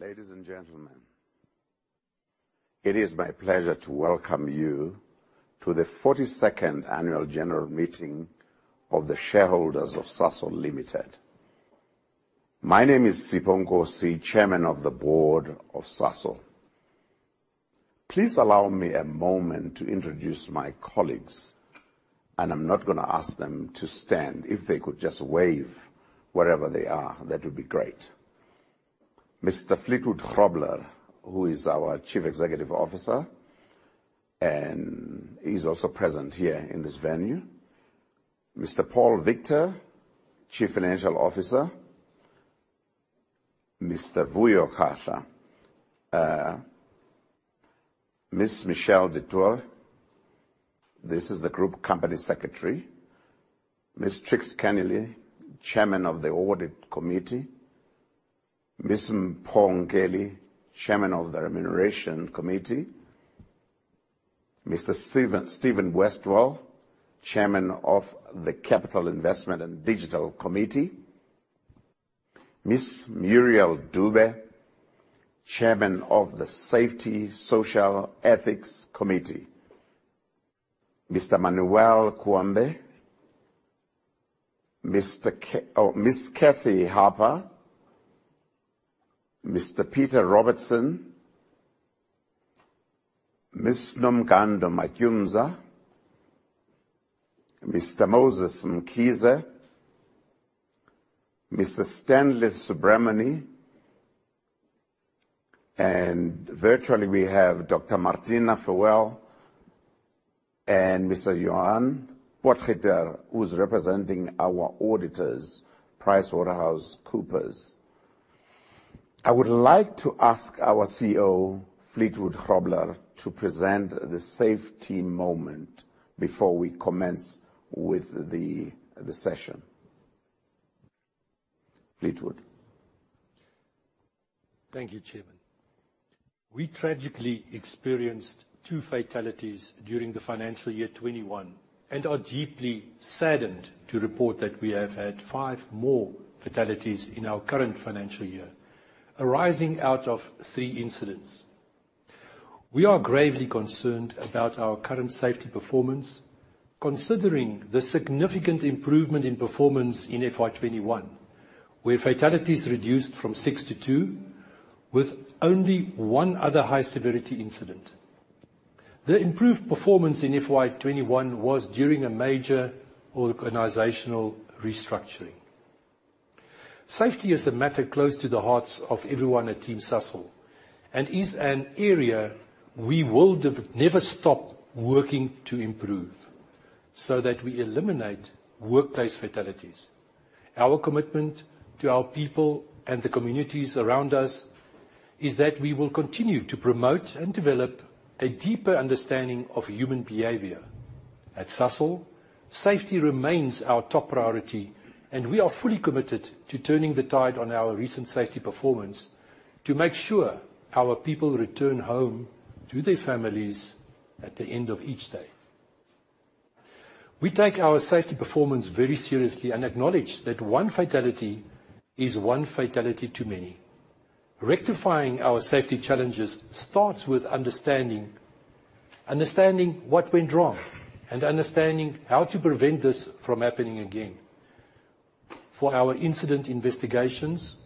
Ladies and gentlemen, it is my pleasure to welcome you to the 42nd annual general meeting of the shareholders of Sasol Limited. My name is Sipho Nkosi, Chairman of the Board, Sasol. Please allow me a moment to introduce my colleagues. I am not going to ask them to stand. If they could just wave wherever they are, that would be great. Mr. Fleetwood Grobler, who is our Chief Executive Officer, and he is also present here in this venue. Mr. Paul Victor, Chief Financial Officer. Mr. Vuyo Kahla. Ms. Michelle du Toit, Group Company Secretary. Ms. Trix Kennealy, Chairman of Audit Committee. Ms. Mpho Nkeli, Chairman of the Remuneration Committee. Mr. Stephen Westwell, Chairman of the Capital Investment and Digital Committee. Ms. Muriel Dube, Chairman of the Safety, Social and Ethics Committee. Mr. Manuel Cuambe. Ms. Cathy Harper. Mr. Peter Robertson. Ms. Nomgando Matyumza. Mr. Moses Mkhize. Mr. Stanley Subramoney. Virtually, we have Dr. Martina Flöel and Mr. Johann Potgieter, who is representing our auditors, PricewaterhouseCoopers. I would like to ask our CEO, Fleetwood Grobler, to present the safety moment before we commence with the session. Fleetwood. Thank you, Chairman. We tragically experienced two fatalities during the financial year 2021 and are deeply saddened to report that we have had five more fatalities in our current financial year, arising out of three incidents. We are gravely concerned about our current safety performance, considering the significant improvement in performance in FY 2021, where fatalities reduced from six to two, with only one other high-severity incident. The improved performance in FY 2021 was during a major organizational restructuring. Safety is a matter close to the hearts of everyone at Team Sasol and is an area we will never stop working to improve so that we eliminate workplace fatalities. Our commitment to our people and the communities around us is that we will continue to promote and develop a deeper understanding of human behavior. At Sasol, safety remains our top priority, and we are fully committed to turning the tide on our recent safety performance to make sure our people return home to their families at the end of each day. We take our safety performance very seriously and acknowledge that one fatality is one fatality too many. Rectifying our safety challenges starts with understanding what went wrong and understanding how to prevent this from happening again. For our incident investigations,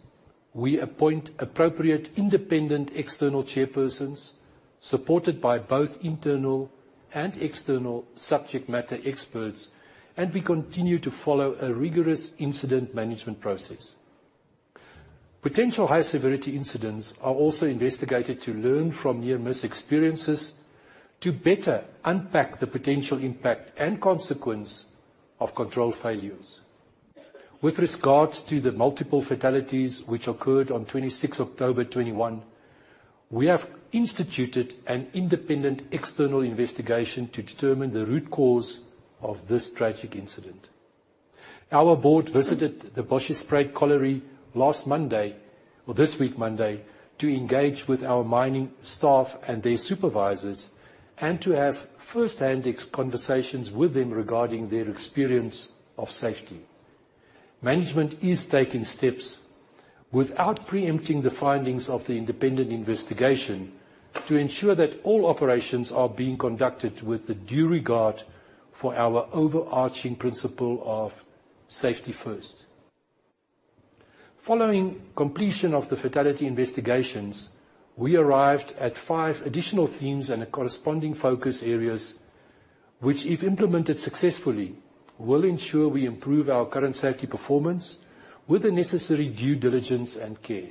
we appoint appropriate independent external chairpersons supported by both internal and external subject matter experts, and we continue to follow a rigorous incident management process. Potential high-severity incidents are also investigated to learn from near-miss experiences to better unpack the potential impact and consequence of control failures. With regards to the multiple fatalities which occurred on 26th October 2021, we have instituted an independent external investigation to determine the root cause of this tragic incident. Our board visited the Bosjesspruit Colliery this week, Monday, to engage with our mining staff and their supervisors and to have firsthand conversations with them regarding their experience of safety. Management is taking steps without preempting the findings of the independent investigation to ensure that all operations are being conducted with the due regard for our overarching principle of safety first. Following completion of the fatality investigations, we arrived at five additional themes and corresponding focus areas, which, if implemented successfully, will ensure we improve our current safety performance with the necessary due diligence and care.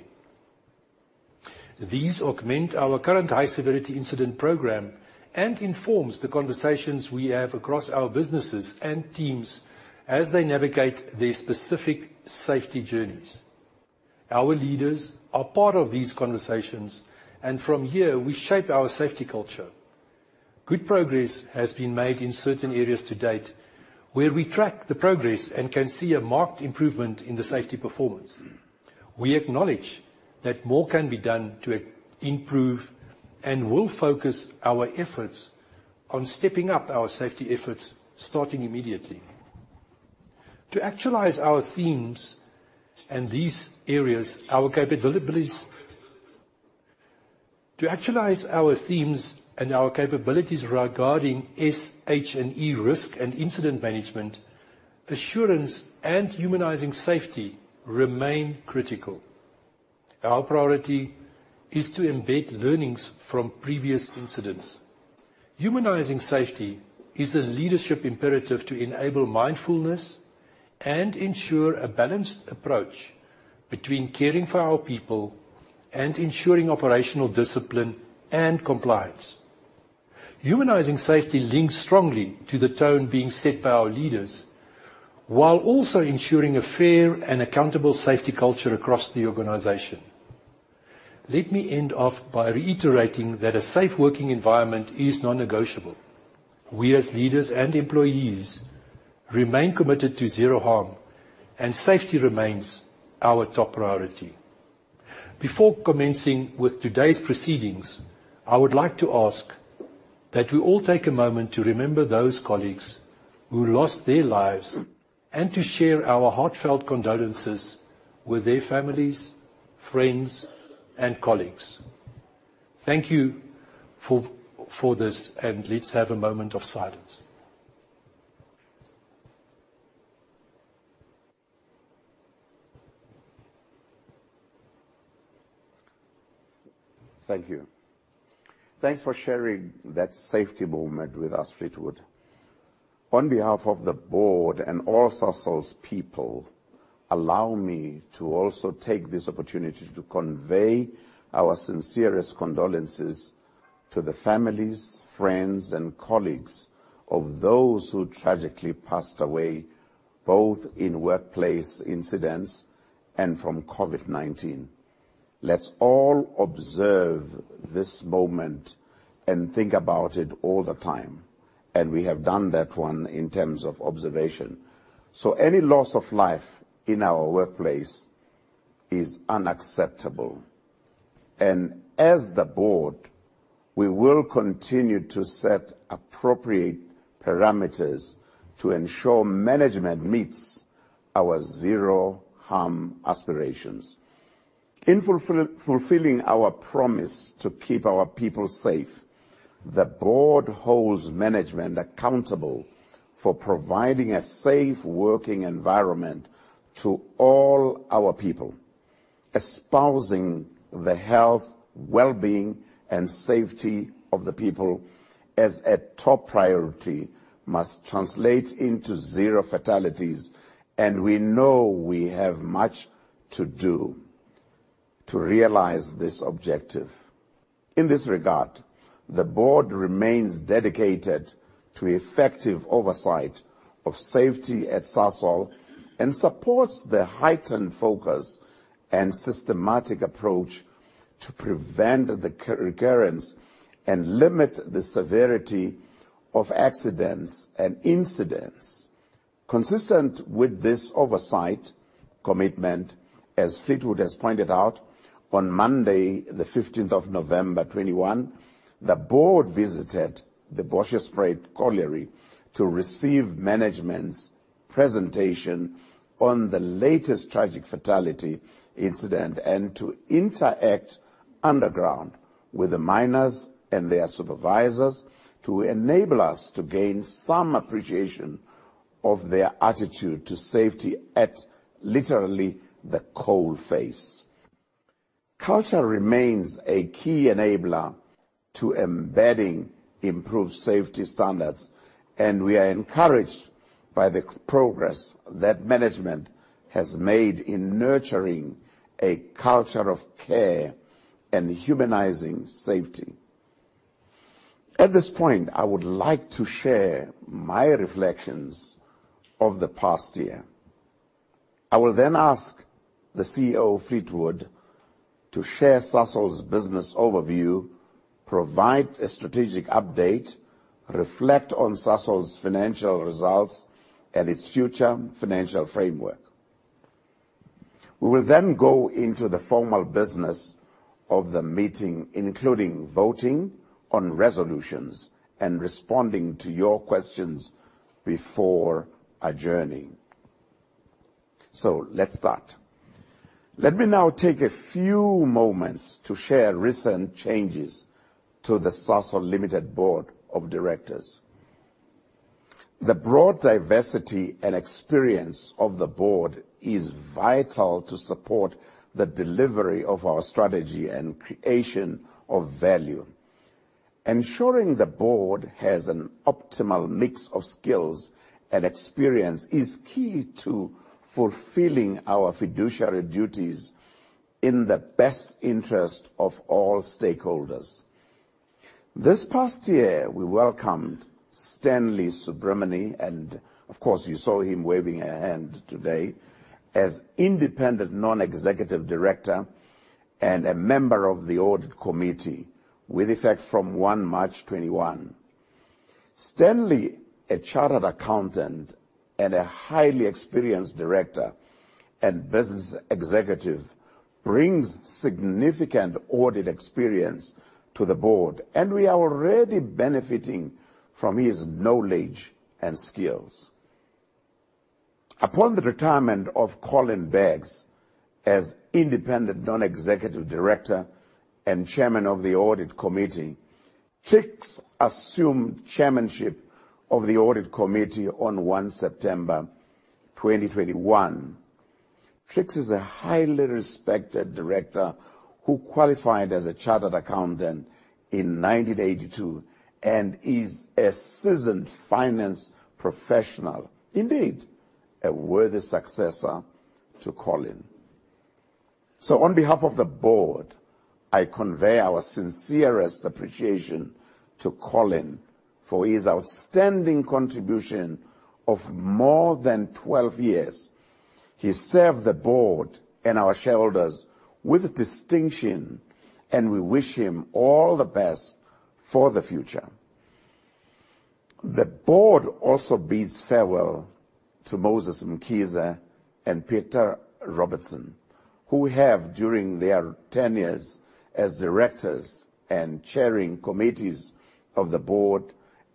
These augment our current high-severity incident program and informs the conversations we have across our businesses and teams as they navigate their specific safety journeys. From here, we shape our safety culture. Good progress has been made in certain areas to date, where we track the progress and can see a marked improvement in the safety performance. We acknowledge that more can be done to improve and will focus our efforts on stepping up our safety efforts starting immediately. To actualize our themes and these areas, to actualize our themes and our capabilities regarding SH&E risk and incident management, assurance and humanizing safety remain critical. Our priority is to embed learnings from previous incidents. Humanizing safety is a leadership imperative to enable mindfulness and ensure a balanced approach between caring for our people and ensuring operational discipline and compliance. Humanizing safety links strongly to the tone being set by our leaders, while also ensuring a fair and accountable safety culture across the organization. Let me end off by reiterating that a safe working environment is non-negotiable. We, as leaders and employees, remain committed to zero harm and safety remains our top priority. Before commencing with today's proceedings, I would like to ask that we all take a moment to remember those colleagues who lost their lives and to share our heartfelt condolences with their families, friends, and colleagues. Thank you for this, and let's have a moment of silence. Thank you. Thanks for sharing that safety moment with us, Fleetwood. On behalf of the board and all Sasol's people, allow me to also take this opportunity to convey our sincerest condolences to the families, friends, and colleagues of those who tragically passed away, both in workplace incidents and from COVID-19. Let's all observe this moment and think about it all the time. We have done that one in terms of observation. Any loss of life in our workplace is unacceptable, and as the board, we will continue to set appropriate parameters to ensure management meets our zero-harm aspirations. In fulfilling our promise to keep our people safe, the board holds management accountable for providing a safe working environment to all our people. Espousing the health, wellbeing, and safety of the people as a top priority must translate into zero fatalities, and we know we have much to do to realize this objective. In this regard, the board remains dedicated to effective oversight of safety at Sasol and supports the heightened focus and systematic approach to prevent the recurrence and limit the severity of accidents and incidents. Consistent with this oversight commitment, as Fleetwood has pointed out, on Monday, the 15th of November 2021, the board visited the Bosjesspruit Colliery to receive management's presentation on the latest tragic fatality incident and to interact underground with the miners and their supervisors to enable us to gain some appreciation of their attitude to safety at literally the coal face. Culture remains a key enabler to embedding improved safety standards. We are encouraged by the progress that management has made in nurturing a culture of care and humanizing safety. At this point, I would like to share my reflections of the past year. I will ask the CEO, Fleetwood, to share Sasol's business overview, provide a strategic update, reflect on Sasol's financial results and its future financial framework. We will go into the formal business of the meeting, including voting on resolutions and responding to your questions before adjourning. Let's start. Let me now take a few moments to share recent changes to the Sasol Limited Board of Directors. The broad diversity and experience of the board is vital to support the delivery of our strategy and creation of value. Ensuring the board has an optimal mix of skills and experience is key to fulfilling our fiduciary duties in the best interest of all stakeholders. This past year, we welcomed Stanley Subramoney, and of course, you saw him waving a hand today, as independent non-executive director and a member of the audit committee with effect from 1 March 2021. Stanley, a chartered accountant and a highly experienced director and business executive, brings significant audit experience to the board. We are already benefiting from his knowledge and skills. Upon the retirement of Colin Beggs as independent non-executive director and chairman of the audit committee, Tiks assumed chairmanship of the audit committee on 1 September 2021. Tiks is a highly respected director who qualified as a chartered accountant in 1982 and is a seasoned finance professional. A worthy successor to Colin. On behalf of the board, I convey our sincerest appreciation to Colin for his outstanding contribution of more than 12 years. He served the board and our shareholders with distinction. We wish him all the best for the future. The board also bids farewell to Moses Mkhize and Peter Robertson, who have, during their tenures as directors and chairing committees of the board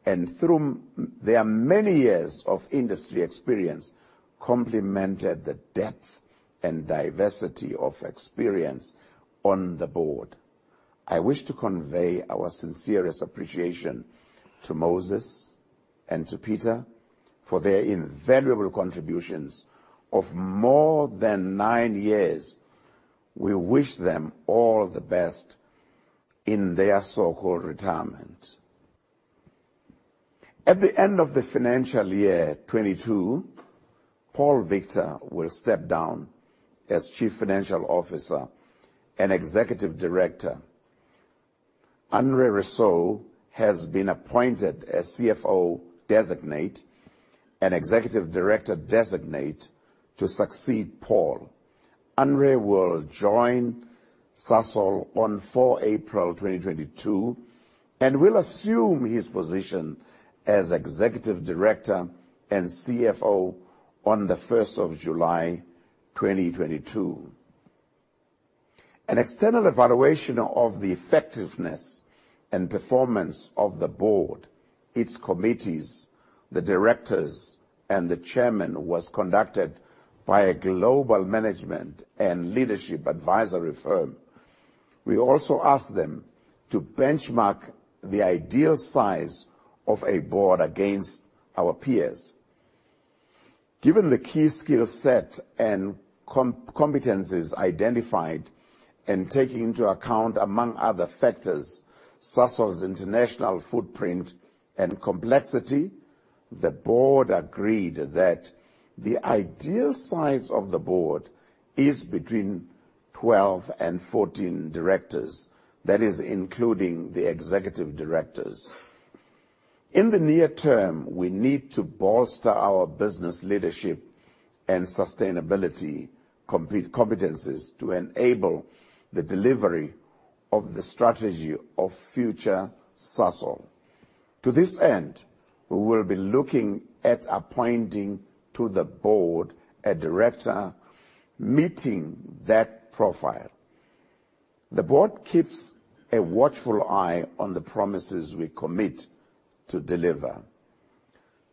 and through their many years of industry experience, complemented the depth and diversity of experience on the board. I wish to convey our sincerest appreciation to Moses and to Peter for their invaluable contributions of more than nine years. We wish them all the best in their so-called retirement. At the end of the financial year 2022, Paul Victor will step down as Chief Financial Officer and Executive Director. Hanré Rossouw has been appointed as CFO Designate and Executive Director Designate to succeed Paul. Hanré will join Sasol on 4 April 2022, and will assume his position as Executive Director and CFO on the 1st of July 2022. An external evaluation of the effectiveness and performance of the board, its committees, the directors, and the Chairman was conducted by a global management and leadership advisory firm. We also asked them to benchmark the ideal size of a board against our peers. Given the key skill set and competencies identified and taking into account, among other factors, Sasol's international footprint and complexity, the board agreed that the ideal size of the board is between 12 and 14 directors. That is including the executive directors. In the near term, we need to bolster our business leadership and sustainability competencies to enable the delivery of the strategy of future Sasol. To this end, we will be looking at appointing to the board a director meeting that profile. The board keeps a watchful eye on the promises we commit to deliver.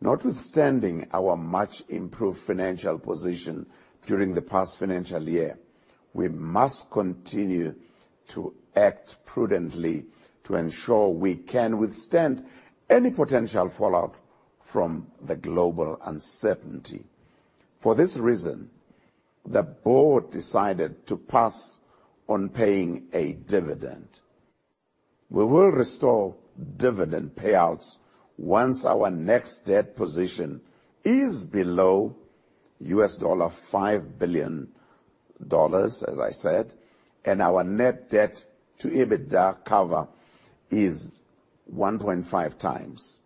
Notwithstanding our much improved financial position during the past financial year, we must continue to act prudently to ensure we can withstand any potential fallout from the global uncertainty. For this reason, the board decided to pass on paying a dividend. We will restore dividend payouts once our net debt position is below $5 billion, as I said, and our net debt to EBITDA cover is 1.5 times.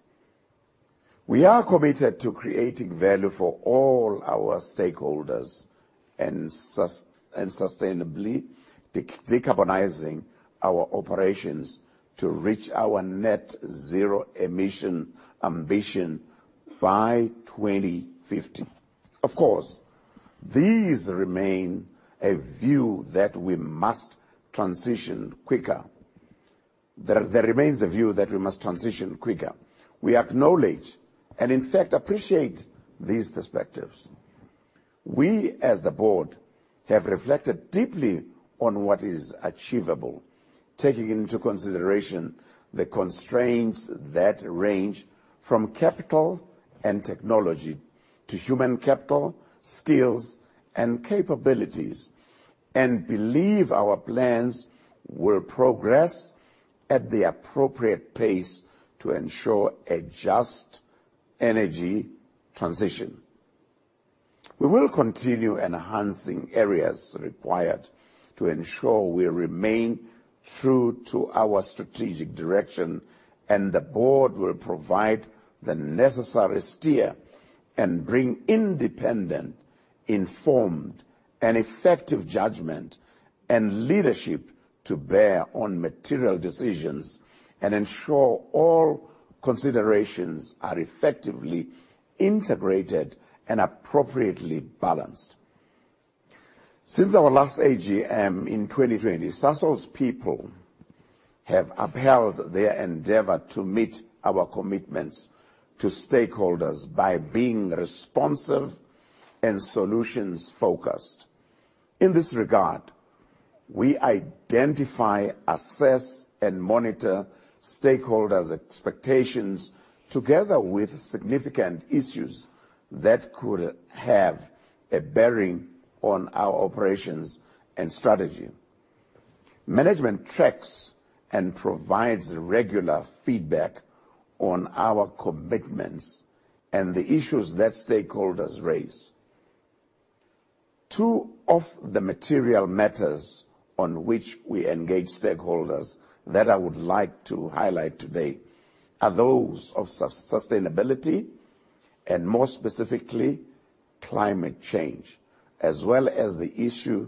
We are committed to creating value for all our stakeholders and sustainably decarbonizing our operations to reach our net zero emission ambition by 2050. Of course, there remains a view that we must transition quicker. We acknowledge and in fact appreciate these perspectives. We as the board have reflected deeply on what is achievable, taking into consideration the constraints that range from capital and technology to human capital, skills and capabilities, and believe our plans will progress at the appropriate pace to ensure a just energy transition. We will continue enhancing areas required to ensure we remain true to our strategic direction, and the board will provide the necessary steer and bring independent, informed and effective judgment and leadership to bear on material decisions and ensure all considerations are effectively integrated and appropriately balanced. Since our last AGM in 2020, Sasol's people have upheld their endeavor to meet our commitments to stakeholders by being responsive and solutions-focused. In this regard, we identify, assess, and monitor stakeholders' expectations together with significant issues that could have a bearing on our operations and strategy. Management tracks and provides regular feedback on our commitments and the issues that stakeholders raise. Two of the material matters on which we engage stakeholders that I would like to highlight today are those of sustainability, and more specifically, climate change, as well as the issue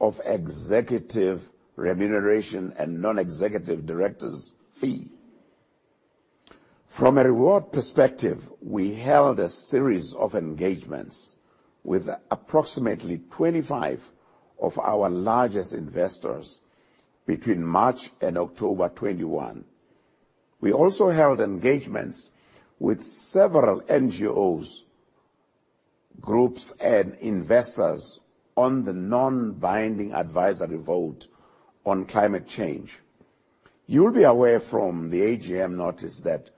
of executive remuneration and non-executive director's fee. From a reward perspective, we held a series of engagements with approximately 25 of our largest investors between March and October 2021. We also held engagements with several NGOs, groups, and investors on the non-binding advisory vote on climate change. You'll be aware from the AGM notice that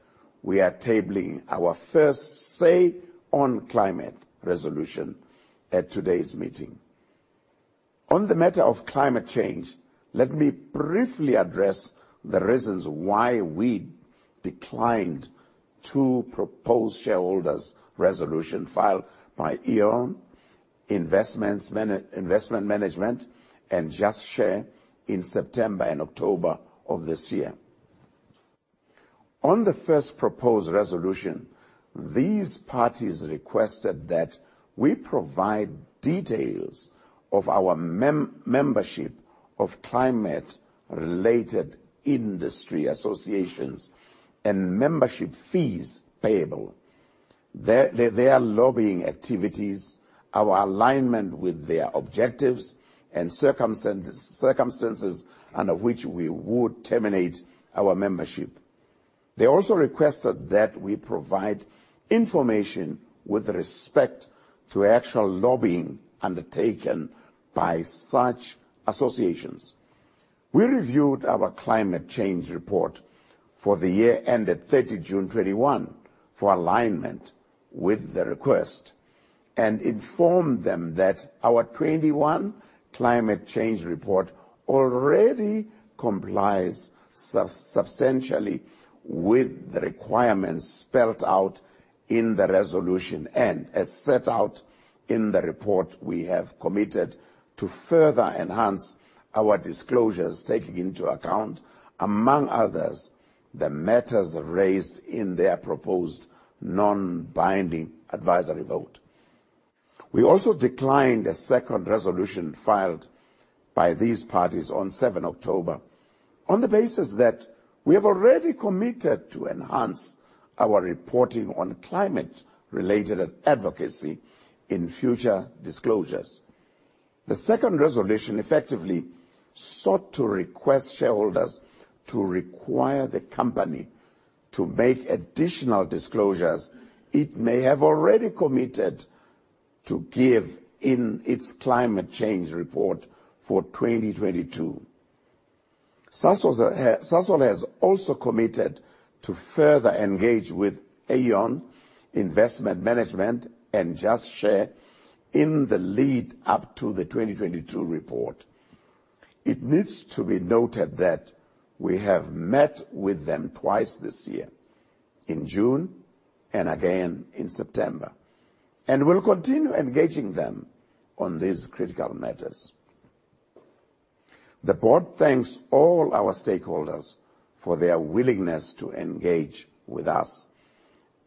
we are tabling our first say on climate resolution at today's meeting. On the matter of climate change, let me briefly address the reasons why we declined two proposed shareholders' resolution filed by Aeon Investment Management and Just Share in September and October of this year. On the first proposed resolution, these parties requested that we provide details of our membership of climate-related industry associations and membership fees payable, their lobbying activities, our alignment with their objectives, and circumstances under which we would terminate our membership. They also requested that we provide information with respect to actual lobbying undertaken by such associations. We reviewed our climate change report for the year ended 30 June 2021 for alignment with the request and informed them that our 2021 climate change report already complies substantially with the requirements spelt out in the resolution. As set out in the report, we have committed to further enhance our disclosures, taking into account, among others, the matters raised in their proposed non-binding advisory vote. We also declined a second resolution filed by these parties on 7 October on the basis that we have already committed to enhance our reporting on climate-related advocacy in future disclosures. The second resolution effectively sought to request shareholders to require the company to make additional disclosures it may have already committed to give in its climate change report for 2022. Sasol has also committed to further engage with Aeon Investment Management and Just Share in the lead up to the 2022 report. It needs to be noted that we have met with them twice this year, in June and again in September, and will continue engaging them on these critical matters. The board thanks all our stakeholders for their willingness to engage with us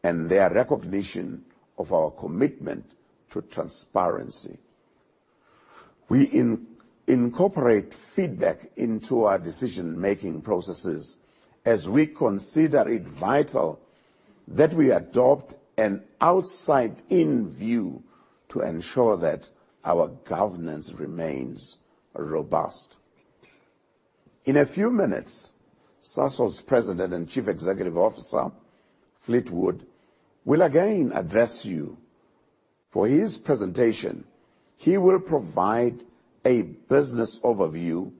and their recognition of our commitment to transparency. We incorporate feedback into our decision-making processes as we consider it vital that we adopt an outside-in view to ensure that our governance remains robust. In a few minutes, Sasol's President and Chief Executive Officer, Fleetwood, will again address you. For his presentation, he will provide a business overview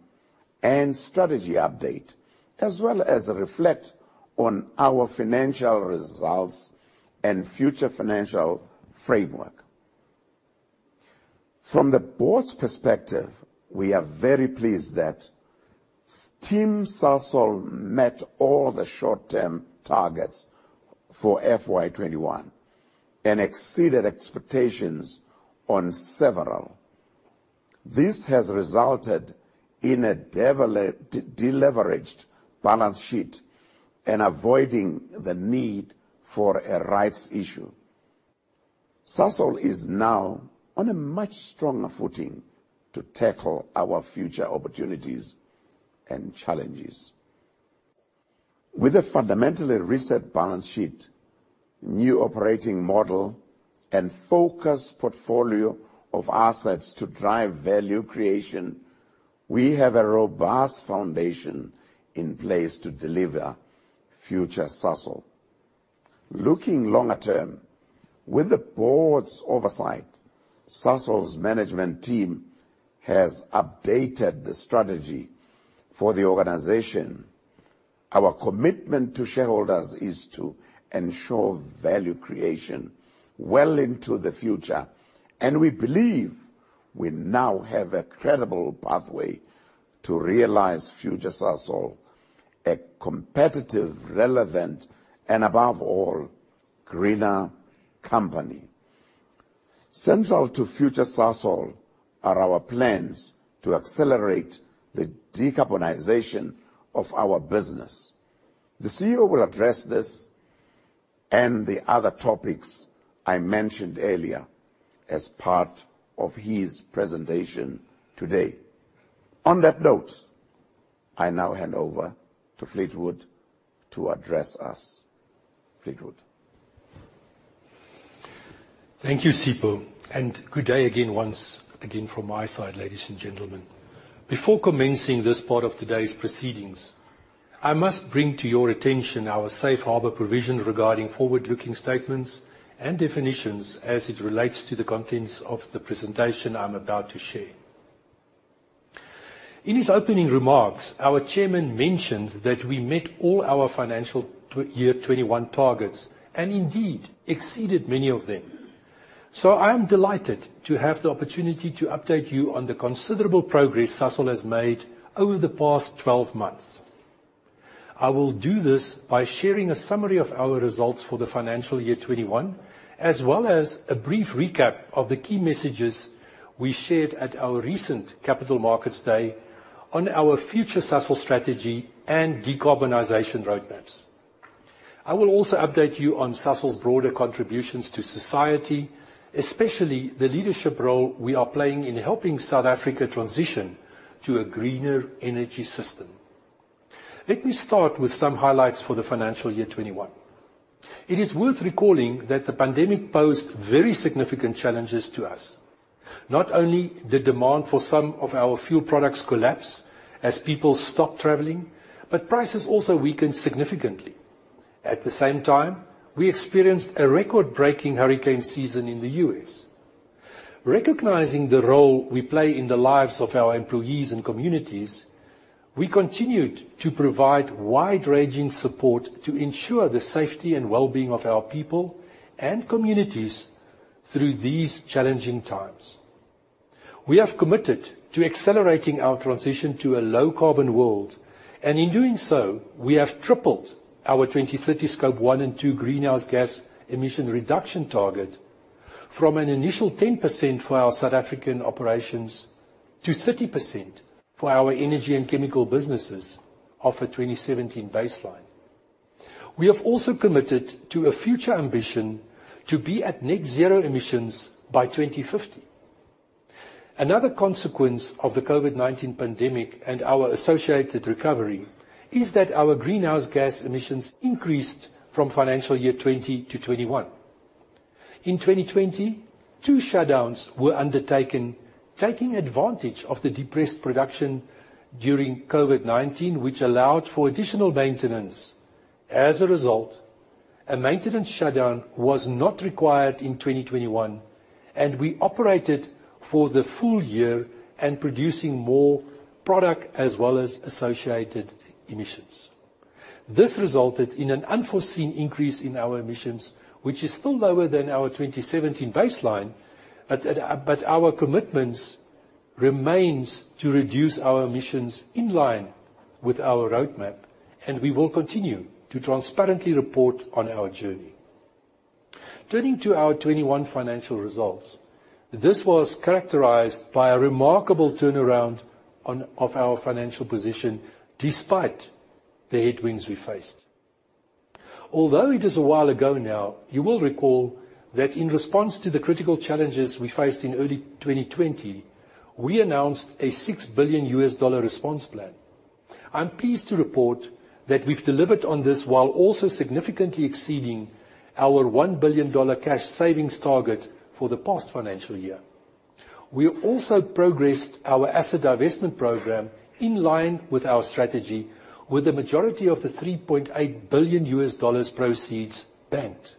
and strategy update, as well as reflect on our financial results and future financial framework. From the board's perspective, we are very pleased that Team Sasol met all the short-term targets for FY 2021 and exceeded expectations on several. This has resulted in a deleveraged balance sheet and avoiding the need for a rights issue. Sasol is now on a much stronger footing to tackle our future opportunities and challenges. With a fundamentally reset balance sheet, new operating model, and focused portfolio of assets to drive value creation, we have a robust foundation in place to deliver future Sasol. Looking longer term, with the board's oversight, Sasol's management team has updated the strategy for the organization. Our commitment to shareholders is to ensure value creation well into the future. We believe we now have a credible pathway to realize future Sasol, a competitive, relevant, and above all, greener company. Central to future Sasol are our plans to accelerate the decarbonization of our business. The CEO will address this and the other topics I mentioned earlier as part of his presentation today. On that note, I now hand over to Fleetwood to address us. Fleetwood. Thank you, Sipho, and good day again, once again from my side, ladies and gentlemen. Before commencing this part of today's proceedings, I must bring to your attention our safe harbor provision regarding forward-looking statements and definitions as it relates to the contents of the presentation I am about to share. In his opening remarks, our chairman mentioned that we met all our financial year 2021 targets and indeed exceeded many of them. I am delighted to have the opportunity to update you on the considerable progress Sasol has made over the past 12 months. I will do this by sharing a summary of our results for the financial year 2021, as well as a brief recap of the key messages we shared at our recent Capital Markets Day on our future Sasol strategy and decarbonization roadmaps. I will also update you on Sasol's broader contributions to society, especially the leadership role we are playing in helping South Africa transition to a greener energy system. Let me start with some highlights for the financial year 2021. It is worth recalling that the pandemic posed very significant challenges to us. Not only did demand for some of our fuel products collapse as people stopped traveling, but prices also weakened significantly. At the same time, we experienced a record-breaking hurricane season in the U.S. Recognizing the role we play in the lives of our employees and communities, we continued to provide wide-ranging support to ensure the safety and wellbeing of our people and communities through these challenging times. We have committed to accelerating our transition to a low-carbon world, and in doing so, we have tripled our 2030 Scope 1 and 2 greenhouse gas emission reduction target from an initial 10% for our South African operations to 30% for our energy and chemical businesses off a 2017 baseline. We have also committed to a future ambition to be at net zero emissions by 2050. Another consequence of the COVID-19 pandemic and our associated recovery is that our greenhouse gas emissions increased from financial year 2020 to 2021. In 2020, two shutdowns were undertaken, taking advantage of the depressed production during COVID-19, which allowed for additional maintenance. As a result, a maintenance shutdown was not required in 2021, and we operated for the full year and producing more product as well as associated emissions. This resulted in an unforeseen increase in our emissions, which is still lower than our 2017 baseline, our commitments remains to reduce our emissions in line with our roadmap, and we will continue to transparently report on our journey. Turning to our 2021 financial results, this was characterized by a remarkable turnaround of our financial position despite the headwinds we faced. Although it is a while ago now, you will recall that in response to the critical challenges we faced in early 2020, we announced a $6 billion response plan. I'm pleased to report that we've delivered on this while also significantly exceeding our ZAR 1 billion cash savings target for the past financial year. We also progressed our asset divestment program in line with our strategy with the majority of the $3.8 billion proceeds banked.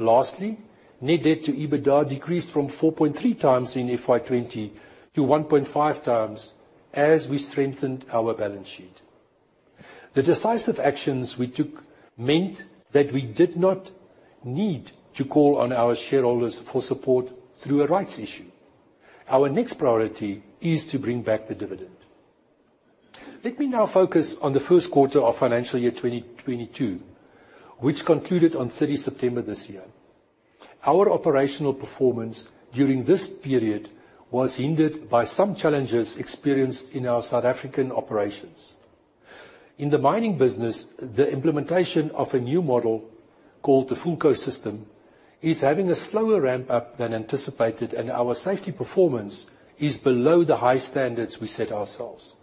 Net debt to EBITDA decreased from 4.3 times in FY 2020 to 1.5 times as we strengthened our balance sheet. The decisive actions we took meant that we did not need to call on our shareholders for support through a rights issue. Our next priority is to bring back the dividend. Let me now focus on the first quarter of financial year 2022, which concluded on 30 September this year. Our operational performance during this period was hindered by some challenges experienced in our South African operations. In the mining business, the implementation of a new model called the FULCO system is having a slower ramp-up than anticipated, and our safety performance is below the high standards we set ourselves.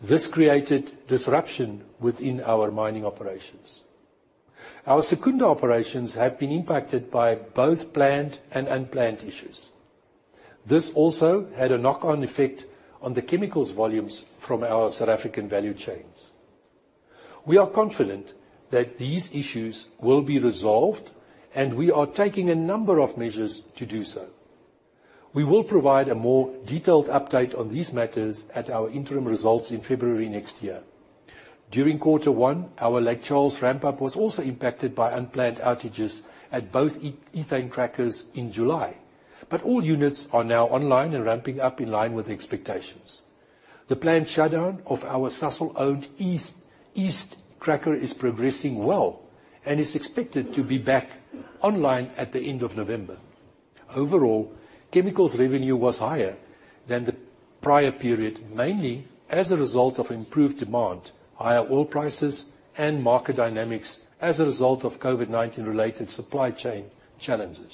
This created disruption within our mining operations. Our Secunda operations have been impacted by both planned and unplanned issues. This also had a knock-on effect on the chemicals volumes from our South African value chains. We are confident that these issues will be resolved, and we are taking a number of measures to do so. We will provide a more detailed update on these matters at our interim results in February next year. During quarter one, our Lake Charles ramp-up was also impacted by unplanned outages at both ethane crackers in July, but all units are now online and ramping up in line with expectations. The planned shutdown of our Sasol-owned East cracker is progressing well and is expected to be back online at the end of November. Overall, chemicals revenue was higher than the prior period, mainly as a result of improved demand, higher oil prices, and market dynamics as a result of COVID-19-related supply chain challenges.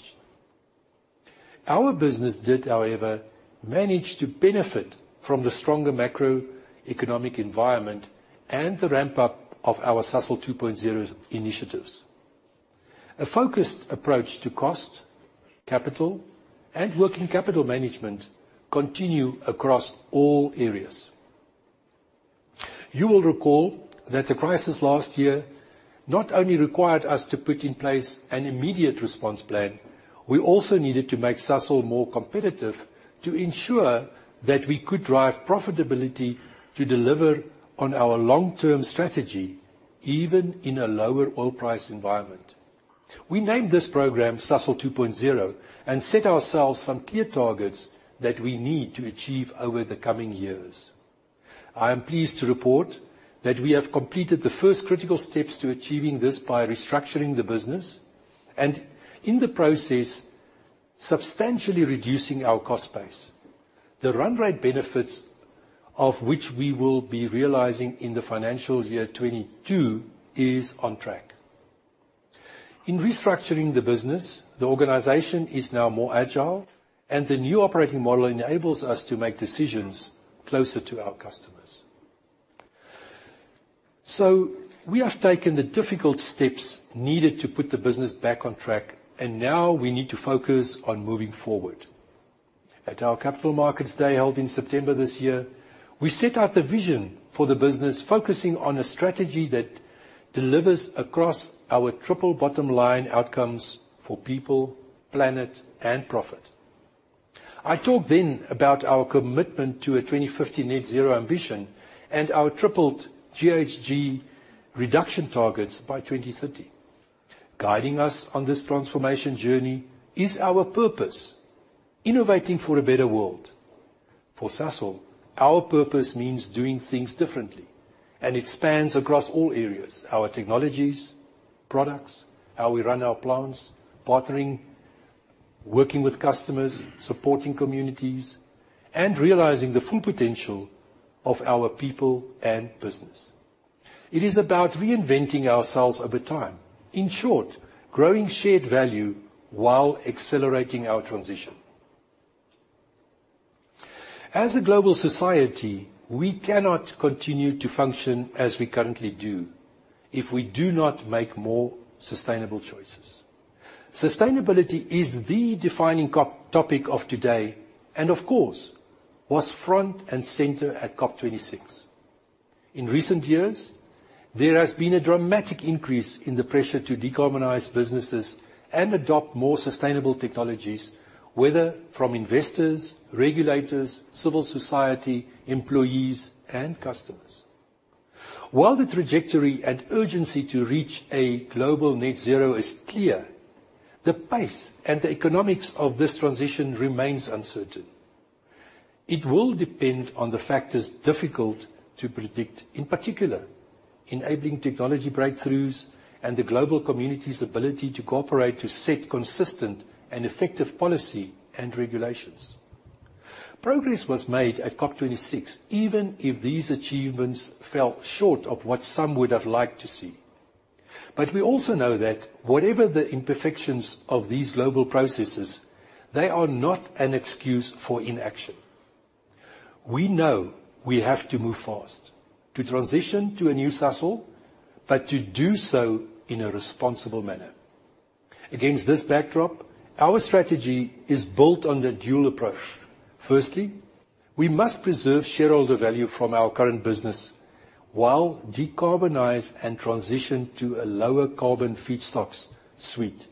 Our business did, however, manage to benefit from the stronger macroeconomic environment and the ramp-up of our Sasol 2.0 initiatives. A focused approach to cost, capital, and working capital management continue across all areas. You will recall that the crisis last year not only required us to put in place an immediate response plan, we also needed to make Sasol more competitive to ensure that we could drive profitability to deliver on our long-term strategy, even in a lower oil price environment. We named this program Sasol 2.0 and set ourselves some clear targets that we need to achieve over the coming years. I am pleased to report that we have completed the first critical steps to achieving this by restructuring the business and, in the process, substantially reducing our cost base. The run rate benefits, of which we will be realizing in the financial year 2022, is on track. In restructuring the business, the organization is now more agile, and the new operating model enables us to make decisions closer to our customers. We have taken the difficult steps needed to put the business back on track, and now we need to focus on moving forward. At our Capital Markets Day held in September this year, we set out the vision for the business, focusing on a strategy that delivers across our triple bottom line outcomes for people, planet, and profit. I talked then about our commitment to a 2050 net zero ambition and our tripled GHG reduction targets by 2030. Guiding us on this transformation journey is our purpose, innovating for a better world. For Sasol, our purpose means doing things differently and expands across all areas: our technologies, products, how we run our plants, partnering, working with customers, supporting communities, and realizing the full potential of our people and business. It is about reinventing ourselves over time. In short, growing shared value while accelerating our transition. As a global society, we cannot continue to function as we currently do if we do not make more sustainable choices. Sustainability is the defining topic of today, and of course, was front and center at COP26. In recent years, there has been a dramatic increase in the pressure to decarbonize businesses and adopt more sustainable technologies, whether from investors, regulators, civil society, employees, and customers. While the trajectory and urgency to reach a global net zero is clear, the pace and the economics of this transition remains uncertain. It will depend on the factors difficult to predict, in particular, enabling technology breakthroughs and the global community's ability to cooperate to set consistent and effective policy and regulations. Progress was made at COP26, even if these achievements fell short of what some would have liked to see. We also know that whatever the imperfections of these global processes, they are not an excuse for inaction. We know we have to move fast to transition to a new Sasol, but to do so in a responsible manner. Against this backdrop, our strategy is built on the dual approach. Firstly, we must preserve shareholder value from our current business while decarbonize and transition to a lower carbon feedstocks suite.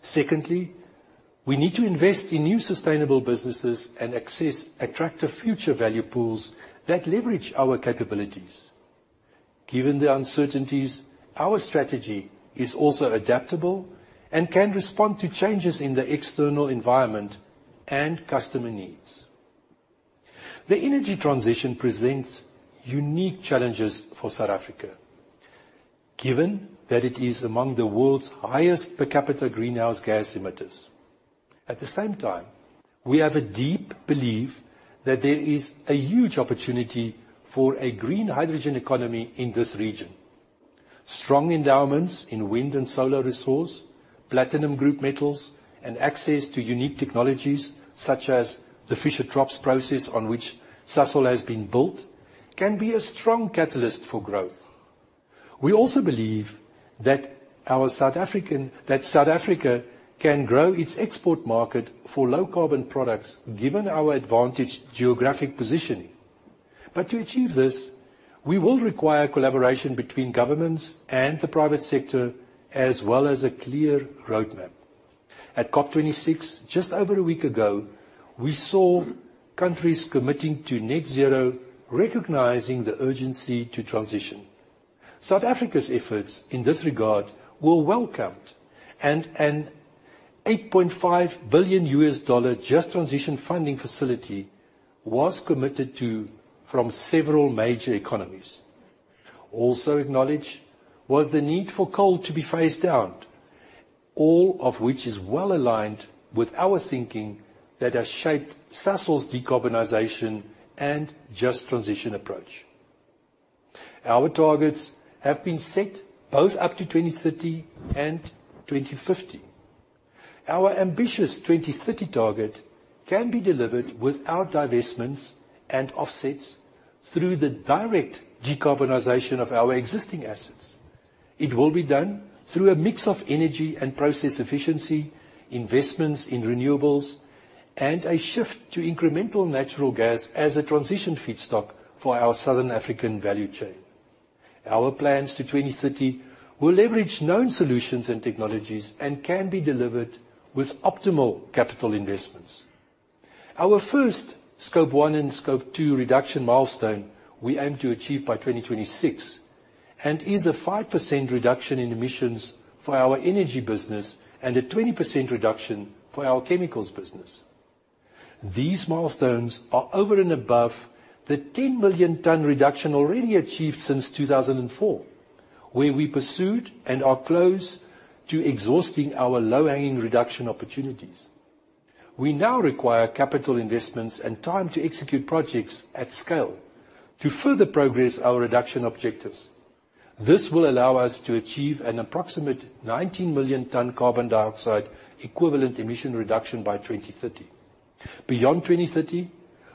Secondly, we need to invest in new sustainable businesses and access attractive future value pools that leverage our capabilities. Given the uncertainties, our strategy is also adaptable and can respond to changes in the external environment and customer needs. The energy transition presents unique challenges for South Africa, given that it is among the world's highest per capita greenhouse gas emitters. At the same time, we have a deep belief that there is a huge opportunity for a green hydrogen economy in this region. Strong endowments in wind and solar resource, platinum group metals, and access to unique technologies such as the Fischer-Tropsch process on which Sasol has been built, can be a strong catalyst for growth. We also believe that South Africa can grow its export market for low carbon products given our advantage geographic positioning. To achieve this, we will require collaboration between governments and the private sector, as well as a clear roadmap. At COP26 just over a week ago, we saw countries committing to net zero, recognizing the urgency to transition. South Africa's efforts in this regard were welcomed and a ZAR 8.5 billion just transition funding facility was committed to from several major economies. Also acknowledged was the need for coal to be phased out, all of which is well-aligned with our thinking that has shaped Sasol's decarbonization and just transition approach. Our targets have been set both up to 2030 and 2050. Our ambitious 2030 target can be delivered without divestments and offsets through the direct decarbonization of our existing assets. It will be done through a mix of energy and process efficiency, investments in renewables, and a shift to incremental natural gas as a transition feedstock for our Southern African value chain. Our plans to 2030 will leverage known solutions and technologies and can be delivered with optimal capital investments. Our first scope 1 and scope 2 reduction milestone we aim to achieve by 2026, is a 5% reduction in emissions for our energy business and a 20% reduction for our chemicals business. These milestones are over and above the 10 million ton reduction already achieved since 2004, where we pursued and are close to exhausting our low-hanging reduction opportunities. We now require capital investments and time to execute projects at scale to further progress our reduction objectives. This will allow us to achieve an approximate 19 million ton carbon dioxide equivalent emission reduction by 2030. Beyond 2030,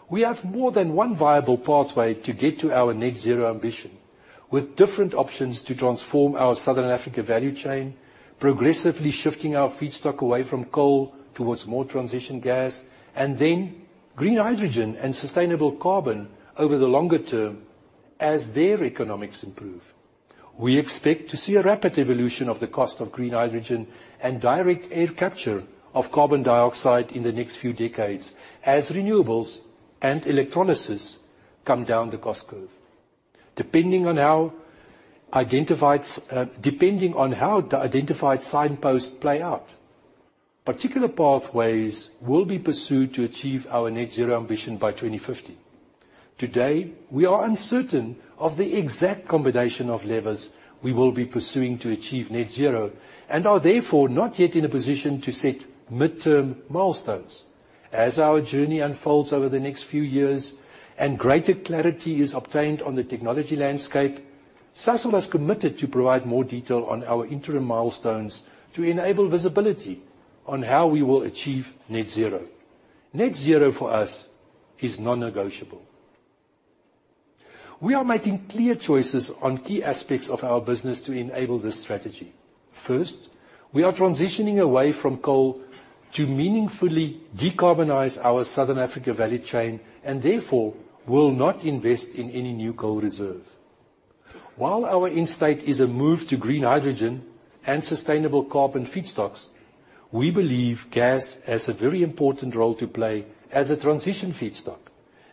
we have more than one viable pathway to get to our net zero ambition, with different options to transform our Southern Africa value chain, progressively shifting our feedstock away from coal towards more transition gas, and then green hydrogen and sustainable carbon over the longer term as their economics improve. We expect to see a rapid evolution of the cost of green hydrogen and direct air capture of carbon dioxide in the next few decades as renewables and electrolysis come down the cost curve. Depending on how the identified signposts play out, particular pathways will be pursued to achieve our net zero ambition by 2050. Today, we are uncertain of the exact combination of levers we will be pursuing to achieve net zero and are therefore not yet in a position to set midterm milestones. As our journey unfolds over the next few years and greater clarity is obtained on the technology landscape, Sasol has committed to provide more detail on our interim milestones to enable visibility on how we will achieve net zero. Net zero for us is non-negotiable. We are making clear choices on key aspects of our business to enable this strategy. First, we are transitioning away from coal to meaningfully decarbonize our Southern Africa value chain and therefore will not invest in any new coal reserves. While our end state is a move to green hydrogen and sustainable carbon feedstocks, we believe gas has a very important role to play as a transition feedstock,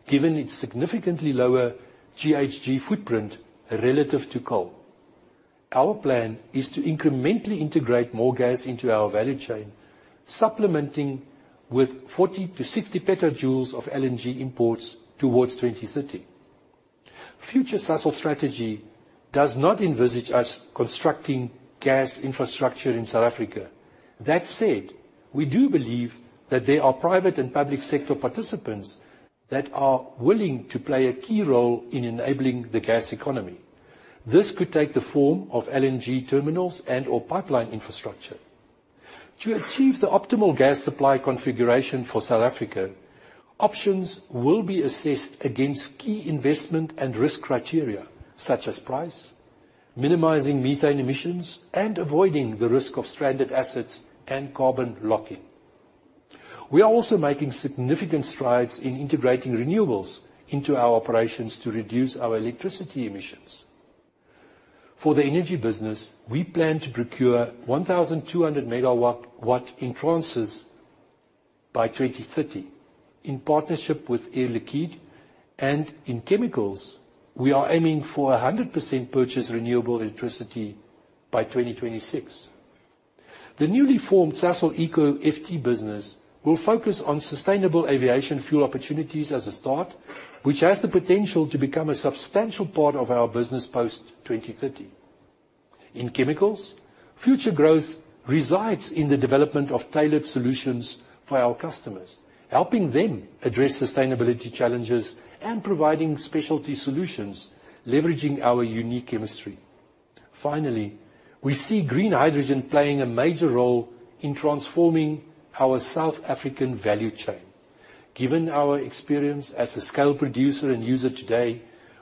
given its significantly lower GHG footprint relative to coal. Our plan is to incrementally integrate more gas into our value chain, supplementing with 40 to 60 petajoules of LNG imports towards 2030. Future Sasol strategy does not envisage us constructing gas infrastructure in South Africa. That said, we do believe that there are private and public sector participants that are willing to play a key role in enabling the gas economy. This could take the form of LNG terminals and/or pipeline infrastructure. To achieve the optimal gas supply configuration for South Africa, options will be assessed against key investment and risk criteria such as price, minimizing methane emissions, and avoiding the risk of stranded assets and carbon lock-in. We are also making significant strides in integrating renewables into our operations to reduce our electricity emissions. For the energy business, we plan to procure 1,200 megawatt in total by 2030, in partnership with Air Liquide and in chemicals, we are aiming for 100% purchased renewable electricity by 2026. The newly formed Sasol ecoFT business will focus on sustainable aviation fuel opportunities as a start, which has the potential to become a substantial part of our business post 2030. In chemicals, future growth resides in the development of tailored solutions for our customers, helping them address sustainability challenges and providing specialty solutions leveraging our unique chemistry. Finally, we see green hydrogen playing a major role in transforming our South African value chain. Given our experience as a scale producer and user today,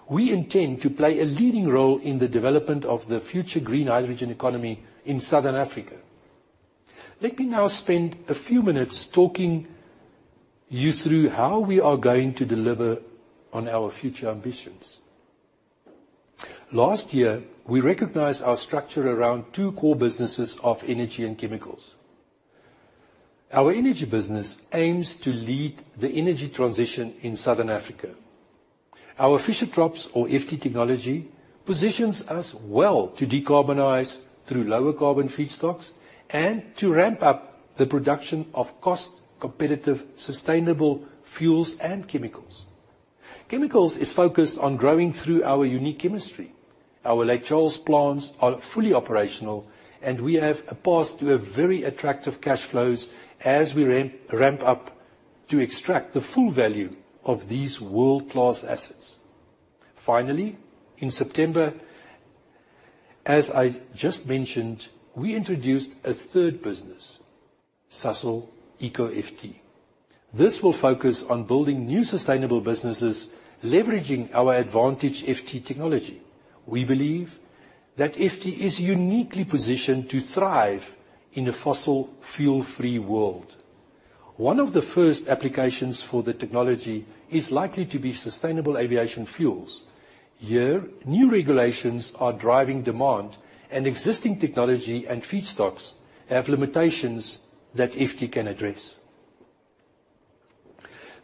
we intend to play a leading role in the development of the future green hydrogen economy in Southern Africa. Let me now spend a few minutes talking you through how we are going to deliver on our future ambitions. Last year, we recognized our structure around two core businesses of Energy and Chemicals. Our Energy business aims to lead the energy transition in Southern Africa. Our Fischer-Tropsch, or FT technology, positions us well to decarbonize through lower carbon feedstocks and to ramp up the production of cost-competitive, sustainable fuels and chemicals. Chemicals is focused on growing through our unique chemistry. Our Lake Charles plants are fully operational. We have a path to very attractive cash flows as we ramp up to extract the full value of these world-class assets. Finally, in September, as I just mentioned, we introduced a third business, Sasol ecoFT. This will focus on building new sustainable businesses, leveraging our advantage FT technology. We believe that FT is uniquely positioned to thrive in a fossil fuel-free world. One of the first applications for the technology is likely to be sustainable aviation fuels. Here, new regulations are driving demand and existing technology and feedstocks have limitations that FT can address.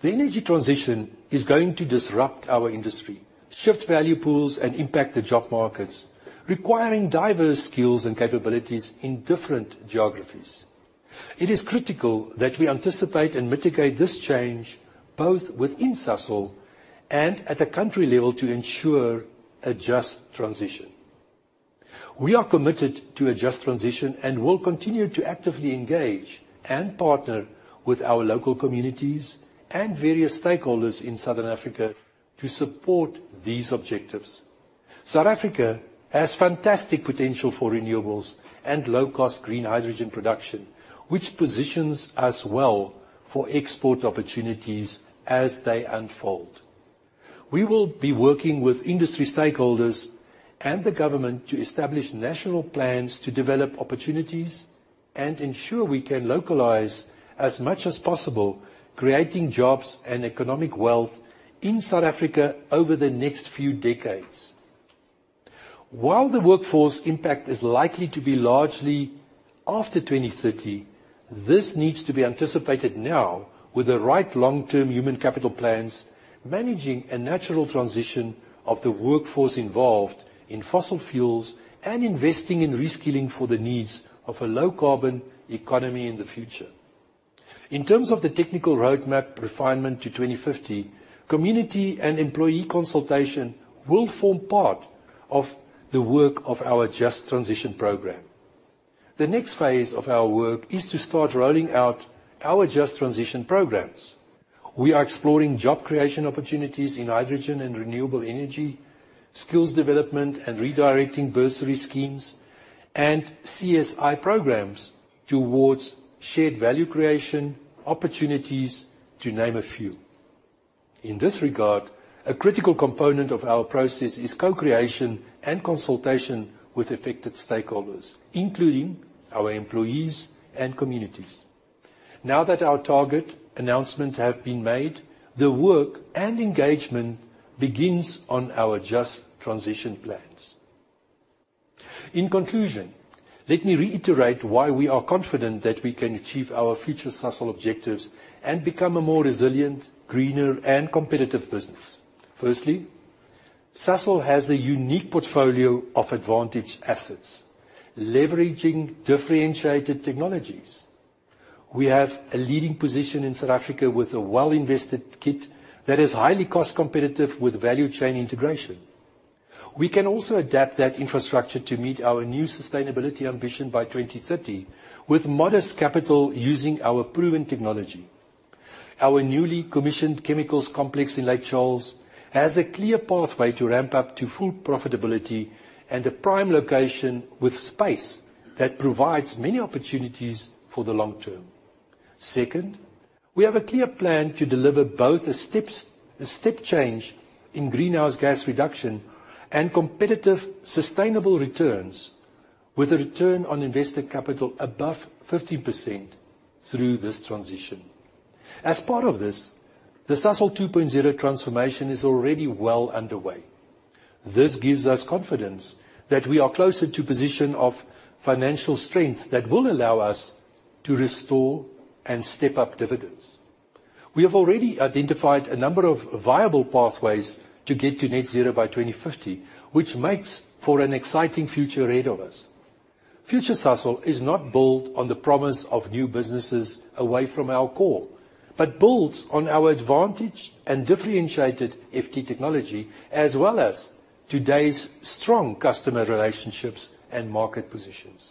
The energy transition is going to disrupt our industry, shift value pools, and impact the job markets, requiring diverse skills and capabilities in different geographies. It is critical that we anticipate and mitigate this change, both within Sasol and at a country level, to ensure a just transition. We are committed to a just transition and will continue to actively engage and partner with our local communities and various stakeholders in Southern Africa to support these objectives. South Africa has fantastic potential for renewables and low-cost green hydrogen production, which positions us well for export opportunities as they unfold. We will be working with industry stakeholders and the government to establish national plans to develop opportunities and ensure we can localize as much as possible, creating jobs and economic wealth in South Africa over the next few decades. While the workforce impact is likely to be largely after 2030, this needs to be anticipated now with the right long-term human capital plans, managing a natural transition of the workforce involved in fossil fuels and investing in reskilling for the needs of a low-carbon economy in the future. In terms of the technical roadmap refinement to 2050, community and employee consultation will form part of the work of our just transition program. The next phase of our work is to start rolling out our just transition programs. We are exploring job creation opportunities in hydrogen and renewable energy, skills development and redirecting bursary schemes and CSI programs towards shared value creation opportunities, to name a few. In this regard, a critical component of our process is co-creation and consultation with affected stakeholders, including our employees and communities. Now that our target announcements have been made, the work and engagement begins on our just transition plans. In conclusion, let me reiterate why we are confident that we can achieve our future Sasol objectives and become a more resilient, greener, and competitive business. Firstly, Sasol has a unique portfolio of advantage assets leveraging differentiated technologies. We have a leading position in South Africa with a well-invested kit that is highly cost competitive with value chain integration. We can also adapt that infrastructure to meet our new sustainability ambition by 2030 with modest capital using our proven technology. Our newly commissioned chemicals complex in Lake Charles has a clear pathway to ramp up to full profitability and a prime location with space that provides many opportunities for the long term. Second, we have a clear plan to deliver both a step change in greenhouse gas reduction and competitive, sustainable returns with a return on invested capital above 15% through this transition. As part of this, the Sasol 2.0 transformation is already well underway. This gives us confidence that we are closer to position of financial strength that will allow us to restore and step up dividends. We have already identified a number of viable pathways to get to net zero by 2050, which makes for an exciting future ahead of us. Future Sasol is not built on the promise of new businesses away from our core, but builds on our advantage and differentiated FT technology, as well as today's strong customer relationships and market positions.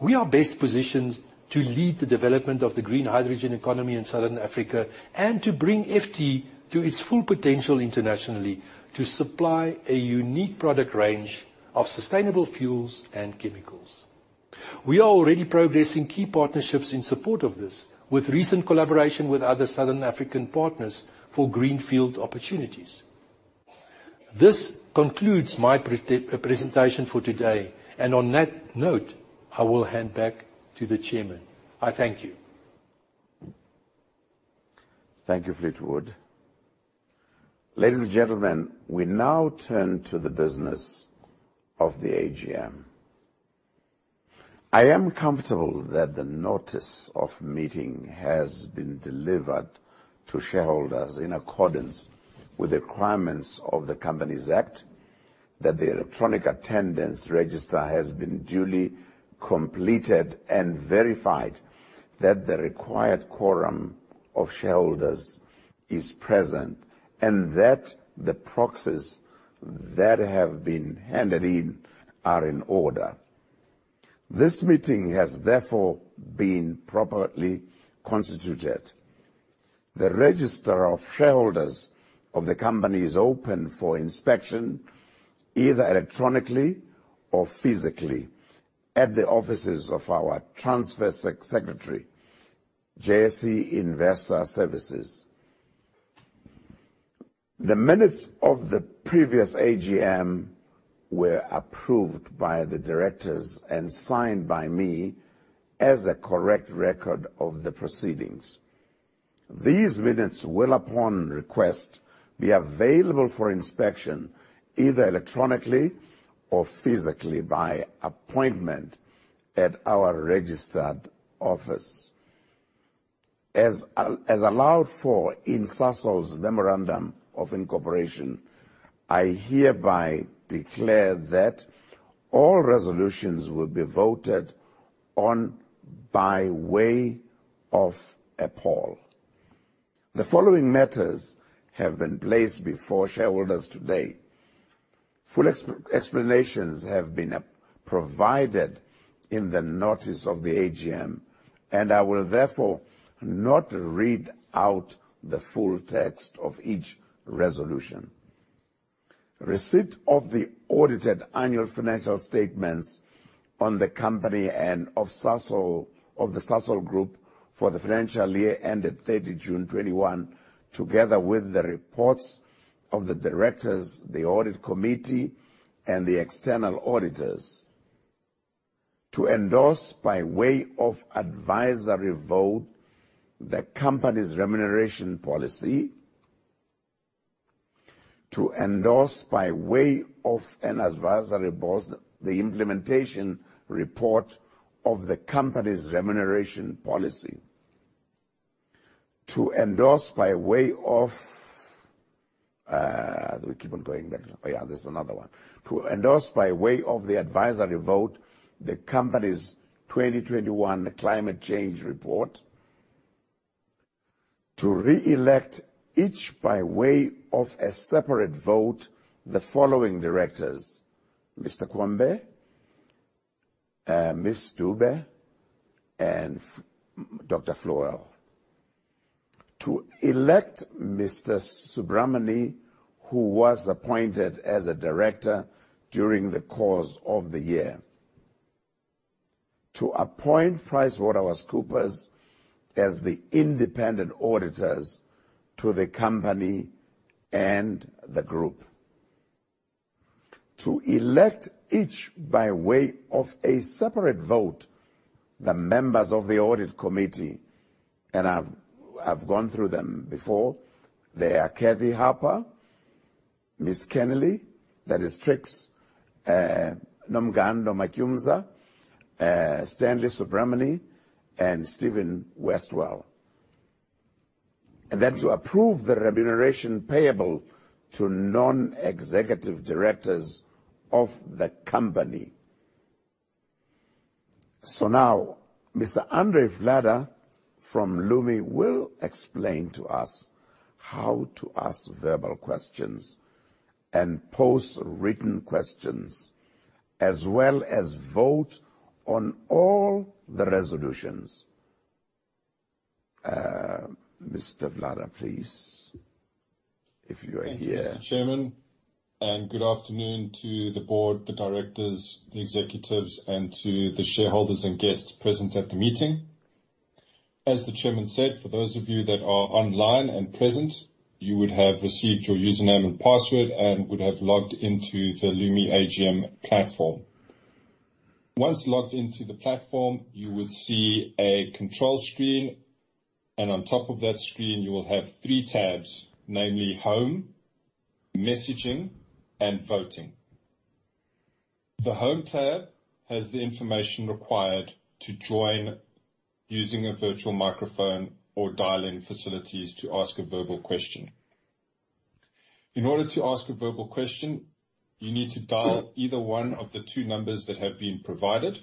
We are best positioned to lead the development of the green hydrogen economy in Southern Africa, and to bring FT to its full potential internationally to supply a unique product range of sustainable fuels and chemicals. We are already progressing key partnerships in support of this, with recent collaboration with other Southern African partners for greenfield opportunities. This concludes my presentation for today. On that note, I will hand back to the Chairman. I thank you. Thank you, Fleetwood. Ladies and gentlemen, we now turn to the business of the AGM. I am comfortable that the notice of meeting has been delivered to shareholders in accordance with the requirements of the Companies Act, that the electronic attendance register has been duly completed and verified, that the required quorum of shareholders is present, and that the proxies that have been handed in are in order. This meeting has therefore been properly constituted. The register of shareholders of the company is open for inspection, either electronically or physically at the offices of our transfer secretary, JSE Investor Services. The minutes of the previous AGM were approved by the directors and signed by me as a correct record of the proceedings. These minutes will, upon request, be available for inspection, either electronically or physically, by appointment at our registered office. As allowed for in Sasol's memorandum of incorporation, I hereby declare that all resolutions will be voted on by way of a poll. The following matters have been placed before shareholders today. Full explanations have been provided in the notice of the AGM, I will therefore not read out the full text of each resolution. Receipt of the audited annual financial statements on the company and of the Sasol Group for the financial year ended 30 June 2021, together with the reports of the directors, the audit committee, and the external auditors. To endorse, by way of advisory vote, the company's remuneration policy. To endorse, by way of an advisory vote, the implementation report of the company's remuneration policy. To endorse, by way of the advisory vote, the company's 2021 climate change report. To reelect, each by way of a separate vote, the following directors: Mr. Cuambe, Ms. Dube, and Dr. Flöel. To elect Mr. Subramoney, who was appointed as a director during the course of the year. To appoint PricewaterhouseCoopers as the independent auditors to the company and the group. To elect, each by way of a separate vote, the members of the audit committee, and I've gone through them before. They are Cathy Harper, Ms. Kennealy, that is Trix Nomgcobo Makumza, Stanley Subramoney, and Stephen Westwell. Then to approve the remuneration payable to non-executive directors of the company. Now, Mr. Andre Vlada from Lumi will explain to us how to ask verbal questions and pose written questions as well as vote on all the resolutions. Mr. Vlada, please, if you are here. Thank you, Mr. Chairman. Good afternoon to the board, the directors, the executives, and to the shareholders and guests present at the meeting. As the chairman said, for those of you that are online and present, you would have received your username and password and would have logged into the Lumi AGM platform. Once logged into the platform, you will see a control screen, On top of that screen you will have three tabs, namely Home, Messaging, and Voting. The Home tab has the information required to join using a virtual microphone or dial-in facilities to ask a verbal question. In order to ask a verbal question, you need to dial either one of the two numbers that have been provided,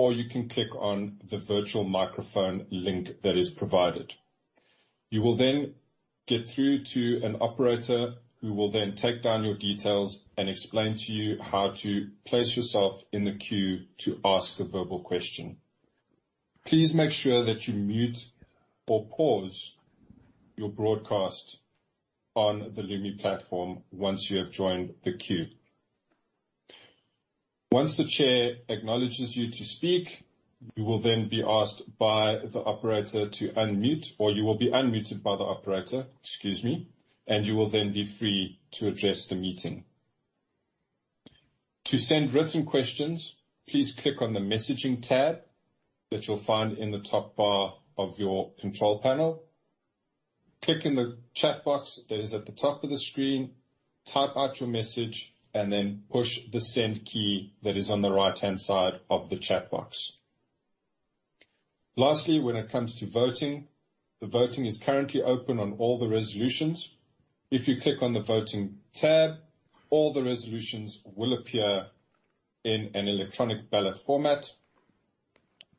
or you can click on the virtual microphone link that is provided. You will then get through to an operator who will then take down your details and explain to you how to place yourself in the queue to ask a verbal question. Please make sure that you mute or pause your broadcast on the Lumi platform once you have joined the queue. Once the chair acknowledges you to speak, you will then be asked by the operator to unmute, or you will be unmuted by the operator, excuse me, you will then be free to address the meeting. To send written questions, please click on the Messaging tab that you'll find in the top bar of your control panel. Click in the chat box that is at the top of the screen, type out your message, then push the send key that is on the right-hand side of the chat box. Lastly, when it comes to voting, the voting is currently open on all the resolutions. If you click on the Voting tab, all the resolutions will appear in an electronic ballot format.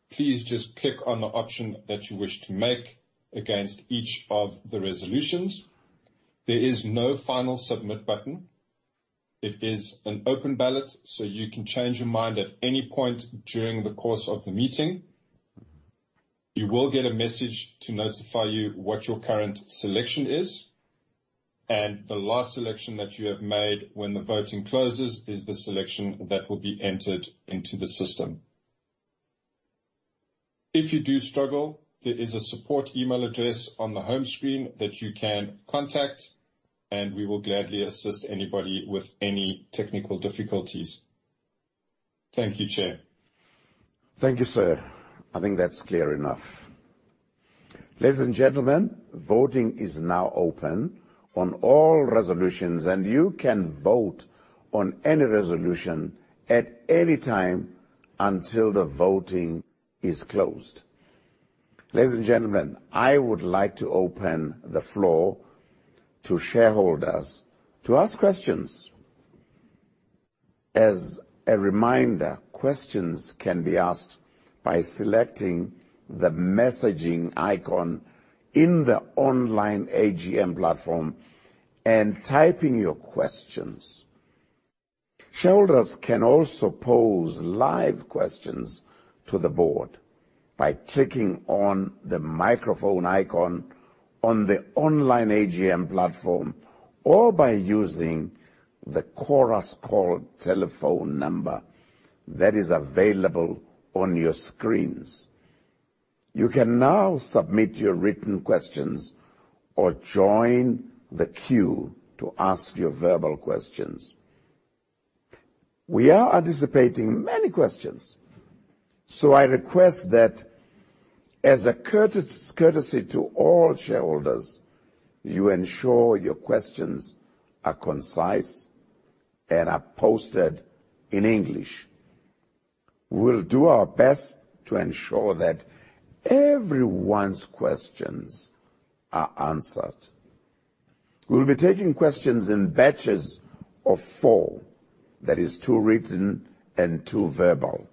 Please just click on the option that you wish to make against each of the resolutions. There is no final submit button. It is an open ballot, so you can change your mind at any point during the course of the meeting. You will get a message to notify you what your current selection is, and the last selection that you have made when the voting closes is the selection that will be entered into the system. If you do struggle, there is a support email address on the home screen that you can contact, and we will gladly assist anybody with any technical difficulties. Thank you, Chair. Thank you, sir. I think that's clear enough. Ladies and gentlemen, voting is now open on all resolutions. You can vote on any resolution at any time until the voting is closed. Ladies and gentlemen, I would like to open the floor to shareholders to ask questions. As a reminder, questions can be asked by selecting the messaging icon in the online AGM platform and typing your questions. Shareholders can also pose live questions to the board by clicking on the microphone icon on the online AGM platform or by using the Chorus Call telephone number that is available on your screens. You can now submit your written questions or join the queue to ask your verbal questions. I request that as a courtesy to all shareholders, you ensure your questions are concise and are posted in English. We'll do our best to ensure that everyone's questions are answered. We'll be taking questions in batches of four, that is two written and two verbal,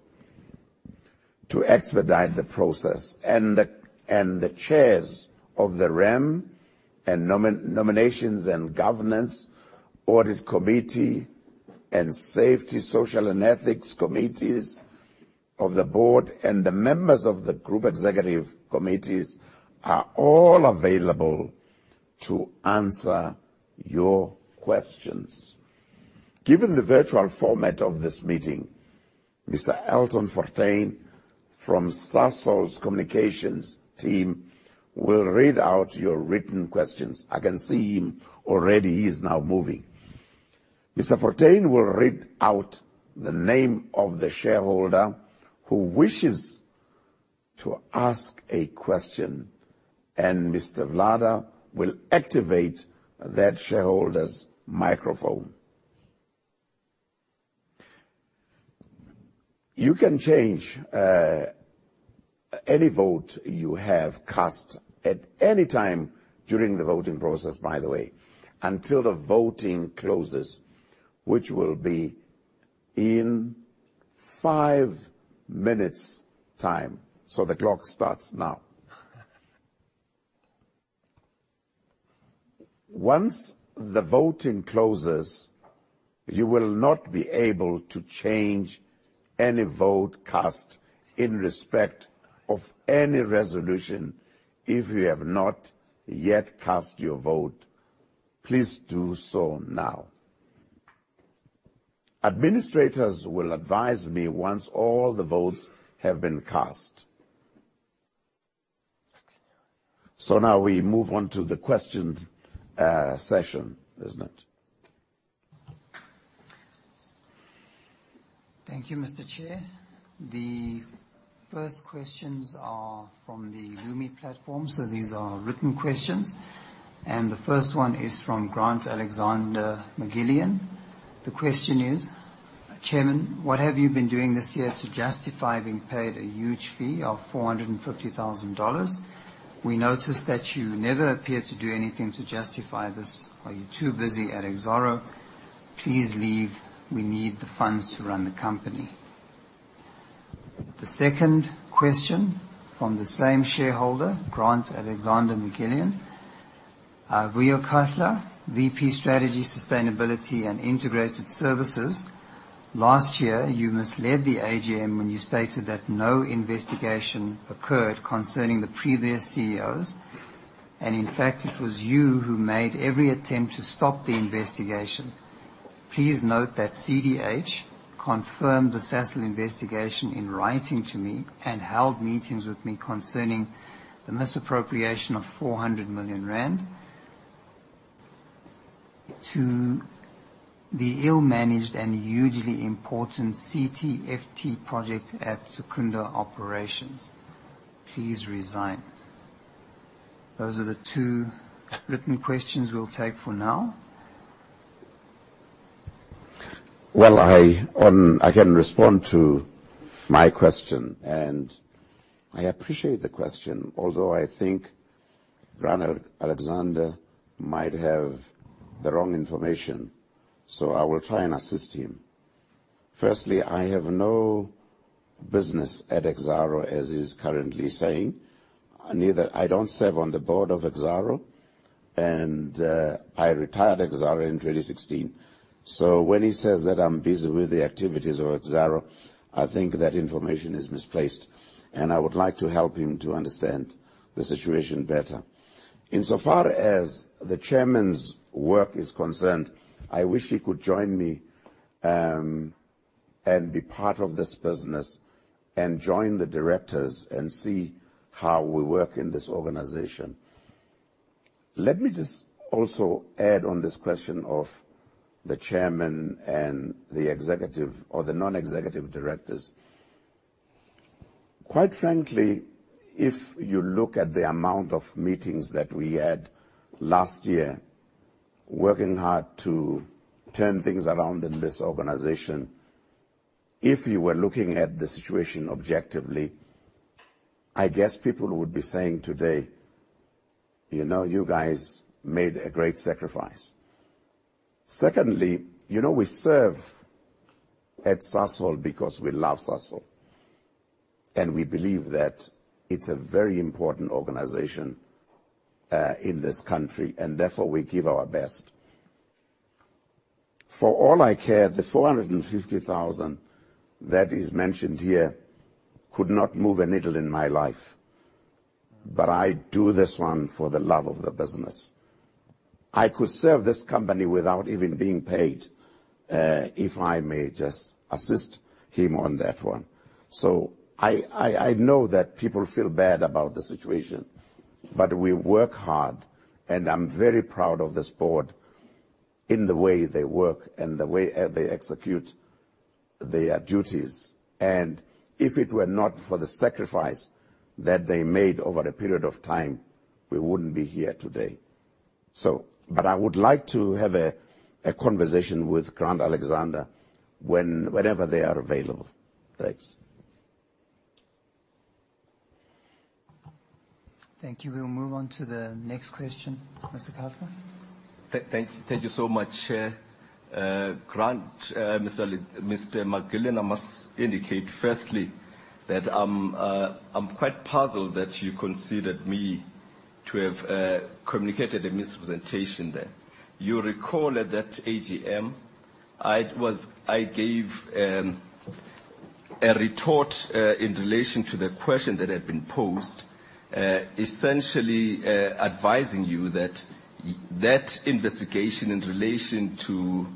to expedite the process. The chairs of the REM and Nominations and Governance, Audit Committee, and Safety, Social, and Ethics committees of the board, and the members of the group executive committees are all available to answer your questions. Given the virtual format of this meeting, Mr. Elton Fortuin from Sasol's communications team will read out your written questions. I can see him already. He is now moving. Mr. Fortuin will read out the name of the shareholder who wishes to ask a question, and Mr. Vlada will activate that shareholder's microphone. You can change any vote you have cast at any time during the voting process, by the way, until the voting closes, which will be in five minutes' time. The clock starts now. Once the voting closes, you will not be able to change any vote cast in respect of any resolution. If you have not yet cast your vote, please do so now. Administrators will advise me once all the votes have been cast. Now we move on to the question session, isn't it? Thank you, Mr. Chair. The first questions are from the Lumi platform, so these are written questions, and the first one is from Grant Alexander MacGillivray. The question is, "Chairman, what have you been doing this year to justify being paid a huge fee of ZAR 450,000? We noticed that you never appear to do anything to justify this. Are you too busy at Exxaro? Please leave. We need the funds to run the company." The second question from the same shareholder, Grant Alexander MacGillivray, "Ria Kathrada, VP, Strategy, Sustainability, and Integrated Services. Last year, you misled the AGM when you stated that no investigation occurred concerning the previous CEOs, and in fact, it was you who made every attempt to stop the investigation. Please note that CDH confirmed the Sasol investigation in writing to me and held meetings with me concerning the misappropriation of 400 million rand to the ill-managed and hugely important CTFE project at Secunda operations. Please resign." Those are the two written questions we'll take for now. Well, I can respond to my question, and I appreciate the question, although I think Grant Alexander might have the wrong information, so I will try and assist him. Firstly, I have no business at Exxaro, as he's currently saying. I don't serve on the board of Exxaro, and I retired Exxaro in 2016. So when he says that I'm busy with the activities of Exxaro, I think that information is misplaced, and I would like to help him to understand the situation better. Insofar as the chairman's work is concerned, I wish he could join me and be part of this business and join the directors and see how we work in this organization. Let me just also add on this question of the chairman and the executive or the non-executive directors. Quite frankly, if you look at the amount of meetings that we had last year, working hard to turn things around in this organization, if you were looking at the situation objectively, I guess people would be saying today, "You guys made a great sacrifice." Secondly, we serve at Sasol because we love Sasol, and we believe that it's a very important organization in this country and therefore, we give our best. For all I care, the 450,000 that is mentioned here could not move a needle in my life. But I do this one for the love of the business. I could serve this company without even being paid, if I may just assist him on that one. I know that people feel bad about the situation, we work hard, and I'm very proud of this board in the way they work and the way they execute their duties. If it were not for the sacrifice that they made over a period of time, we wouldn't be here today. I would like to have a conversation with Grant Alexander whenever they are available. Thanks. Thank you. We'll move on to the next question. Mr. Kathrada. Thank you so much, Chair. Grant, Mr. MacGillivray, I must indicate firstly that I'm quite puzzled that you considered me to have communicated a misrepresentation there. You'll recall at that AGM, I gave a retort in relation to the question that had been posed, essentially advising you that that investigation in relation to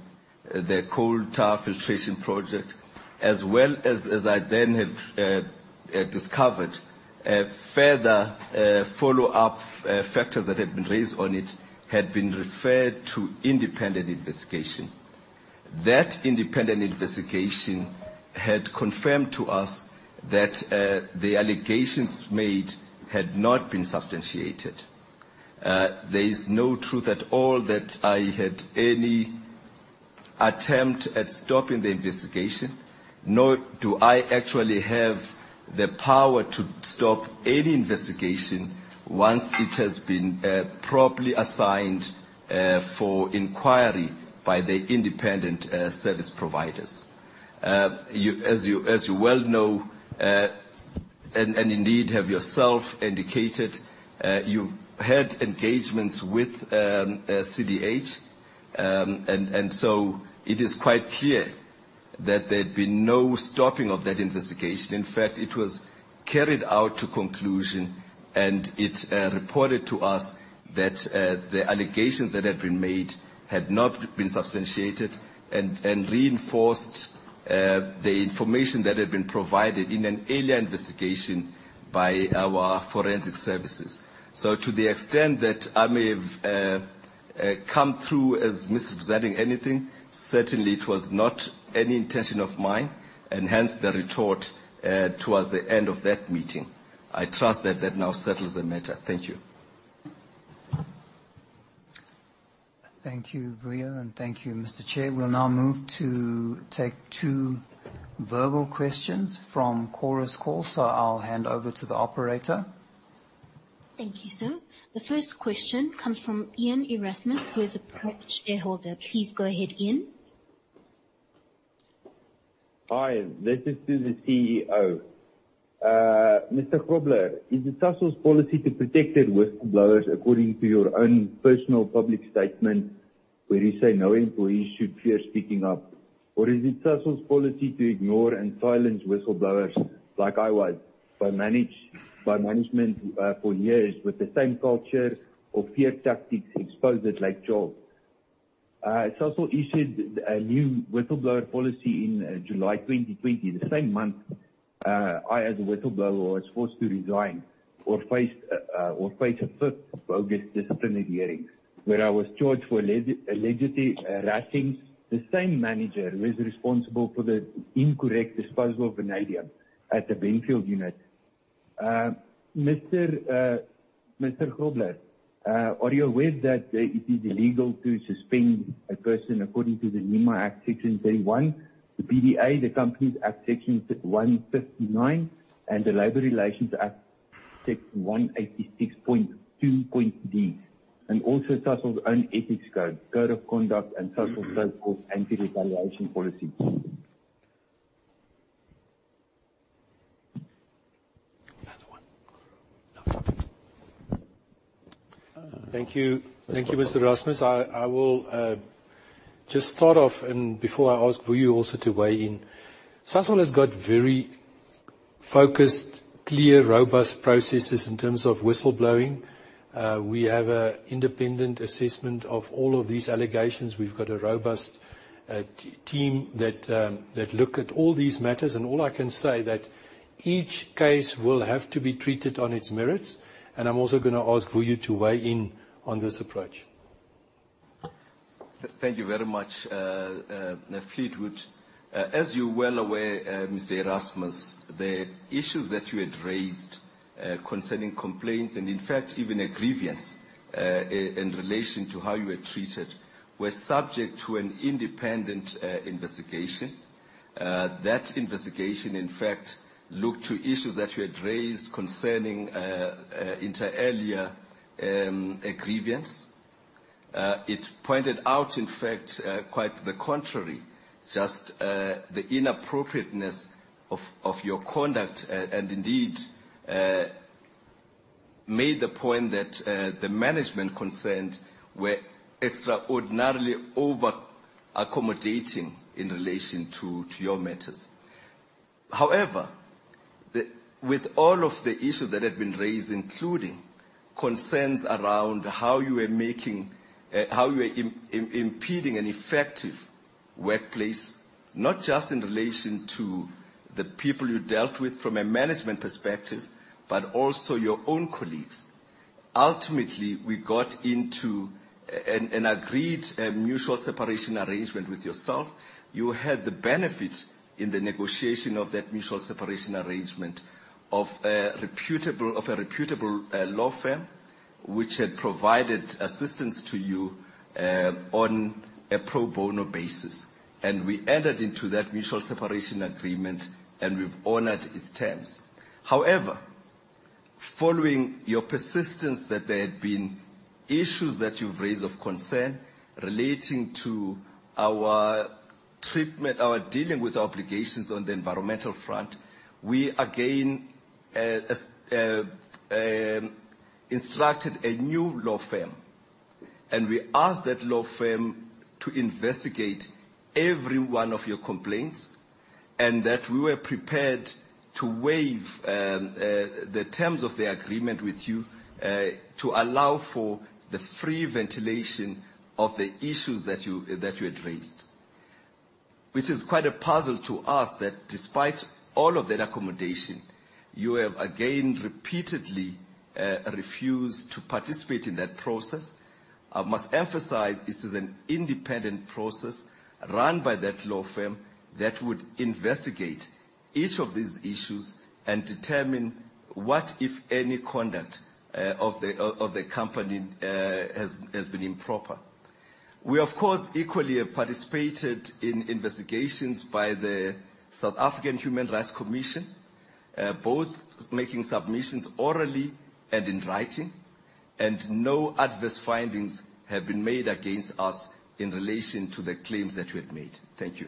the coal tar filtration project, as well as I then have discovered further follow-up factors that had been raised on it, had been referred to independent investigation. That independent investigation had confirmed to us that the allegations made had not been substantiated. There is no truth at all that I had any attempt at stopping the investigation, nor do I actually have the power to stop any investigation once it has been properly assigned for inquiry by the independent service providers. As you well know, and indeed have yourself indicated, you've had engagements with CDH. It is quite clear that there'd been no stopping of that investigation. In fact, it was carried out to conclusion, and it reported to us that the allegations that had been made had not been substantiated and reinforced the information that had been provided in an earlier investigation by our forensic services. To the extent that I may have come through as misrepresenting anything, certainly it was not any intention of mine, and hence the retort towards the end of that meeting. I trust that that now settles the matter. Thank you. Thank you, Vuyo, and thank you, Mr. Chair. We'll now move to take two verbal questions from Chorus Call. I'll hand over to the operator. Thank you, sir. The first question comes from Ian Erasmus, who is a private shareholder. Please go ahead, Ian. Hi. This is to the CEO. Mr. Grobler, is it Sasol's policy to protect their whistleblowers according to your own personal public statement where you say no employee should fear speaking up? Or is it Sasol's policy to ignore and silence whistleblowers, like I was, by management for years with the same culture of fear tactics exposed at Lake Charles? Sasol issued a new whistleblower policy in July 2020, the same month I, as a whistleblower, was forced to resign or face a fifth of bogus disciplinary hearings, where I was charged for allegedly harassing the same manager who is responsible for the incorrect disposal of vanadium at the Benfield unit. Mr. Grobler, are you aware that it is illegal to suspend a person according to the NEMA Act, Section 31, the B-BBEE Act, the Companies Act, Section 159, and the Labour Relations Act, Section 186.2.D, and also Sasol's own ethics code of conduct and Sasol's so-called anti-retaliation policy? Another one. Thank you, Mr. Erasmus. I will just start off, before I ask Vuyo also to weigh in, Sasol has got very focused, clear, robust processes in terms of whistleblowing. We have an independent assessment of all of these allegations. We've got a robust team that look at all these matters. All I can say that each case will have to be treated on its merits, I'm also going to ask Vuyo to weigh in on this approach. Thank you very much, Fleetwood. As you're well aware, Mr. Erasmus, the issues that you had raised concerning complaints and, in fact, even a grievance in relation to how you were treated, were subject to an independent investigation. That investigation, in fact, looked to issues that you had raised concerning earlier a grievance. It pointed out, in fact, quite the contrary, just the inappropriateness of your conduct, and indeed, made the point that the management concerned were extraordinarily over-accommodating in relation to your matters. With all of the issues that had been raised, including concerns around how you were impeding an effective workplace, not just in relation to the people you dealt with from a management perspective, but also your own colleagues. Ultimately, we got into an agreed mutual separation arrangement with yourself. You had the benefit in the negotiation of that mutual separation arrangement of a reputable law firm, which had provided assistance to you on a pro bono basis. We entered into that mutual separation agreement, and we've honored its terms. Following your persistence that there had been issues that you've raised of concern relating to our dealing with obligations on the environmental front, we again instructed a new law firm, and we asked that law firm to investigate every one of your complaints and that we were prepared to waive the terms of the agreement with you to allow for the free ventilation of the issues that you had raised. Which is quite a puzzle to us that despite all of that accommodation, you have again repeatedly refused to participate in that process. I must emphasize this is an independent process run by that law firm that would investigate each of these issues and determine what, if any, conduct of the company has been improper. We, of course, equally have participated in investigations by the South African Human Rights Commission, both making submissions orally and in writing, and no adverse findings have been made against us in relation to the claims that you have made. Thank you.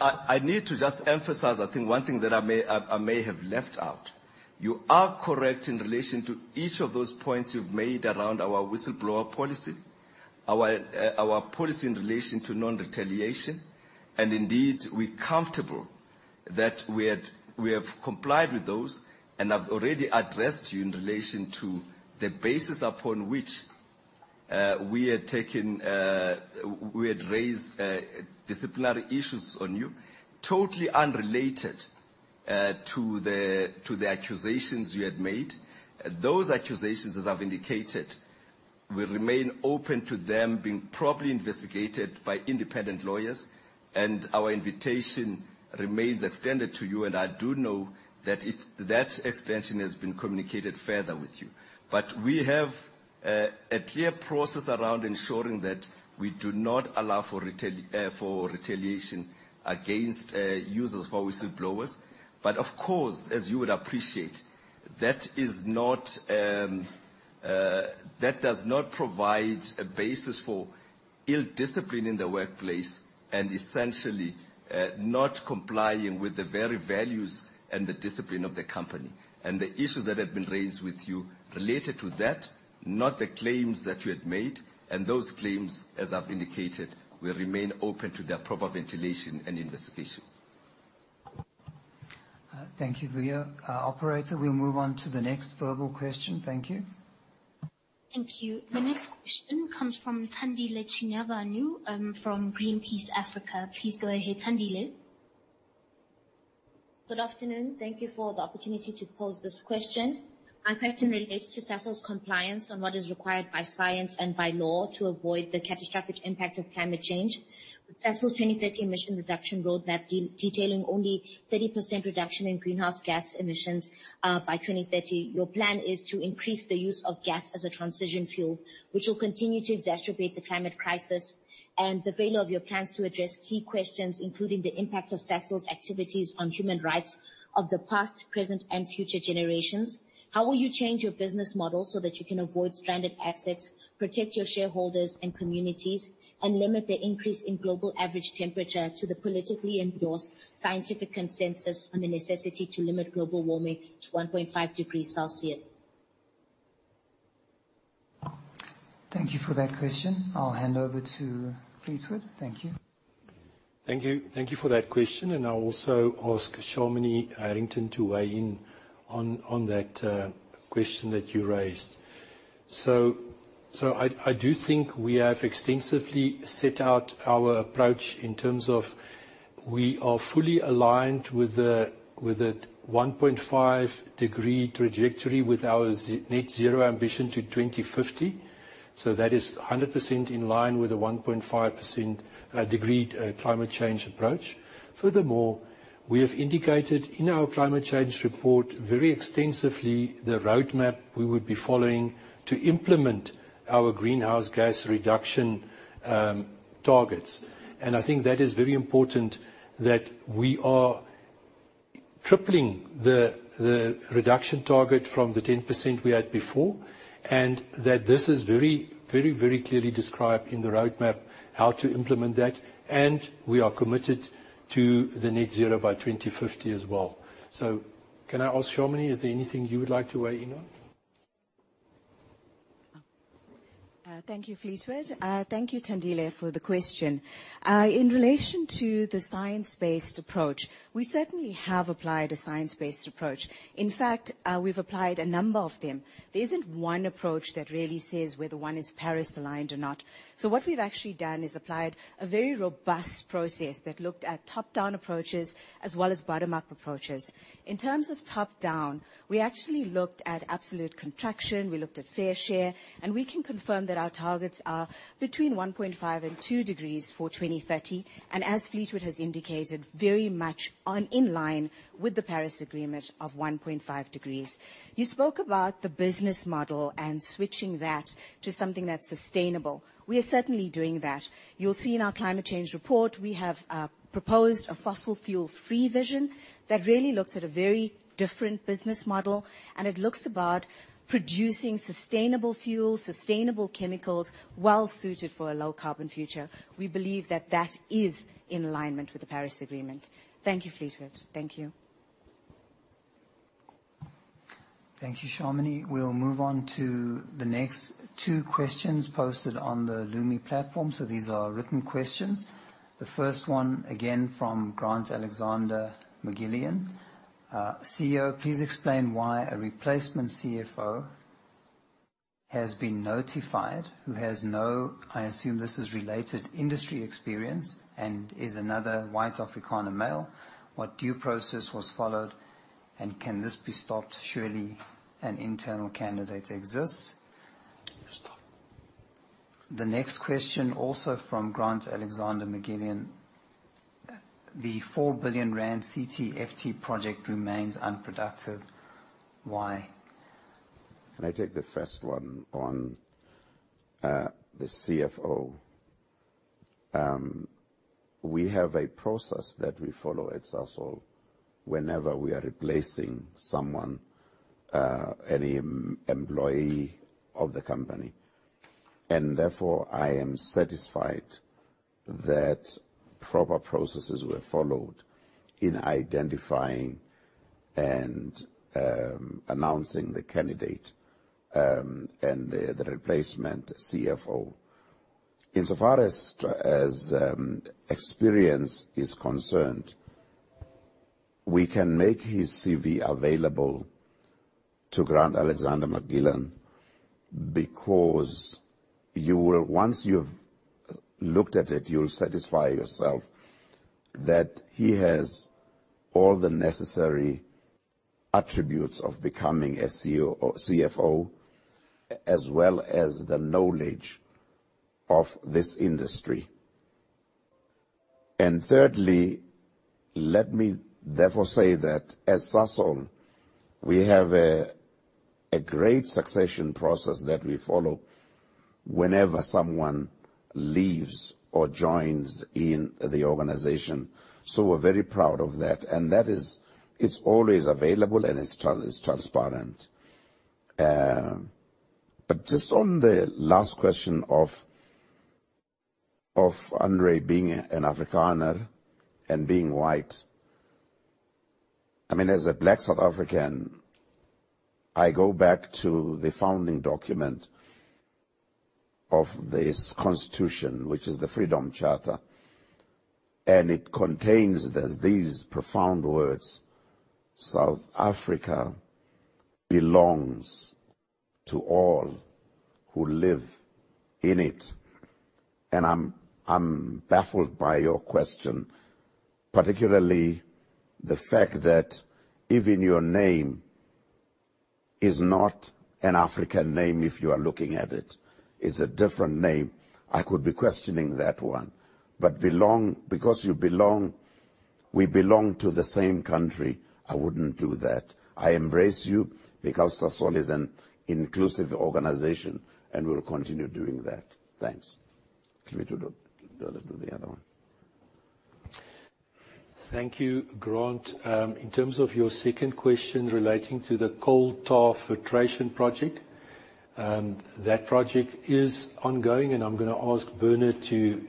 I need to just emphasize, I think one thing that I may have left out. You are correct in relation to each of those points you've made around our whistleblower policy, our policy in relation to non-retaliation, and indeed, we're comfortable that we have complied with those, and I've already addressed you in relation to the basis upon which we had raised disciplinary issues on you, totally unrelated to the accusations you had made. Those accusations, as I've indicated, we remain open to them being properly investigated by independent lawyers, and our invitation remains extended to you, and I do know that that extension has been communicated further with you. We have a clear process around ensuring that we do not allow for retaliation against users, or whistleblowers. Of course, as you would appreciate, that does not provide a basis for ill discipline in the workplace and essentially, not complying with the very values and the discipline of the company. The issue that had been raised with you related to that, not the claims that you had made, and those claims, as I've indicated, we remain open to their proper ventilation and investigation. Thank you, Vuyo. Operator, we'll move on to the next verbal question. Thank you. Thank you. The next question comes from Thandile Chinyavanhu from Greenpeace Africa. Please go ahead, Thandile. Good afternoon. Thank you for the opportunity to pose this question. My question relates to Sasol's compliance on what is required by science and by law to avoid the catastrophic impact of climate change. Sasol's 2030 emission reduction roadmap detailing only 30% reduction in greenhouse gas emissions, by 2030. Your plan is to increase the use of gas as a transition fuel, which will continue to exacerbate the climate crisis. The failure of your plans to address key questions, including the impact of Sasol's activities on human rights of the past, present, and future generations. How will you change your business model so that you can avoid stranded assets, protect your shareholders and communities, and limit the increase in global average temperature to the politically endorsed scientific consensus on the necessity to limit global warming to 1.5 degree Celsius? Thank you for that question. I'll hand over to Fleetwood. Thank you. Thank you. Thank you for that question. I'll also ask Shamini Harrington to weigh in on that question that you raised. I do think we have extensively set out our approach in terms of we are fully aligned with the 1.5 degree trajectory with our net zero ambition to 2050. That is 100% in line with the 1.5% degree climate change approach. Furthermore, we have indicated in our climate change report very extensively the roadmap we would be following to implement our greenhouse gas reduction targets. I think that is very important that we are tripling the reduction target from the 10% we had before. That this is very clearly described in the roadmap how to implement that. We are committed to the net zero by 2050 as well. Can I ask Shamini, is there anything you would like to weigh in on? Thank you, Fleetwood. Thank you, Thandile, for the question. In relation to the science-based approach, we certainly have applied a science-based approach. In fact, we've applied a number of them. There isn't one approach that really says whether one is Paris aligned or not. What we've actually done is applied a very robust process that looked at top-down approaches as well as bottom-up approaches. In terms of top-down, we actually looked at absolute contraction, we looked at fair share, and we can confirm that our targets are between 1.5 and two degrees for 2030. As Fleetwood has indicated, very much in line with the Paris Agreement of 1.5 degrees. You spoke about the business model and switching that to something that's sustainable. We are certainly doing that. You'll see in our climate change report, we have proposed a fossil fuel-free vision that really looks at a very different business model, and it looks about producing sustainable fuel, sustainable chemicals, well-suited for a low carbon future. We believe that that is in alignment with the Paris Agreement. Thank you, Fleetwood. Thank you. Thank you, Shamini. We'll move on to the next two questions posted on the Lumi platform. These are written questions. The first one, again, from Grant Alexander MacGillivray. CEO, please explain why a replacement CFO has been notified who has no, I assume this is related industry experience, and is another white Afrikaner male. What due process was followed, and can this be stopped? Surely an internal candidate exists. Stop. The next question, also from Grant Alexander MacGillivray. The 4 billion rand CTL project remains unproductive. Why? Can I take the first one on the CFO? We have a process that we follow at Sasol whenever we are replacing someone, any employee of the company, therefore, I am satisfied that proper processes were followed in identifying and announcing the candidate, and the replacement CFO Insofar as experience is concerned, we can make his CV available to Grant Alexander MacGillivray, because once you've looked at it, you'll satisfy yourself that he has all the necessary attributes of becoming a CFO, as well as the knowledge of this industry. Thirdly, let me therefore say that at Sasol, we have a great succession process that we follow whenever someone leaves or joins the organization. We're very proud of that, and that is, it's always available, and it's transparent. Just on the last question of Andre being an Afrikaner and being white. As a Black South African, I go back to the founding document of this Constitution, which is the Freedom Charter, and it contains these profound words, South Africa belongs to all who live in it. I'm baffled by your question, particularly the fact that even your name is not an African name, if you are looking at it. It's a different name. I could be questioning that one. Because we belong to the same country, I wouldn't do that. I embrace you because Sasol is an inclusive organization, and we'll continue doing that. Thanks. Fleetwood, do you want to do the other one? Thank you, Grant. In terms of your second question relating to the Coal Tar Filtration project, that project is ongoing, and I'm going to ask Bernard to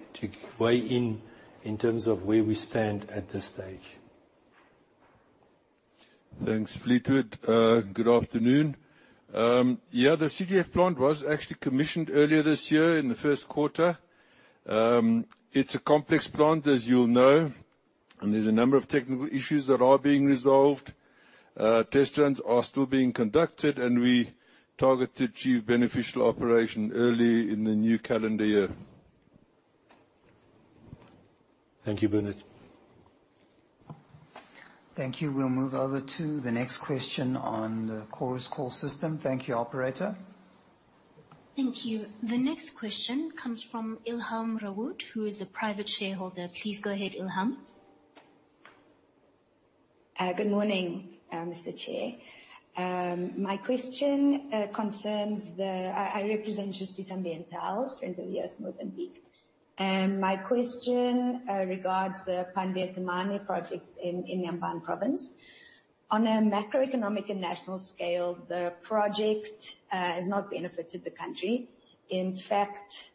weigh in terms of where we stand at this stage. Thanks, Fleetwood. Good afternoon. The CTF plant was actually commissioned earlier this year in the first quarter. It's a complex plant, as you'll know, there's a number of technical issues that are being resolved. Test runs are still being conducted, we target to achieve beneficial operation early in the new calendar year. Thank you, Bernard. Thank you. We'll move over to the next question on the Chorus Call system. Thank you, operator. Thank you. The next question comes from Ilham Rawoot, who is a private shareholder. Please go ahead, Ilham. Good morning, Mr. Chair. I represent Justiça Ambiental, Friends of the Earth Mozambique. My question regards the Pande-Temane project in Inhambane Province. On a macroeconomic and national scale, the project has not benefited the country. In fact,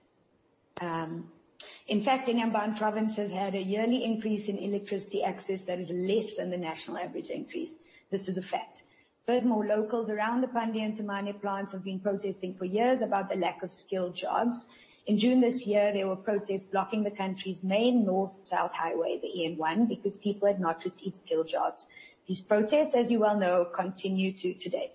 Inhambane Province has had a yearly increase in electricity access that is less than the national average increase. This is a fact. Furthermore, locals around the Pande and Temane plants have been protesting for years about the lack of skilled jobs. In June this year, there were protests blocking the country's main north-south highway, the EN1, because people had not received skilled jobs. These protests, as you well know, continue to today.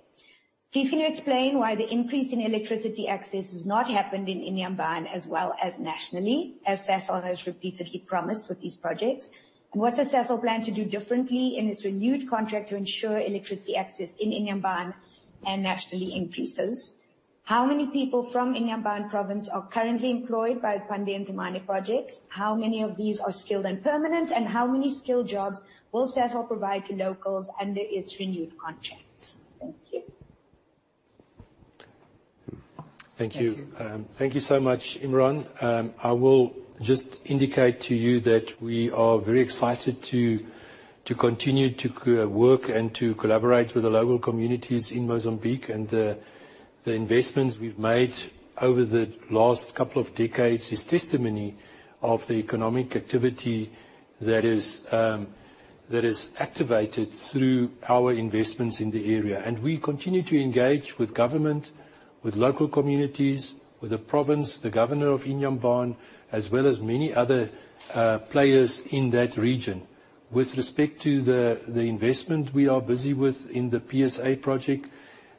Please can you explain why the increase in electricity access has not happened in Inhambane as well as nationally, as Sasol has repeatedly promised with these projects? What does Sasol plan to do differently in its renewed contract to ensure electricity access in Inhambane Province and nationally increases? How many people from Inhambane Province are currently employed by the Pande and Temane projects? How many of these are skilled and permanent, and how many skilled jobs will Sasol provide to locals under its renewed contracts? Thank you. Thank you. Thank you. Thank you so much, Ilham. I will just indicate to you that we are very excited to continue to work and to collaborate with the local communities in Mozambique, and the investments we've made over the last couple of decades is testimony of the economic activity that is activated through our investments in the area. We continue to engage with government, with local communities, with the province, the governor of Inhambane, as well as many other players in that region. With respect to the investment we are busy with in the PSA project,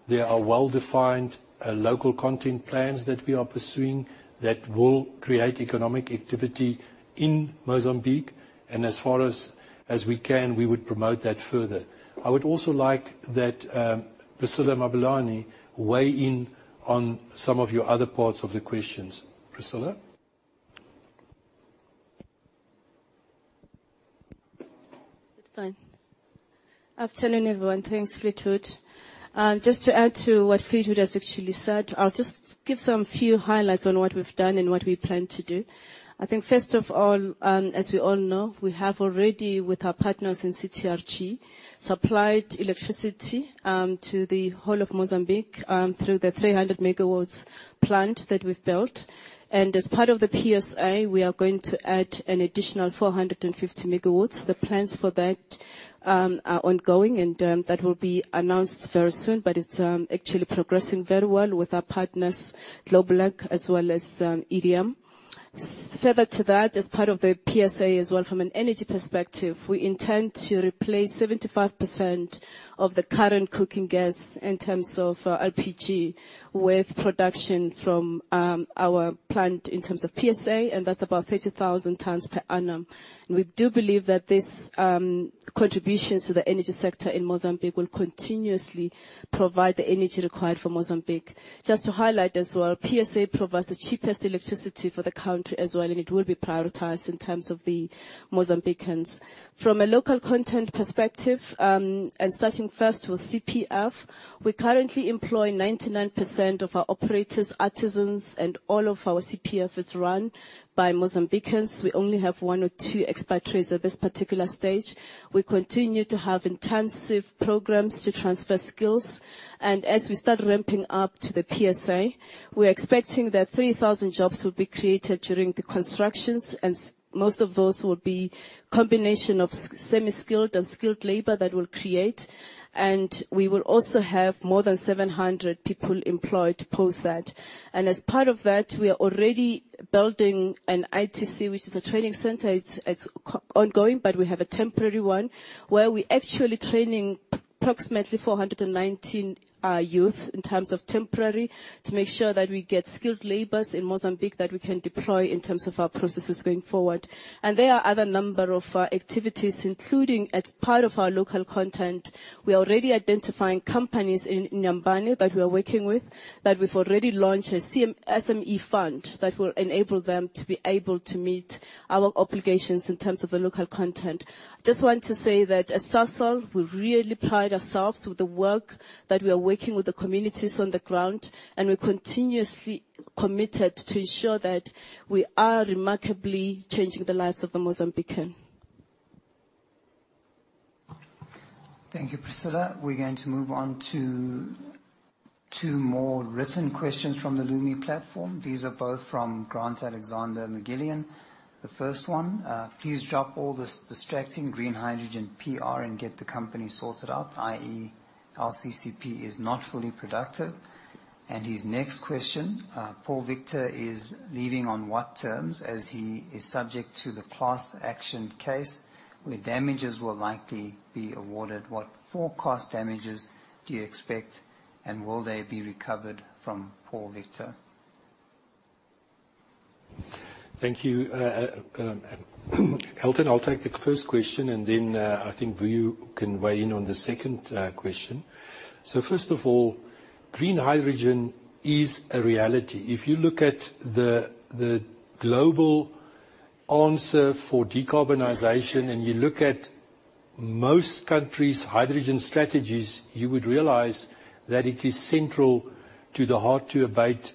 there are well-defined local content plans that we are pursuing that will create economic activity in Mozambique, and as far as we can, we would promote that further. I would also like that Priscillah Mabelane weigh in on some of your other parts of the questions. Priscilla? Good afternoon, everyone. Thanks, Fleetwood. Just to add to what Fleetwood has actually said, I'll just give some few highlights on what we've done and what we plan to do. First of all, as we all know, we have already, with our partners in CTRG, supplied electricity to the whole of Mozambique through the 300 MW plant that we've built. As part of the PSA, we are going to add an additional 450 MW. The plans for that are ongoing and that will be announced very soon, but it's actually progressing very well with our partners, Globeleq as well as EDM. As part of the PSA as well from an energy perspective, we intend to replace 75% of the current cooking gas in terms of LPG with production from our plant in terms of PSA, and that's about 30,000 tons per annum. We do believe that these contributions to the energy sector in Mozambique will continuously provide the energy required for Mozambique. Just to highlight as well, PSA provides the cheapest electricity for the country as well, and it will be prioritized in terms of the Mozambicans. From a local content perspective, starting first with CPF, we currently employ 99% of our operators, artisans, and all of our CPF is run by Mozambicans. We only have one or two expatriates at this particular stage. We continue to have intensive programs to transfer skills. As we start ramping up to the PSA, we are expecting that 3,000 jobs will be created during the constructions, and most of those will be combination of semi-skilled and skilled labor that we'll create. We will also have more than 700 people employed post that. As part of that, we are already building an ITC, which is a training center. It's ongoing, but we have a temporary one where we're actually training approximately 419 youth in terms of temporary, to make sure that we get skilled labors in Mozambique that we can deploy in terms of our processes going forward. There are other number of activities, including as part of our local content. We're already identifying companies in Inhambane that we are working with, that we've already launched a SME fund that will enable them to be able to meet our obligations in terms of the local content. Just want to say that at Sasol, we really pride ourselves with the work that we are working with the communities on the ground, and we're continuously committed to ensure that we are remarkably changing the lives of the Mozambican. Thank you, Priscillah. We're going to move on to two more written questions from the Lumi platform. These are both from Grant Alexander MacGillivray. The first one, please drop all this distracting green hydrogen PR and get the company sorted out, i.e. LCCP is not fully productive. His next question, Paul Victor is leaving on what terms, as he is subject to the class action case where damages will likely be awarded. What forecast damages do you expect, and will they be recovered from Paul Victor? Thank you. Elton, I will take the first question and then, I think Vuyo can weigh in on the second question. First of all, green hydrogen is a reality. If you look at the global answer for decarbonization and you look at most countries' hydrogen strategies, you would realize that it is central to the hard-to-abate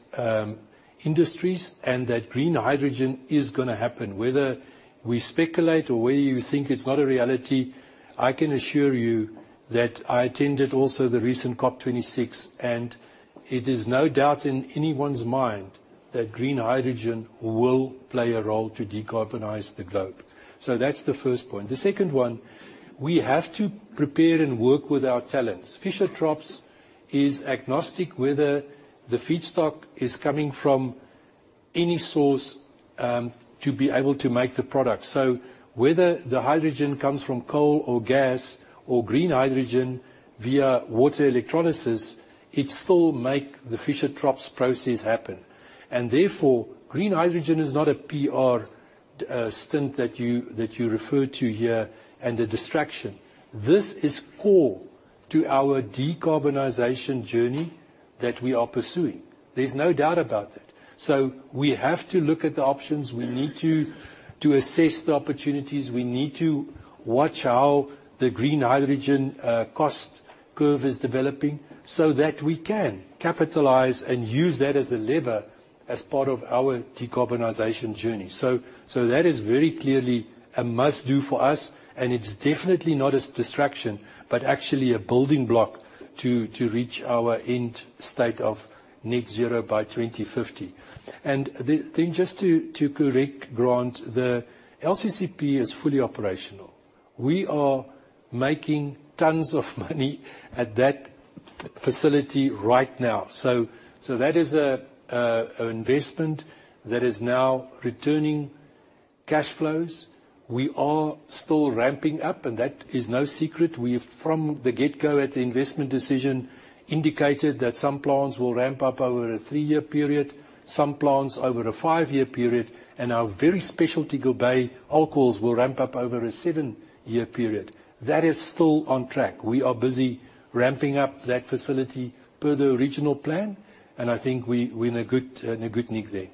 industries, and that green hydrogen is going to happen. Whether we speculate or whether you think it is not a reality, I can assure you that I attended also the recent COP26, and it is no doubt in anyone's mind that green hydrogen will play a role to decarbonize the globe. That is the first point. The second one, we have to prepare and work with our talents. Fischer-Tropsch is agnostic whether the feedstock is coming from any source to be able to make the product. Whether the hydrogen comes from coal or gas or green hydrogen via water electrolysis, it still makes the Fischer-Tropsch process happen. Therefore, green hydrogen is not a PR stint that you refer to here and a distraction. This is core to our decarbonization journey that we are pursuing. There is no doubt about it. We have to look at the options. We need to assess the opportunities. We need to watch how the green hydrogen cost curve is developing so that we can capitalize and use that as a lever as part of our decarbonization journey. That is very clearly a must-do for us, and it is definitely not a distraction, but actually a building block to reach our end state of net zero by 2050. Just to correct Grant, the LCCP is fully operational. We are making tons of money at that facility right now. That is an investment that is now returning cash flows. We are still ramping up, and that is no secret. We from the get-go at the investment decision, indicated that some plants will ramp up over a three-year period, some plants over a five-year period, and our very specialty Guerbet alcohols will ramp up over a seven-year period. That is still on track. We are busy ramping up that facility per the original plan, and I think we are in a good nick there.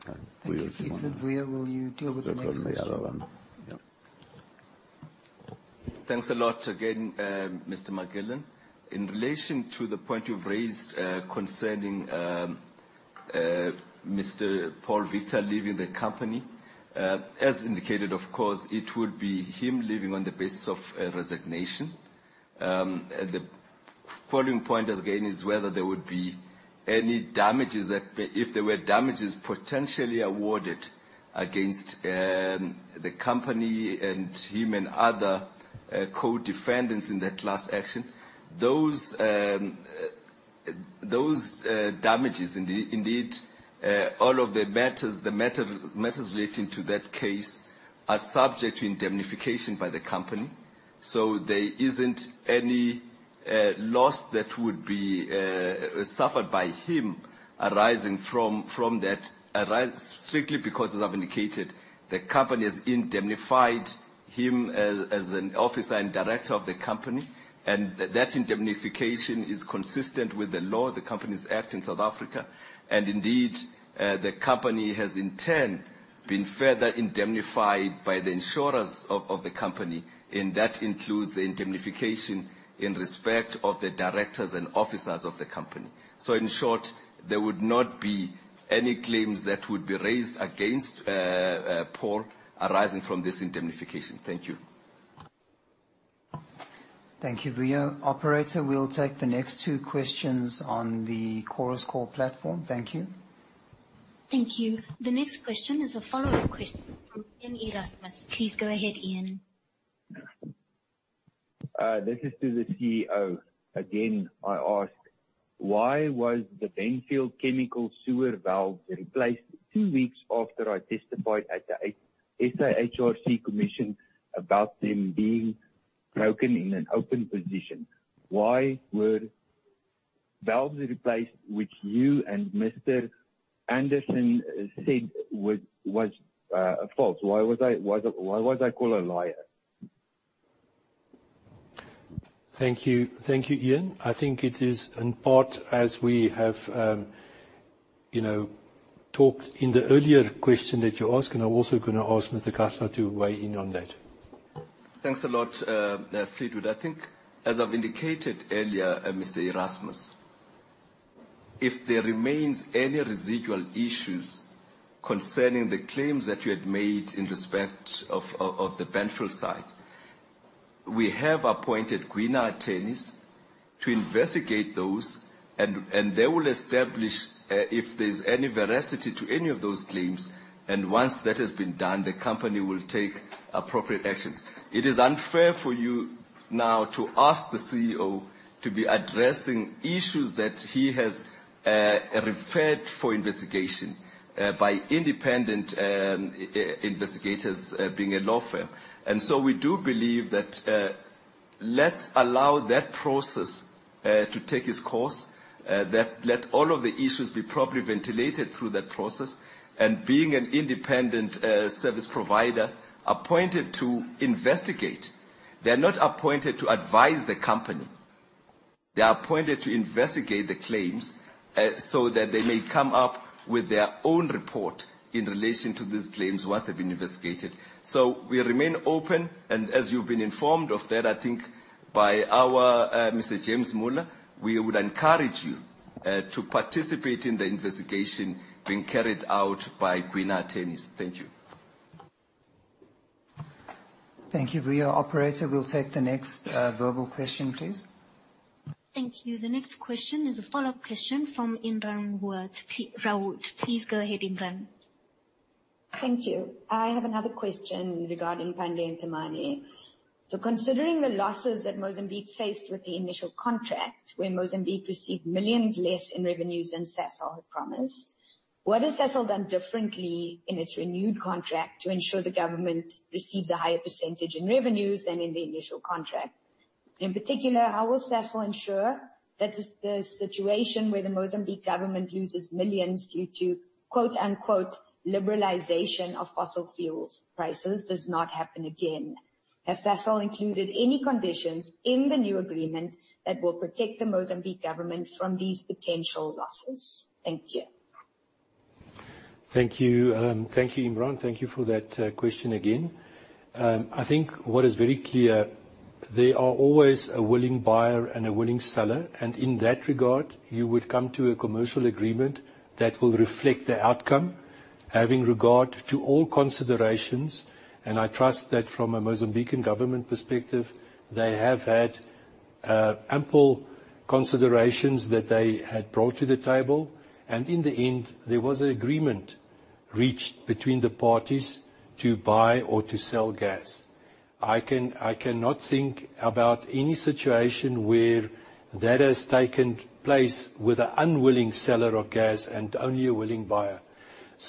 Thank you, Fleetwood. Vuyo, will you deal with the next question? Vuyo, the other one. Thanks a lot again, Mr. McGowan. In relation to the point you've raised concerning Mr. Paul Victor leaving the company. As indicated, of course, it would be him leaving on the basis of a resignation. The following point again is whether there would be any damages. If there were damages potentially awarded against the company and him and other co-defendants in that class action, those damages, indeed, all of the matters relating to that case are subject to indemnification by the company. There isn't any loss that would be suffered by him arising from that. Strictly because, as I've indicated, the company has indemnified him as an officer and director of the company, and that indemnification is consistent with the law of the Companies Act in South Africa. Indeed, the company has in turn been further indemnified by the insurers of the company, and that includes the indemnification in respect of the directors and officers of the company. In short, there would not be any claims that would be raised against Paul arising from this indemnification. Thank you. Thank you, Vuyo. Operator, we'll take the next two questions on the Chorus Call platform. Thank you. Thank you. The next question is a follow-up question from Ian Erasmus. Please go ahead, Ian. This is to the CEO. Again, I ask, why was the Benfield chemical sewer valves replaced two weeks after I testified at the SAHRC commission about them being broken in an open position? Why were valves replaced, which you and Mr. Anderson said was false? Why was I called a liar? Thank you, Ian. I think it is in part, as we have talked in the earlier question that you asked, and I'm also going to ask Mr. Kgatha to weigh in on that. Thanks a lot, Fleetwood. I think as I've indicated earlier, Mr. Erasmus, if there remains any residual issues concerning the claims that you had made in respect of the Benfield site, we have appointed Gwina Attorneys to investigate those, and they will establish if there's any veracity to any of those claims. Once that has been done, the company will take appropriate actions. It is unfair for you now to ask the CEO to be addressing issues that he has referred for investigation by independent investigators, being a law firm. So we do believe that, let's allow that process to take its course. Let all of the issues be properly ventilated through that process. Being an independent service provider appointed to investigate, they're not appointed to advise the company. They're appointed to investigate the claims so that they may come up with their own report in relation to these claims once they've been investigated. We remain open, and as you've been informed of that, I think by our Mr. James Muller, we would encourage you to participate in the investigation being carried out by Gwina Attorneys. Thank you. Thank you, Vuyo. Operator, we will take the next verbal question, please. Thank you. The next question is a follow-up question from Imraan Rawoot. Please go ahead, Imraan. Thank you. I have another question regarding Pande and Temane. Considering the losses that Mozambique faced with the initial contract, where Mozambique received millions less in revenues than Sasol had promised, what has Sasol done differently in its renewed contract to ensure the government receives a higher percentage in revenues than in the initial contract? In particular, how will Sasol ensure that the situation where the Mozambique government loses millions due to "liberalization of fossil fuels prices" does not happen again? Has Sasol included any conditions in the new agreement that will protect the Mozambique government from these potential losses? Thank you. Thank you, Imraan. Thank you for that question again. I think what is very clear, there are always a willing buyer and a willing seller. In that regard, you would come to a commercial agreement that will reflect the outcome, having regard to all considerations, and I trust that from a Mozambican government perspective, they have had ample considerations that they had brought to the table. In the end, there was an agreement reached between the parties to buy or to sell gas. I cannot think about any situation where that has taken place with an unwilling seller of gas and only a willing buyer.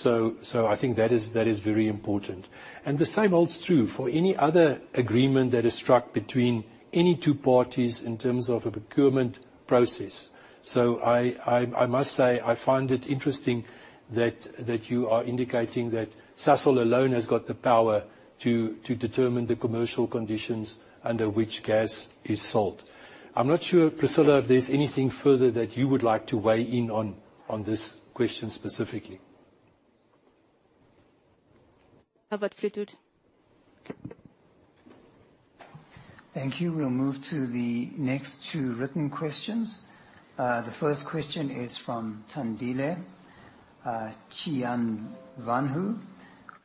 I think that is very important. The same holds true for any other agreement that is struck between any two parties in terms of a procurement process. I must say, I find it interesting that you are indicating that Sasol alone has got the power to determine the commercial conditions under which gas is sold. I'm not sure, Priscillah, if there's anything further that you would like to weigh in on this question specifically. Herbert Fleetwood. Thank you. We'll move to the next two written questions. The first question is from Thandile Chinyavanhu.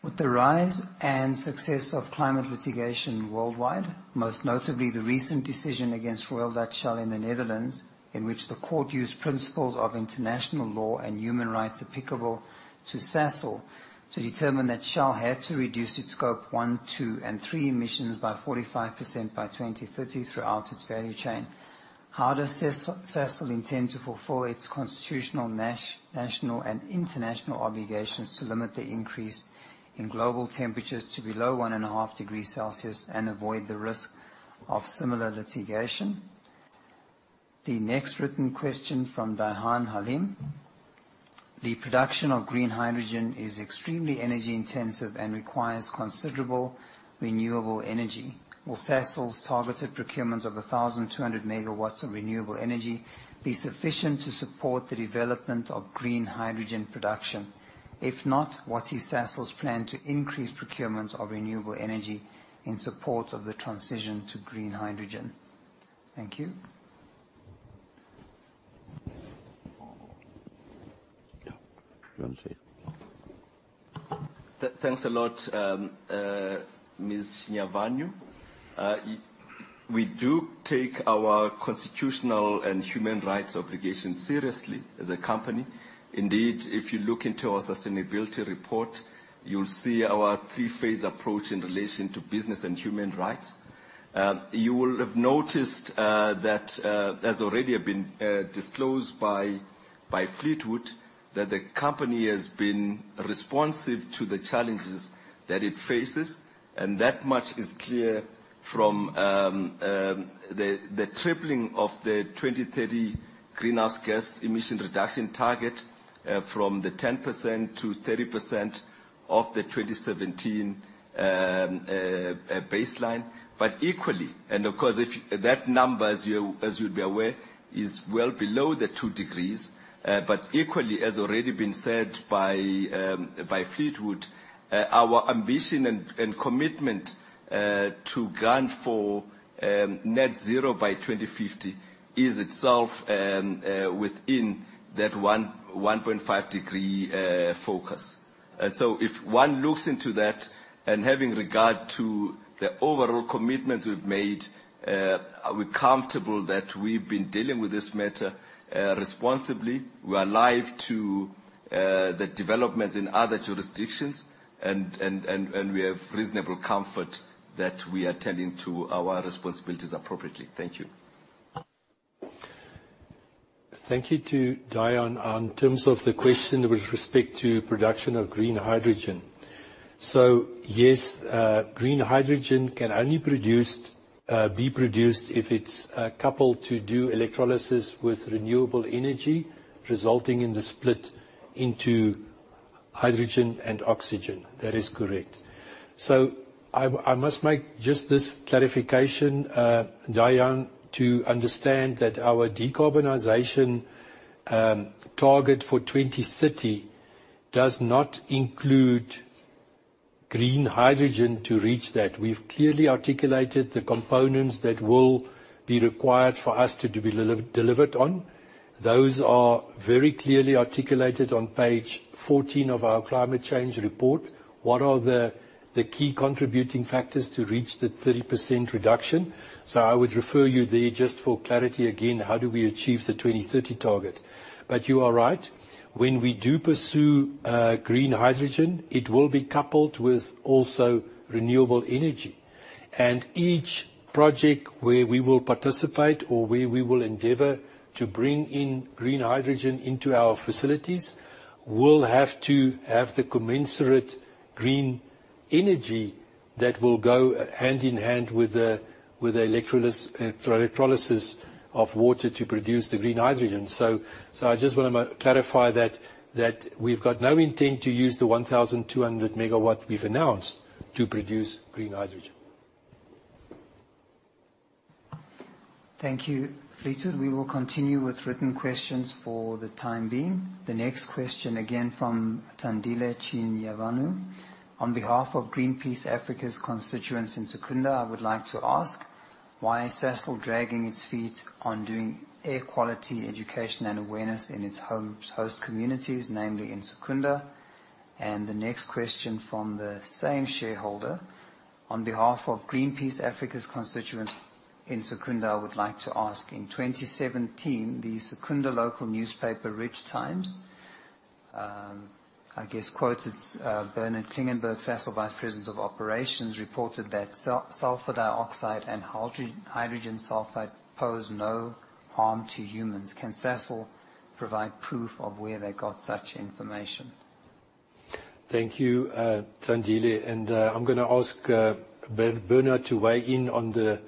With the rise and success of climate litigation worldwide, most notably the recent decision against Royal Dutch Shell in the Netherlands, in which the court used principles of international law and human rights applicable to Sasol to determine that Shell had to reduce its scope 1, 2, and 3 emissions by 45% by 2030 throughout its value chain. How does Sasol intend to fulfill its constitutional, national, and international obligations to limit the increase in global temperatures to below one and a half degree Celsius and avoid the risk of similar litigation? The next written question from Daihan Halim. The production of green hydrogen is extremely energy intensive and requires considerable renewable energy. Will Sasol's targeted procurement of 1,200 megawatts of renewable energy be sufficient to support the development of green hydrogen production? If not, what's Sasol's plan to increase procurement of renewable energy in support of the transition to green hydrogen? Thank you. Yeah. Do you want to say it? Thanks a lot, Ms. Chinyavanhu. We do take our constitutional and human rights obligations seriously as a company. Indeed, if you look into our sustainability report, you will see our three-phase approach in relation to business and human rights. You will have noticed that, as already been disclosed by Fleetwood, that the company has been responsive to the challenges that it faces, and that much is clear from the tripling of the 2030 greenhouse gas emission reduction target from the 10% to 30% of the 2017 baseline. Equally, and of course, that number, as you will be aware, is well below the two degrees. Equally, as already been said by Fleetwood, our ambition and commitment to gun for net zero by 2050 is itself within that 1.5 degree focus. If one looks into that and having regard to the overall commitments we've made, are we comfortable that we've been dealing with this matter responsibly. We're alive to the developments in other jurisdictions, and we have reasonable comfort that we are tending to our responsibilities appropriately. Thank you. Thank you to Daihan. On terms of the question with respect to production of green hydrogen. Yes, green hydrogen can only be produced if it's coupled to do electrolysis with renewable energy, resulting in the split into hydrogen and oxygen. That is correct. I must make just this clarification, Daihan, to understand that our decarbonization target for 2030 does not include green hydrogen to reach that. We've clearly articulated the components that will be required for us to be delivered on. Those are very clearly articulated on page 14 of our climate change report. What are the key contributing factors to reach the 30% reduction? I would refer you there just for clarity again, how do we achieve the 2030 target? You are right. When we do pursue green hydrogen, it will be coupled with also renewable energy. Each project where we will participate or where we will endeavor to bring in green hydrogen into our facilities will have to have the commensurate green energy that will go hand in hand with the electrolysis of water to produce the green hydrogen. I just want to clarify that we've got no intent to use the 1,200 MW we've announced to produce green hydrogen. Thank you, Fleetwood. We will continue with written questions for the time being. The next question, again from Thandile Chinyavanhu. On behalf of Greenpeace Africa's constituents in Secunda, I would like to ask, why is Sasol dragging its feet on doing air quality education and awareness in its host communities, namely in Secunda? The next question from the same shareholder. On behalf of Greenpeace Africa's constituents in Secunda, I would like to ask, in 2017, the Secunda local newspaper, Ridge Times, I guess quotes its Bernard Klingenberg, Sasol Vice President of Operations, reported that sulfur dioxide and hydrogen sulfide pose no harm to humans. Can Sasol provide proof of where they got such information? Thank you, Thandile. I'm going to ask Bernard to weigh in on the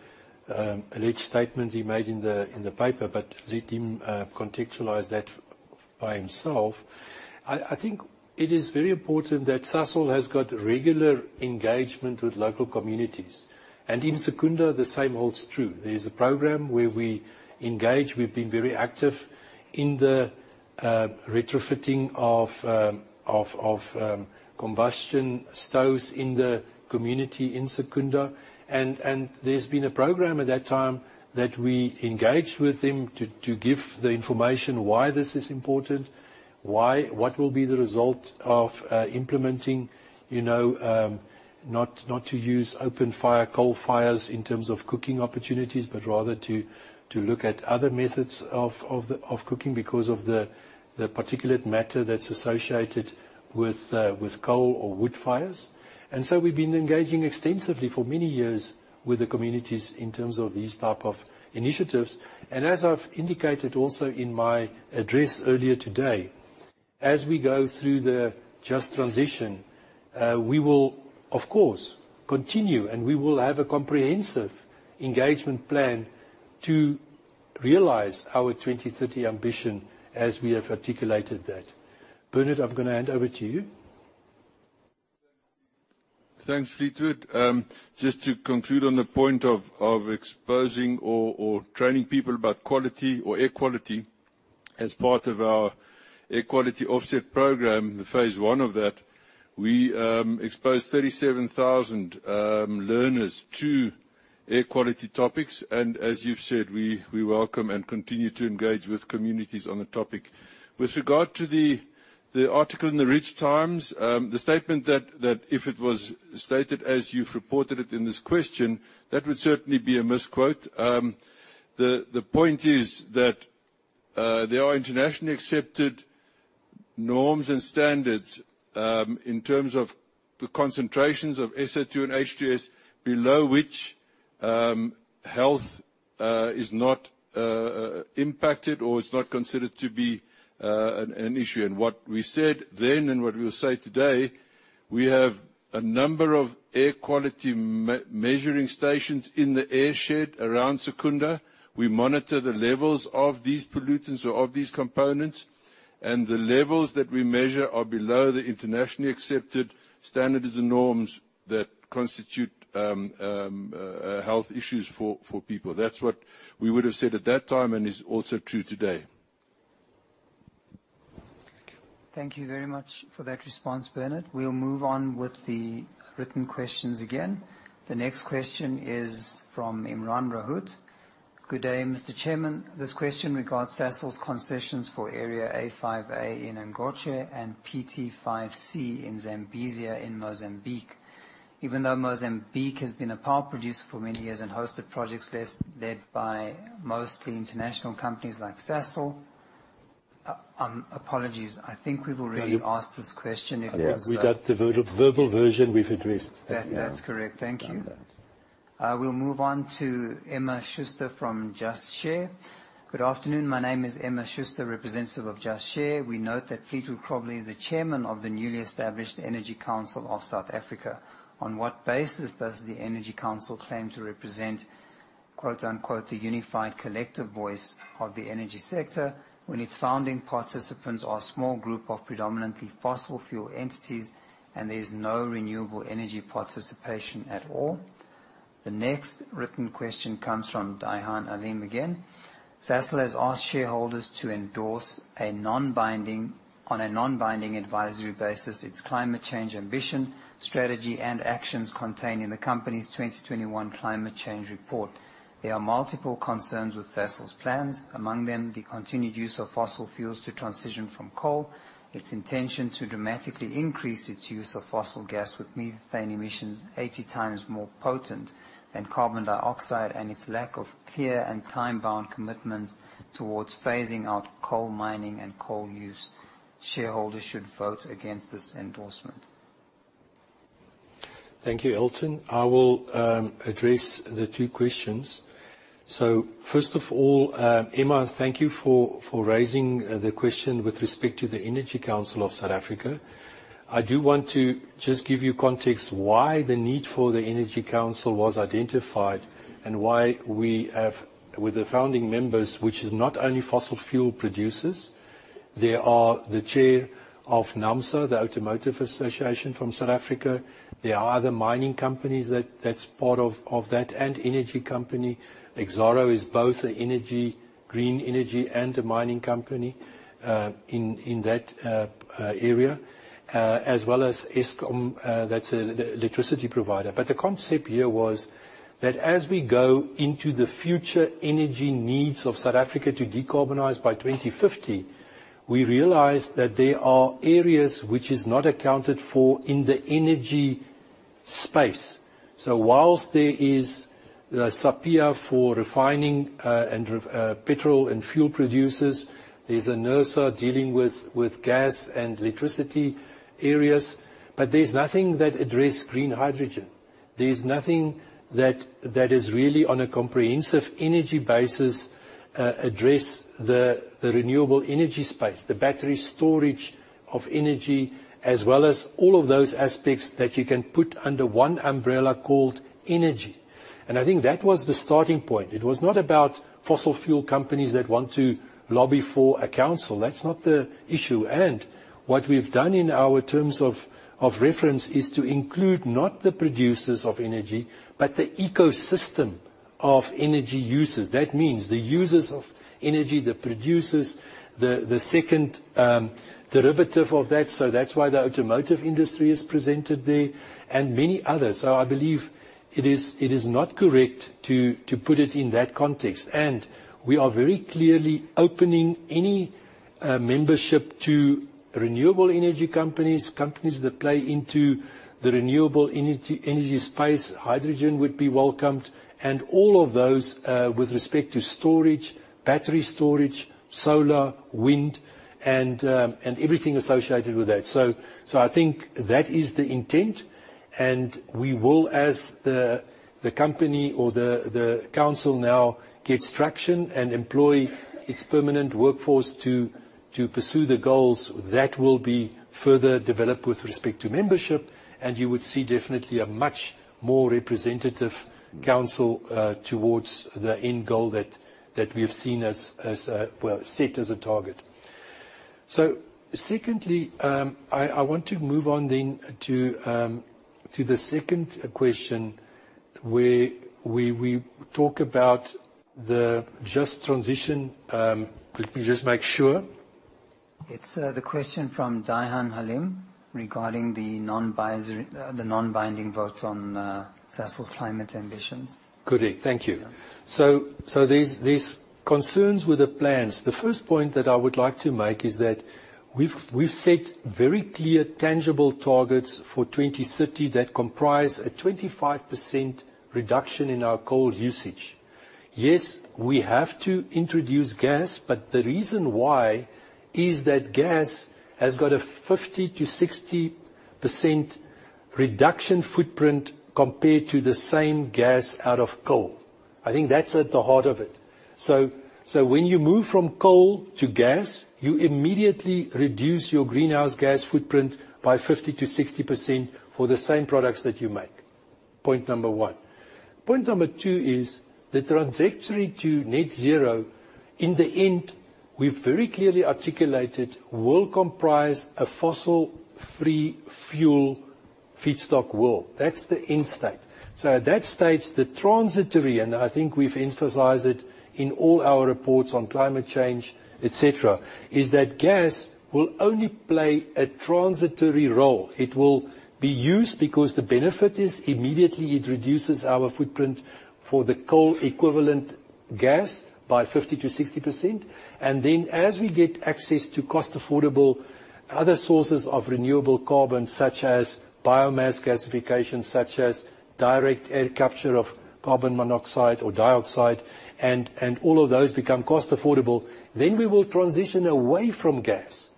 alleged statement he made in the paper, let him contextualize that by himself. I think it is very important that Sasol has got regular engagement with local communities. In Secunda, the same holds true. There is a program where we engage. We've been very active in the retrofitting of combustion stoves in the community in Secunda. There's been a program at that time that we engaged with them to give the information why this is important, what will be the result of implementing, not to use open fire, coal fires in terms of cooking opportunities, but rather to look at other methods of cooking because of the particulate matter that's associated with coal or wood fires. We've been engaging extensively for many years with the communities in terms of these type of initiatives. As I've indicated also in my address earlier today, as we go through the just transition, we will, of course, continue, we will have a comprehensive engagement plan to realize our 2030 ambition as we have articulated that. Bernard, I'm going to hand over to you. Thanks, Fleetwood. Just to conclude on the point of exposing or training people about quality or air quality, as part of our air quality offset program, the phase one of that, we exposed 37,000 learners to air quality topics. As you've said, we welcome and continue to engage with communities on the topic. With regard to the article in the Ridge Times, the statement that if it was stated as you've reported it in this question, that would certainly be a misquote. The point is that there are internationally accepted norms and standards, in terms of the concentrations of SO2 and H2S below which health is not impacted or is not considered to be an issue. What we said then and what we'll say today, we have a number of air quality measuring stations in the air shed around Secunda. We monitor the levels of these pollutants or of these components, and the levels that we measure are below the internationally accepted standards and norms that constitute health issues for people. That's what we would've said at that time and is also true today. Thank you. Thank you very much for that response, Bernard. We'll move on with the written questions again. The next question is from Imraan Rawoot. Good day, Mr. Chairman. This question regards Sasol's concessions for Area A5A in Angoche and PT5C in Zambezi in Mozambique. Even though Mozambique has been a power producer for many years and hosted projects led by mostly international companies like Sasol Apologies, I think we've already asked this question, if so- Yeah, we got the verbal version we've addressed. That's correct. Thank you. Yeah. We'll move on to Emma Schuster from Just Share. Good afternoon, my name is Emma Schuster, representative of Just Share. We note that Fleetwood Grobler is the chairman of the newly established Energy Council of South Africa. On what basis does the Energy Council claim to represent "the unified collective voice of the energy sector," when its founding participants are a small group of predominantly fossil fuel entities and there's no renewable energy participation at all? The next written question comes from Daihan Halim again. Sasol has asked shareholders to endorse, on a non-binding advisory basis, its climate change ambition, strategy, and actions contained in the company's 2021 climate change report. There are multiple concerns with Sasol's plans, among them the continued use of fossil fuels to transition from coal, its intention to dramatically increase its use of fossil gas with methane emissions 80 times more potent than carbon dioxide, and its lack of clear and time-bound commitments towards phasing out coal mining and coal use. Shareholders should vote against this endorsement. Thank you, Elton. I will address the two questions. First of all, Emma, thank you for raising the question with respect to the Energy Council of South Africa. I do want to just give you context why the need for the Energy Council was identified and why we have, with the founding members, which is not only fossil fuel producers, they are the chair of naamsa, the automotive association from South Africa. There are other mining companies that's part of that, and energy company. Exxaro is both an energy, green energy, and a mining company, in that area, as well as Eskom, that's a electricity provider. The concept here was that as we go into the future energy needs of South Africa to decarbonize by 2050, we realized that there are areas which is not accounted for in the energy space. Whilst there is the SAPIA for refining petrol and fuel producers, there's NERSA dealing with gas and electricity areas, but there's nothing that address green hydrogen. There's nothing that is really on a comprehensive energy basis address the renewable energy space, the battery storage of energy, as well as all of those aspects that you can put under one umbrella called energy. I think that was the starting point. It was not about fossil fuel companies that want to lobby for a council. That's not the issue. What we've done in our terms of reference is to include not the producers of energy, but the ecosystem of energy users. That means the users of energy, the producers, the second derivative of that, so that's why the automotive industry is presented there and many others. I believe it is not correct to put it in that context. We are very clearly opening any membership to renewable energy companies that play into the renewable energy space. Hydrogen would be welcomed, and all of those with respect to storage, battery storage, solar, wind, and everything associated with that. I think that is the intent, and we will, as the company or the council now gets traction and employ its permanent workforce to pursue the goals that will be further developed with respect to membership. You would see definitely a much more representative council towards the end goal that we have set as a target. Secondly, I want to move on then to the second question, where we talk about the just transition. Let me just make sure. It's the question from Daihan Halim regarding the non-binding vote on Sasol's climate ambitions. Correct. Thank you. Yeah. These concerns with the plans. The first point that I would like to make is that we've set very clear tangible targets for 2030 that comprise a 25% reduction in our coal usage. Yes, we have to introduce gas, but the reason why is that gas has got a 50%-60% reduction footprint compared to the same gas out of coal. I think that's at the heart of it. When you move from coal to gas, you immediately reduce your greenhouse gas footprint by 50%-60% for the same products that you make. Point number one. Point number two is the trajectory to net zero, in the end, we've very clearly articulated will comprise a fossil-free fuel feedstock world. That's the end state. At that stage, the transitory, and I think we've emphasized it in all our reports on climate change, et cetera, is that gas will only play a transitory role. It will be used because the benefit is immediately it reduces our footprint for the coal equivalent gas by 50%-60%. Then as we get access to cost-affordable other sources of renewable carbon, such as biomass gasification, such as direct air capture of carbon monoxide or dioxide, and all of those become cost-affordable, then we will transition away from gas.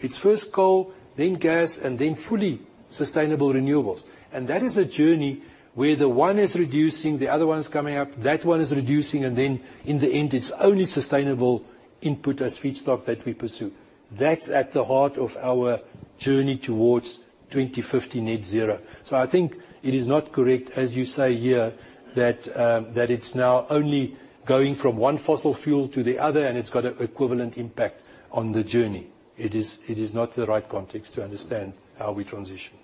It's first coal, then gas, and then fully sustainable renewables. That is a journey where the one is reducing, the other one's coming up, that one is reducing, and then in the end, it's only sustainable input as feedstock that we pursue. That's at the heart of our journey towards 2050 net zero. I think it is not correct, as you say here, that it's now only going from one fossil fuel to the other and it's got an equivalent impact on the journey. It is not the right context to understand how we transition.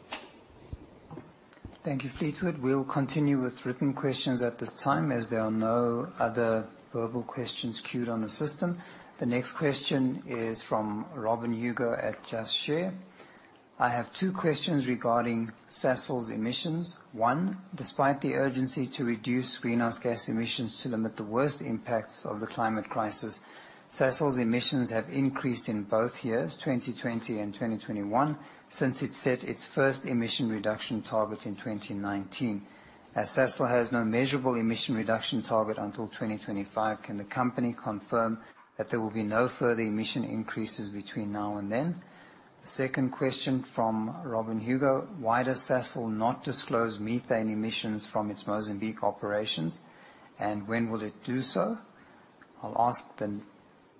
Thank you, Fleetwood. We'll continue with written questions at this time, as there are no other verbal questions queued on the system. The next question is from Robyn Hugo at Just Share. I have two questions regarding Sasol's emissions. One, despite the urgency to reduce greenhouse gas emissions to limit the worst impacts of the climate crisis, Sasol's emissions have increased in both years, 2020 and 2021, since it set its first emission reduction target in 2019. As Sasol has no measurable emission reduction target until 2025, can the company confirm that there will be no further emission increases between now and then? The second question from Robyn Hugo: Why does Sasol not disclose methane emissions from its Mozambique operations, and when will it do so? I'll ask the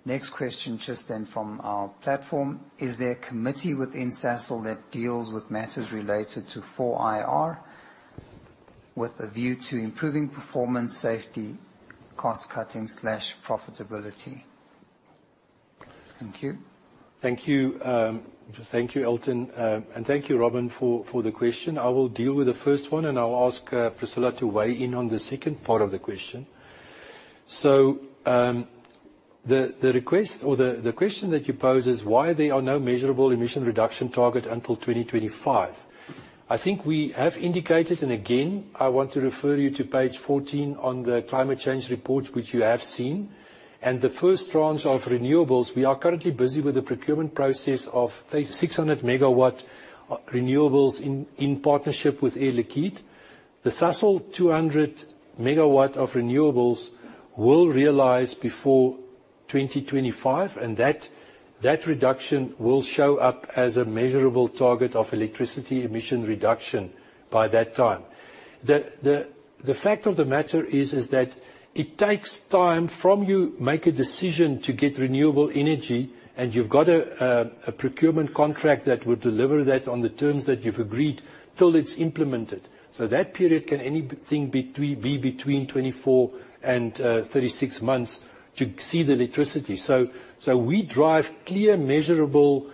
next question just then from our platform. Is there a committee within Sasol that deals with matters related to 4IR with a view to improving performance, safety, cost-cutting/profitability? Thank you. Thank you, Elton. Thank you, Robyn, for the question. I will deal with the first one, and I'll ask Priscillah to weigh in on the second part of the question. The question that you pose is why there are no measurable emission reduction target until 2025. I think we have indicated, and again, I want to refer you to page 14 on the climate change report, which you have seen. The first tranche of renewables, we are currently busy with the procurement process of 600 MW renewables in partnership with Air Liquide. The Sasol 200 MW of renewables will realize before 2025, and that reduction will show up as a measurable target of electricity emission reduction by that time. The fact of the matter is that it takes time from you make a decision to get renewable energy, and you've got a procurement contract that would deliver that on the terms that you've agreed till it's implemented. That period can anything be between 24 and 36 months to see the electricity. We drive clear, measurable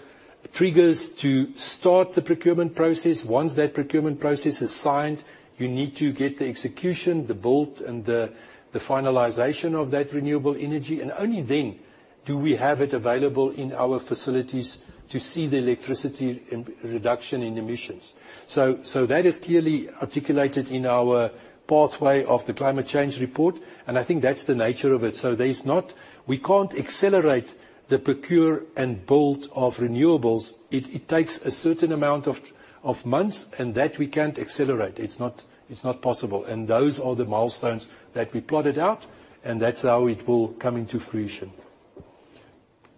Triggers to start the procurement process. Once that procurement process is signed, you need to get the execution, the build, and the finalization of that renewable energy. Only then do we have it available in our facilities to see the electricity reduction in emissions. That is clearly articulated in our pathway of the climate change report, and I think that's the nature of it. We can't accelerate the procure and build of renewables. It takes a certain amount of months, and that we can't accelerate. It's not possible. Those are the milestones that we plotted out, and that's how it will come into fruition.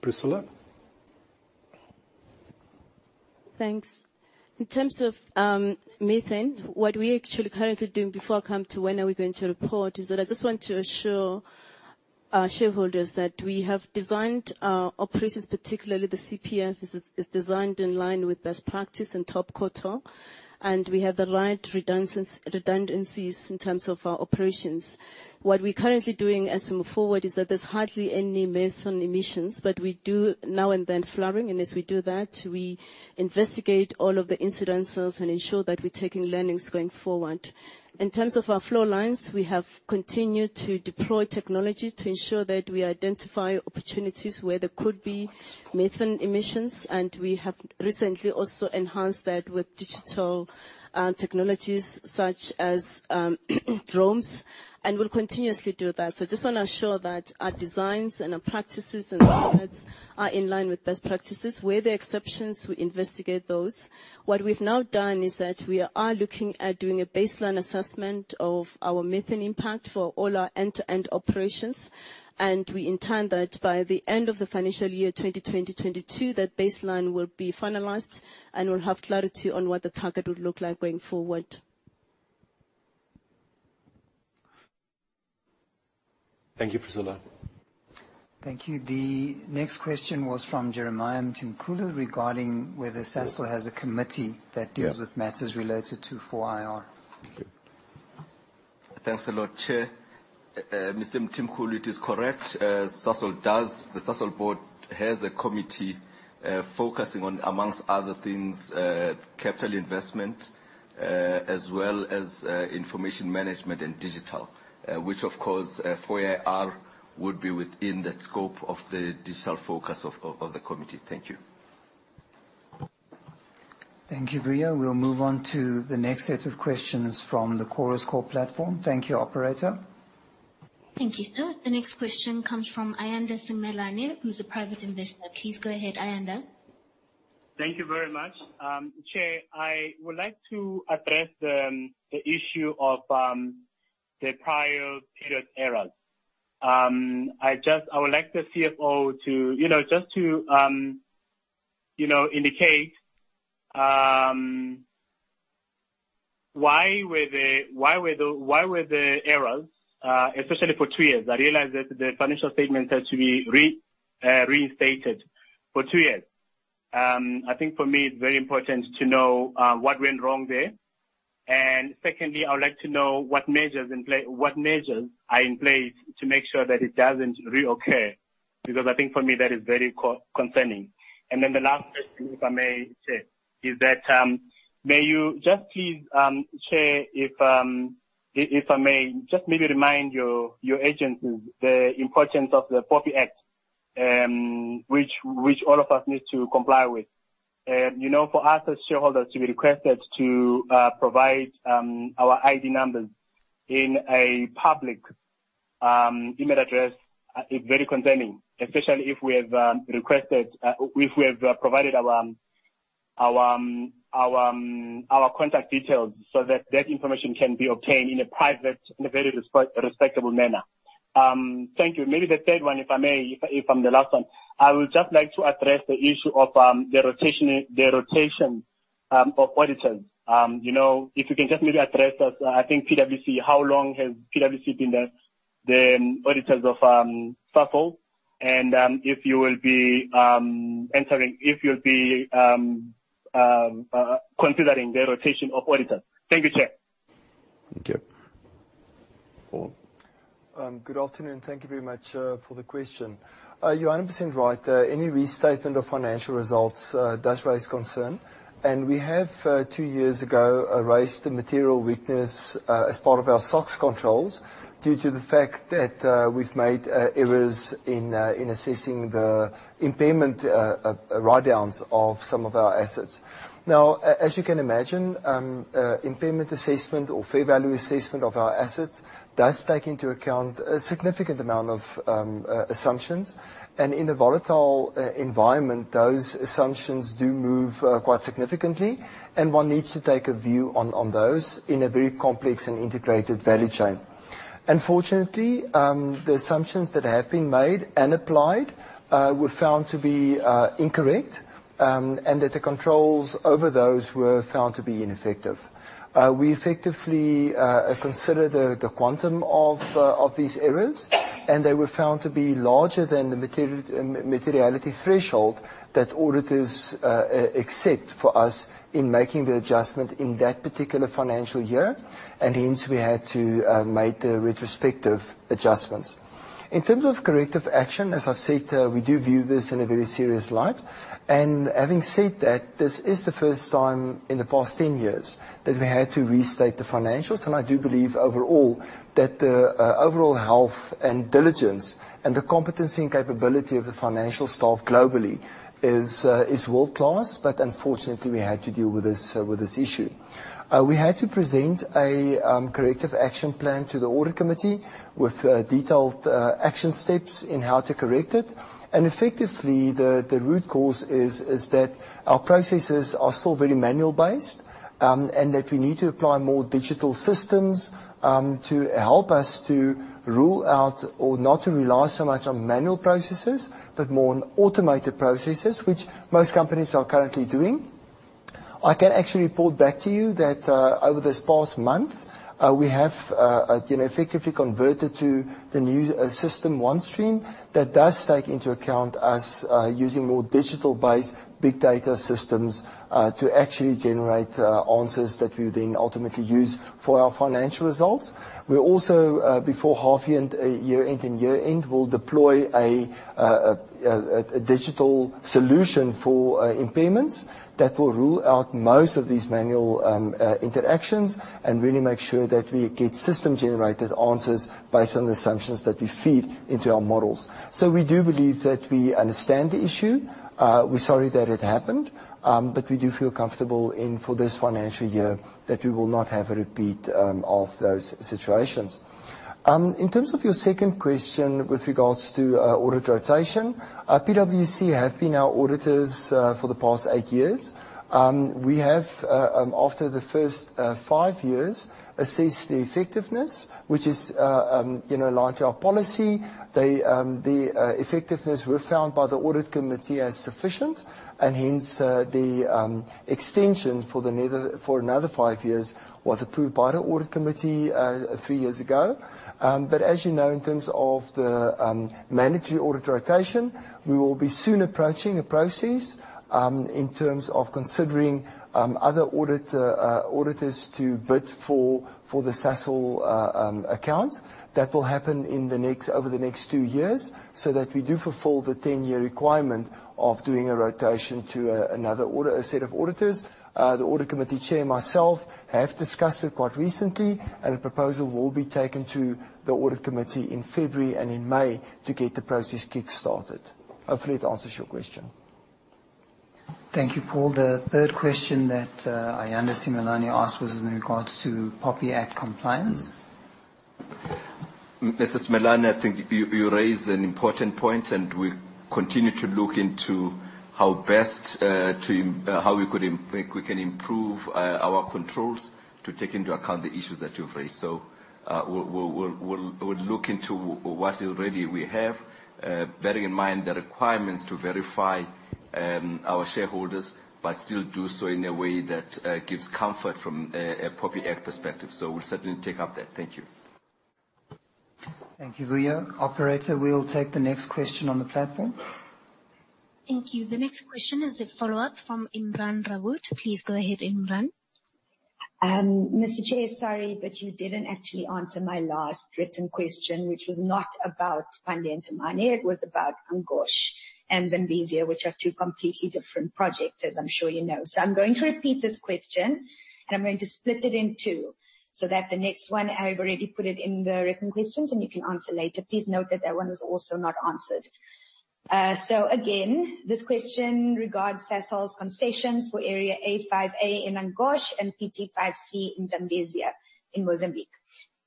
Priscillah? Thanks. In terms of methane, what we actually currently doing before I come to when are we going to report, is that I just want to assure our shareholders that we have designed our operations, particularly the CPF, is designed in line with best practice and top quarter. We have the right redundancies in terms of our operations. What we're currently doing as we move forward is that there's hardly any methane emissions, but we do now and then flaring. As we do that, we investigate all of the incidences and ensure that we're taking learnings going forward. In terms of our flow lines, we have continued to deploy technology to ensure that we identify opportunities where there could be methane emissions, and we have recently also enhanced that with digital technologies such as drones, and we'll continuously do that. Just want to assure that our designs and our practices and standards are in line with best practices. Where there are exceptions, we investigate those. What we've now done is that we are looking at doing a baseline assessment of our methane impact for all our end-to-end operations. We intend that by the end of the financial year 2022, that baseline will be finalized, and we'll have clarity on what the target would look like going forward. Thank you, Priscillah. Thank you. The next question was from Jeremiah Mtimkulu regarding whether Sasol has a committee that deals with matters related to 4IR. Thanks a lot, Chair. Mr. Mtimkulu, it is correct. The Sasol board has a committee focusing on, amongst other things, capital investment, as well as information management and digital, which of course, 4IR would be within that scope of the digital focus of the committee. Thank you. Thank you, Bria. We'll move on to the next set of questions from the Chorus Call platform. Thank you, operator. Thank you, sir. The next question comes from Ayanda Simelane, who's a private investor. Please go ahead, Ayanda. Thank you very much. Chair, I would like to address the issue of the prior period errors. I would like the CFO just to indicate why were the errors, especially for two years. I realize that the financial statements had to be restated for two years. I think for me, it's very important to know what went wrong there. Secondly, I would like to know what measures are in place to make sure that it doesn't reoccur, because I think for me, that is very concerning. Then the last question, if I may, Chair, is that may you just please, Chair, if I may, just maybe remind your agencies the importance of the POPI Act, which all of us need to comply with. For us as shareholders to be requested to provide our ID numbers in a public email address is very concerning, especially if we have provided our contact details so that that information can be obtained in a private, in a very respectable manner. Thank you. Maybe the third one, if I may, if I'm the last one. I would just like to address the issue of the rotation of auditors. If you can just maybe address that. I think PwC, how long has PwC been the auditors of Sasol? If you will be considering the rotation of auditors. Thank you, Chair. Thank you. Paul? Good afternoon. Thank you very much for the question. You're 100% right. Any restatement of financial results does raise concern. We have, two years ago, raised the material weakness as part of our SOX controls due to the fact that we've made errors in assessing the impairment write-downs of some of our assets. As you can imagine, impairment assessment or fair value assessment of our assets does take into account a significant amount of assumptions. In a volatile environment, those assumptions do move quite significantly, and one needs to take a view on those in a very complex and integrated value chain. Unfortunately, the assumptions that have been made and applied were found to be incorrect, and that the controls over those were found to be ineffective. We effectively consider the quantum of these errors, they were found to be larger than the materiality threshold that auditors accept for us in making the adjustment in that particular financial year. Hence, we had to make the retrospective adjustments. In terms of corrective action, as I've said, we do view this in a very serious light. Having said that, this is the first time in the past 10 years that we had to restate the financials. I do believe overall, that the overall health and diligence and the competency and capability of the financial staff globally is world-class. Unfortunately, we had to deal with this issue. We had to present a corrective action plan to the audit committee with detailed action steps in how to correct it. Effectively, the root cause is that our processes are still very manual-based, and that we need to apply more digital systems to help us to rule out or not to rely so much on manual processes, but more on automated processes, which most companies are currently doing. I can actually report back to you that over this past month, we have effectively converted to the new system, OneStream, that does take into account us using more digital-based big data systems to actually generate answers that we will then ultimately use for our financial results. We're also, before half year-end and year-end, we'll deploy a digital solution for impairments that will rule out most of these manual interactions and really make sure that we get system-generated answers based on the assumptions that we feed into our models. We do believe that we understand the issue. We're sorry that it happened, we do feel comfortable for this financial year that we will not have a repeat of those situations. In terms of your second question with regards to audit rotation, PwC have been our auditors for the past eight years. We have, after the first five years, assessed the effectiveness, which is in line with our policy. The effectiveness were found by the audit committee as sufficient, and hence the extension for another five years was approved by the audit committee three years ago. As you know, in terms of the mandatory audit rotation, we will be soon approaching a process in terms of considering other auditors to bid for the Sasol account. That will happen over the next two years, so that we do fulfill the 10-year requirement of doing a rotation to another set of auditors. The audit committee chair, myself, have discussed it quite recently, a proposal will be taken to the audit committee in February and in May to get the process kick-started. Hopefully, it answers your question. Thank you, Paul. The third question that Ayanda Simelane asked was in regards to POPI Act compliance. Mr. Simelane, I think you raised an important point, we continue to look into how we can improve our controls to take into account the issues that you've raised. We'll look into what already we have, bearing in mind the requirements to verify our shareholders, but still do so in a way that gives comfort from a POPI Act perspective. We'll certainly take up that. Thank you. Thank you, Vuyo. Operator, we will take the next question on the platform. Thank you. The next question is a follow-up from Imraan Rawoot. Please go ahead, Imraan. Mr. Chair, sorry, you didn't actually answer my last written question, which was not about Palantir Mine. It was about Angoche and Zambezia, which are two completely different projects, as I'm sure you know. I'm going to repeat this question, and I'm going to split it in two, that the next one, I've already put it in the written questions, and you can answer later. Please note that that one was also not answered. Again, this question regards Sasol's concessions for Area A5A in Angoche and PT5C in Zambezia in Mozambique.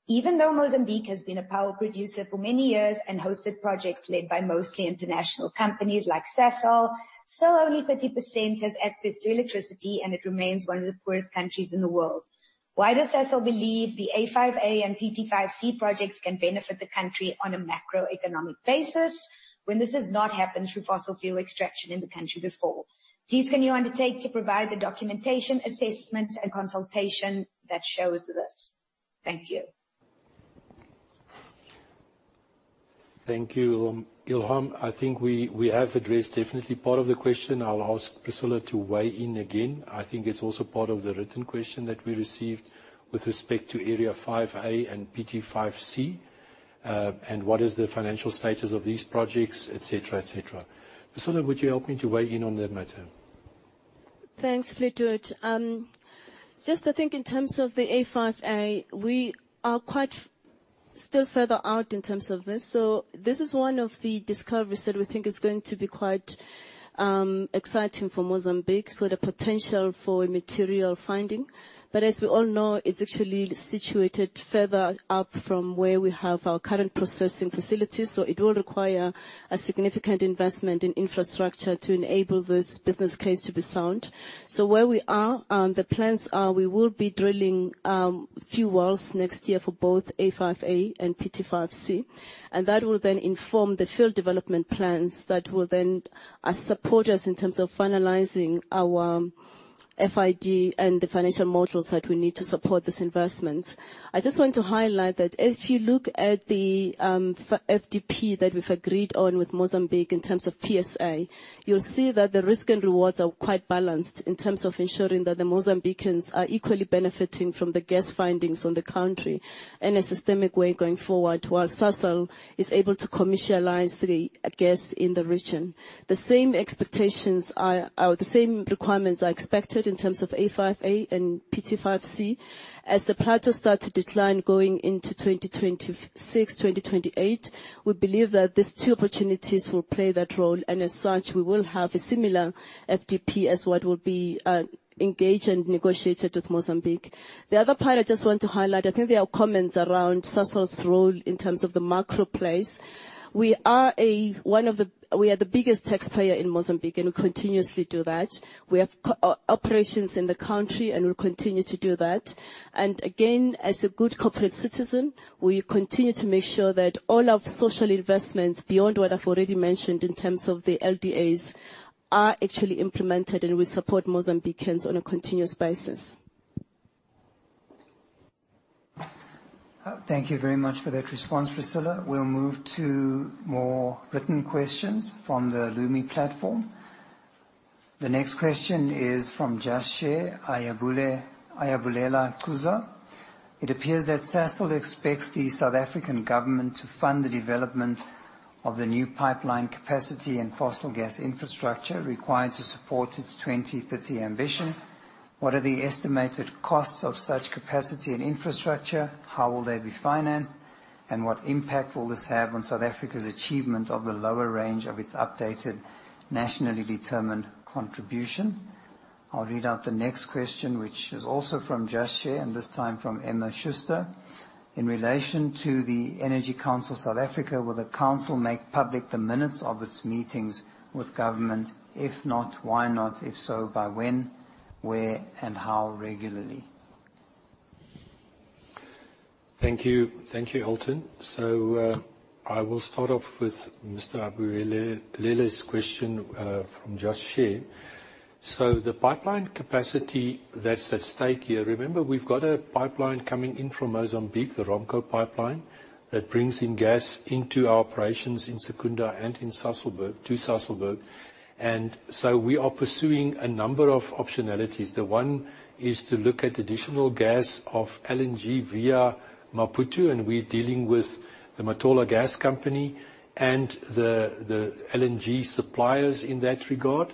Even though Mozambique has been a power producer for many years and hosted projects led by mostly international companies like Sasol, still only 30% has access to electricity, and it remains one of the poorest countries in the world. Why does Sasol believe the A5A and PT5C projects can benefit the country on a macroeconomic basis when this has not happened through fossil fuel extraction in the country before? Please can you undertake to provide the documentation, assessment, and consultation that shows this? Thank you. Thank you, Ilham. I think we have addressed definitely part of the question. I will ask Priscillah to weigh in again. I think it is also part of the written question that we received with respect to A5A and PT5C, and what is the financial status of these projects, et cetera. Priscillah, would you help me to weigh in on that matter? Thanks, Flutoit. Just I think in terms of the A5A, we are quite still further out in terms of this. This is one of the discoveries that we think is going to be quite exciting for Mozambique. The potential for a material finding. As we all know, it is actually situated further up from where we have our current processing facilities, it will require a significant investment in infrastructure to enable this business case to be sound. Where we are, the plans are we will be drilling few wells next year for both A5A and PT5C, that will then inform the FDP that will then support us in terms of finalizing our FID and the financial modules that we need to support this investment. I just want to highlight that if you look at the FDP that we have agreed on with Mozambique in terms of PSA, you will see that the risk and rewards are quite balanced in terms of ensuring that the Mozambicans are equally benefiting from the gas findings on the country in a systemic way going forward, while Sasol is able to commercialize the gas in the region. The same requirements are expected in terms of A5A and PT5C. As the plateau start to decline going into 2026, 2028, we believe that these two opportunities will play that role, and as such, we will have a similar FDP as what will be engaged and negotiated with Mozambique. The other part I just want to highlight, I think there are comments around Sasol's role in terms of the macro place. We are the biggest taxpayer in Mozambique, and we continuously do that. We have operations in the country and will continue to do that. Again, as a good corporate citizen, we continue to make sure that all our social investments, beyond what I have already mentioned in terms of the LDAs, are actually implemented and will support Mozambicans on a continuous basis. Thank you very much for that response, Priscilla. We will move to more written questions from the Lumi platform. The next question is from Ayabulela Quzu. It appears that Sasol expects the South African government to fund the development of the new pipeline capacity and fossil gas infrastructure required to support its 2030 ambition. What are the estimated costs of such capacity and infrastructure? How will they be financed? What impact will this have on South Africa's achievement of the lower range of its updated nationally determined contribution? I will read out the next question, which is also from Emma Schuster. In relation to the Energy Council of South Africa, will the council make public the minutes of its meetings with government? If not, why not? If so, by when, where, and how regularly? Thank you, Hilton. I will start off with Mr. Ayabulela's question. The pipeline capacity that is at stake here, remember, we have got a pipeline coming in from Mozambique, the ROMPCO pipeline, that brings in gas into our operations in Secunda and to Sasolburg. We are pursuing a number of optionalities. The one is to look at additional gas of LNG via Maputo, and we are dealing with the Matola Gas Company and the LNG suppliers in that regard.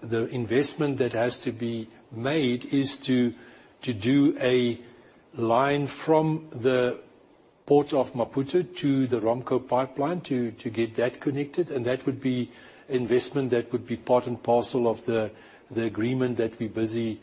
The investment that has to be made is to do a line from the Port of Maputo to the ROMPCO pipeline to get that connected, and that would be investment that would be part and parcel of the agreement that we are busy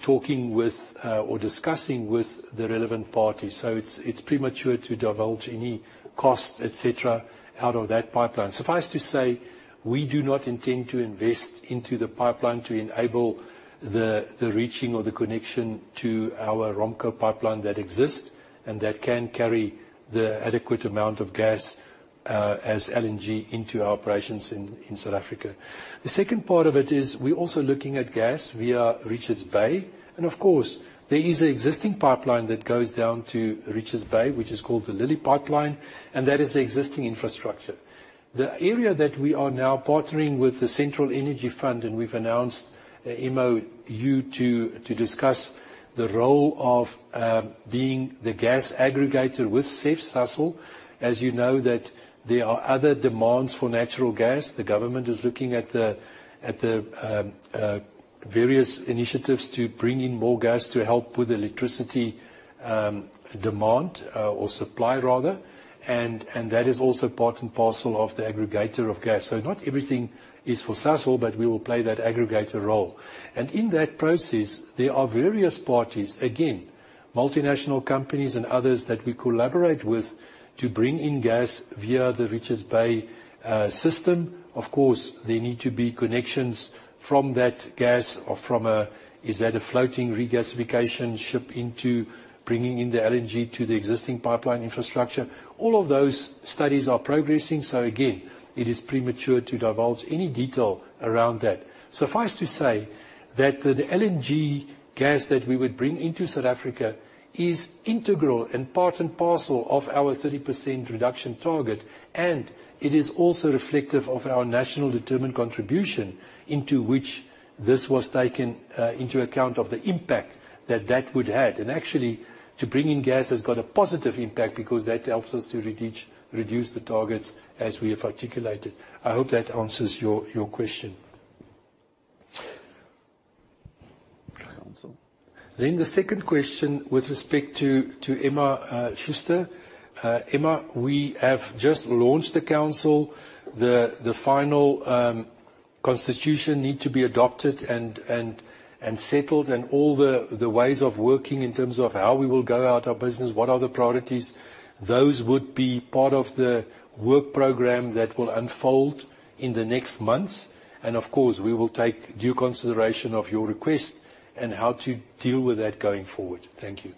talking with or discussing with the relevant parties. It is premature to divulge any cost, et cetera, out of that pipeline. Suffice to say, we do not intend to invest into the pipeline to enable the reaching or the connection to our ROMPCO pipeline that exists and that can carry the adequate amount of gas as LNG into our operations in South Africa. The second part of it is we are also looking at gas via Richards Bay. Of course, there is an existing pipeline that goes down to Richards Bay, which is called the Lilly Pipeline, and that is the existing infrastructure. The area that we are now partnering with the Central Energy Fund, and we have announced, Emma, you too, to discuss the role of being the gas aggregator with CEF, Sasol. You know that there are other demands for natural gas. The government is looking at the various initiatives to bring in more gas to help with electricity demand or supply rather. That is also part and parcel of the aggregator of gas. Not everything is for Sasol, but we will play that aggregator role. In that process, there are various parties, again, multinational companies and others that we collaborate with to bring in gas via the Richards Bay system. There need to be connections from that gas or from a floating regasification ship into bringing in the LNG to the existing pipeline infrastructure? All of those studies are progressing. Again, it is premature to divulge any detail around that. Suffice to say that the LNG gas that we would bring into South Africa is integral and part and parcel of our 30% reduction target, and it is also reflective of our nationally determined contribution into which this was taken into account of the impact that that would have had. to bring in gas has got a positive impact because that helps us to reduce the targets as we have articulated. I hope that answers your question. The second question with respect to Emma Schuster. Emma, we have just launched the council. The final constitution needs to be adopted and settled, and all the ways of working in terms of how we will go about our business, what are the priorities, those would be part of the work program that will unfold in the next months. Of course, we will take due consideration of your request and how to deal with that going forward. Thank you.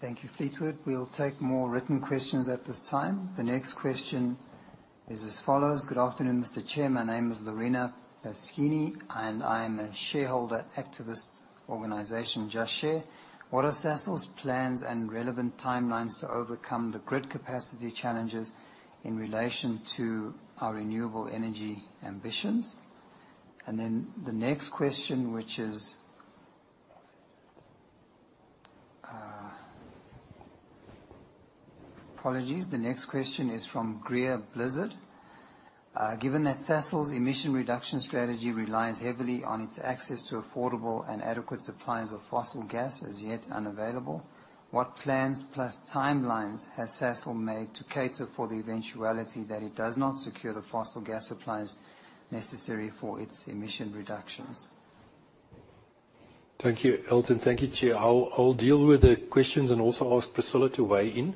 Thank you, Fleetwood. We will take more written questions at this time. The next question is as follows: Good afternoon, Mr. Chair. My name is Lorena Skinny, and I am a shareholder activist organization, Just Share. What are Sasol's plans and relevant timelines to overcome the grid capacity challenges in relation to our renewable energy ambitions? The next question, which is Apologies. The next question is from Greer Blizzard: Given that Sasol's emission reduction strategy relies heavily on its access to affordable and adequate supplies of fossil gas as yet unavailable, what plans plus timelines has Sasol made to cater for the eventuality that it does not secure the fossil gas supplies necessary for its emission reductions? Thank you, Elton. Thank you, Chair. I will deal with the questions and also ask Priscillah to weigh in.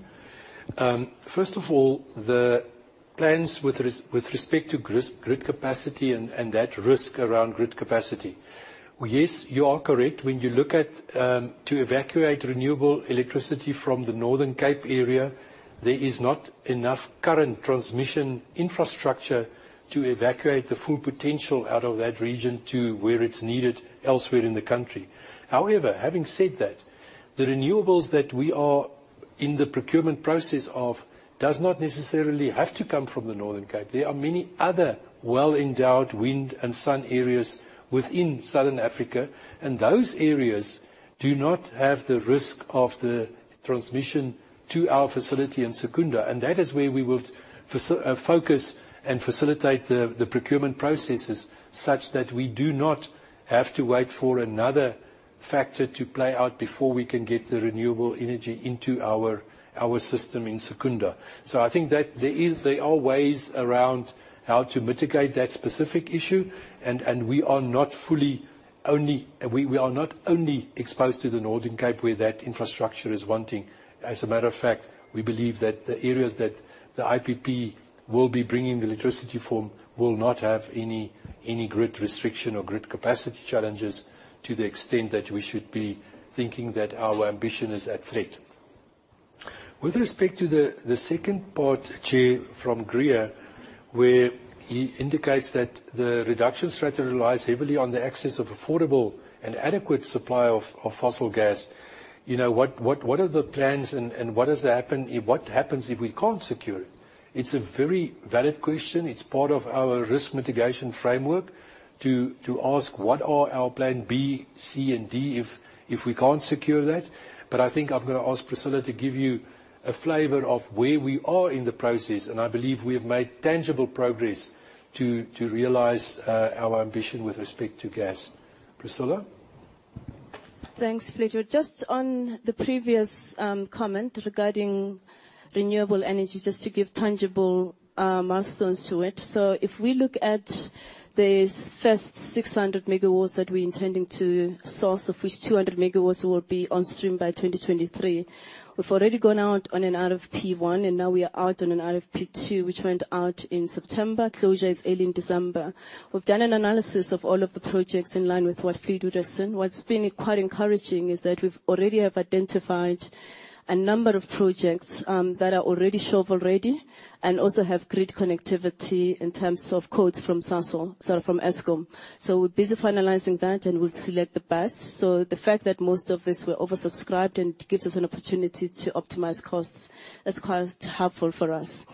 First of all, the plans with respect to grid capacity and that risk around grid capacity. Yes, you are correct. When you look at to evacuate renewable electricity from the Northern Cape area, there is not enough current transmission infrastructure to evacuate the full potential out of that region to where it is needed elsewhere in the country. However, having said that, the renewables that we are in the procurement process of does not necessarily have to come from the Northern Cape. There are many other well-endowed wind and sun areas within Southern Africa, and those areas do not have the risk of the transmission to our facility in Secunda. That is where we would focus and facilitate the procurement processes such that we do not have to wait for another factor to play out before we can get the renewable energy into our system in Secunda. I think that there are ways around how to mitigate that specific issue, and we are not only exposed to the Northern Cape where that infrastructure is wanting. As a matter of fact, we believe that the areas that the IPP will be bringing the electricity from will not have any grid restriction or grid capacity challenges to the extent that we should be thinking that our ambition is at threat. With respect to the second part, Chair, from Greer, where he indicates that the reduction strategy relies heavily on the access of affordable and adequate supply of fossil gas. What are the plans and what happens if we can't secure it? It's a very valid question. It's part of our risk mitigation framework to ask what are our plan B, C and D if we can't secure that. I think I'm going to ask Priscilla to give you a flavor of where we are in the process, and I believe we have made tangible progress to realize our ambition with respect to gas. Priscilla? Thanks, Fleetwood. Just on the previous comment regarding renewable energy, just to give tangible milestones to it. If we look at the first 600 MW that we're intending to source, of which 200 MW will be on stream by 2023, we've already gone out on an RFP1, and now we are out on an RFP2, which went out in September. Closure is early in December. We've done an analysis of all of the projects in line with what Fleetwood has said. What's been quite encouraging is that we already have identified a number of projects that are already shovel-ready and also have grid connectivity in terms of quotes from Sasol-- sorry, from Eskom. We're busy finalizing that, and we'll select the best. The fact that most of these were oversubscribed and gives us an opportunity to optimize costs is quite helpful for us.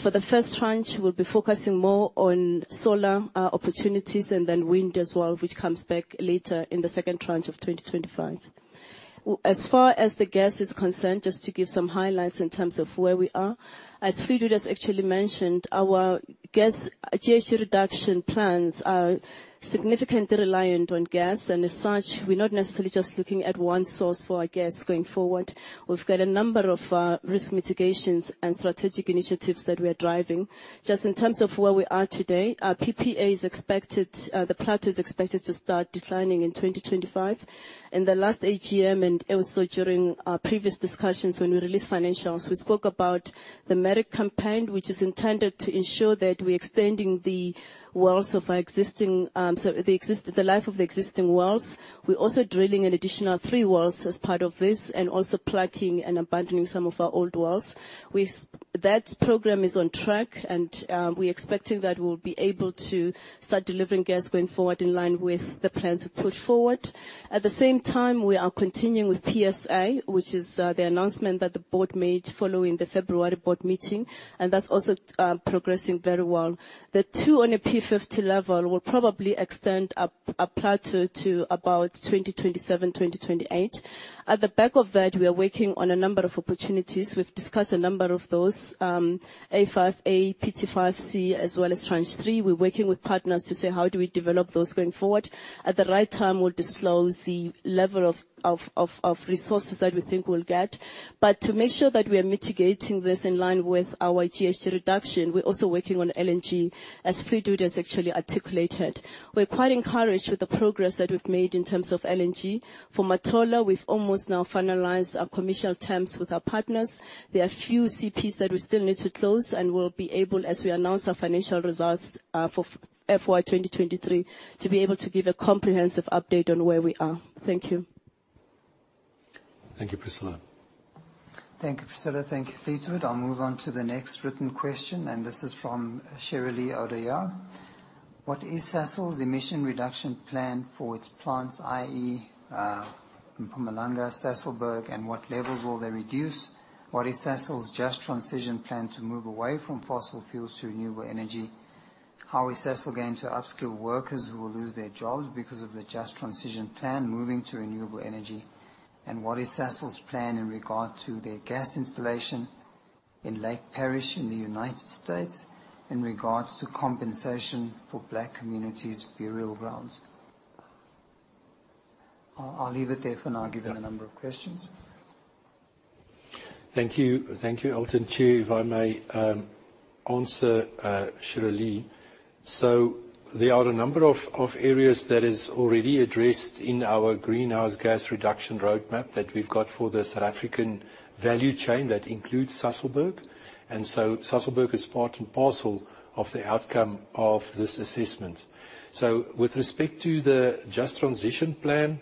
For the first tranche, we'll be focusing more on solar opportunities and then wind as well, which comes back later in the second tranche of 2025. As far as the gas is concerned, just to give some highlights in terms of where we are. As Fleetwood has actually mentioned, our GHG reduction plans are significantly reliant on gas, and as such, we're not necessarily just looking at one source for our gas going forward. We've got a number of risk mitigations and strategic initiatives that we are driving. Just in terms of where we are today, our PPA is expected, the plateau is expected to start declining in 2025. In the last AGM and also during our previous discussions when we released financials, we spoke about the medic campaign, which is intended to ensure that we're extending the life of the existing wells. We're also drilling an additional three wells as part of this and also plugging and abandoning some of our old wells. That program is on track, and we're expecting that we'll be able to start delivering gas going forward in line with the plans we put forward. At the same time, we are continuing with PSA, which is the announcement that the board made following the February board meeting, and that's also progressing very well. The two on a P50 level will probably extend a plateau to about 2027, 2028. At the back of that, we are working on a number of opportunities. We've discussed a number of those, A5A, PT5C as well as Tranche 3. We're working with partners to say, how do we develop those going forward? At the right time, we'll disclose the level of resources that we think we'll get. To make sure that we are mitigating this in line with our GHG reduction, we're also working on LNG, as Fleetwood has actually articulated. We're quite encouraged with the progress that we've made in terms of LNG. For Matola, we've almost now finalized our commercial terms with our partners. There are a few CPs that we still need to close, and we'll be able, as we announce our financial results for FY 2023, to be able to give a comprehensive update on where we are. Thank you. Thank you, Priscilla. Thank you, Priscilla. Thank you, Fleetwood. I'll move on to the next written question, and this is from Sherrie Lee Odoyar. What is Sasol's emission reduction plan for its plants, i.e., in Mpumalanga, Sasolburg, and what levels will they reduce? What is Sasol's just transition plan to move away from fossil fuels to renewable energy? How is Sasol going to upskill workers who will lose their jobs because of the just transition plan moving to renewable energy? What is Sasol's plan in regard to their gas installation in Lake Charles in the U.S. in regards to compensation for black communities' burial grounds? I'll leave it there for now, given the number of questions. Thank you. Thank you, Elton. Chair, if I may answer Sherrie Lee. There are a number of areas that is already addressed in our greenhouse gas reduction roadmap that we've got for the South African value chain that includes Sasolburg. Sasolburg is part and parcel of the outcome of this assessment. With respect to the just transition plan,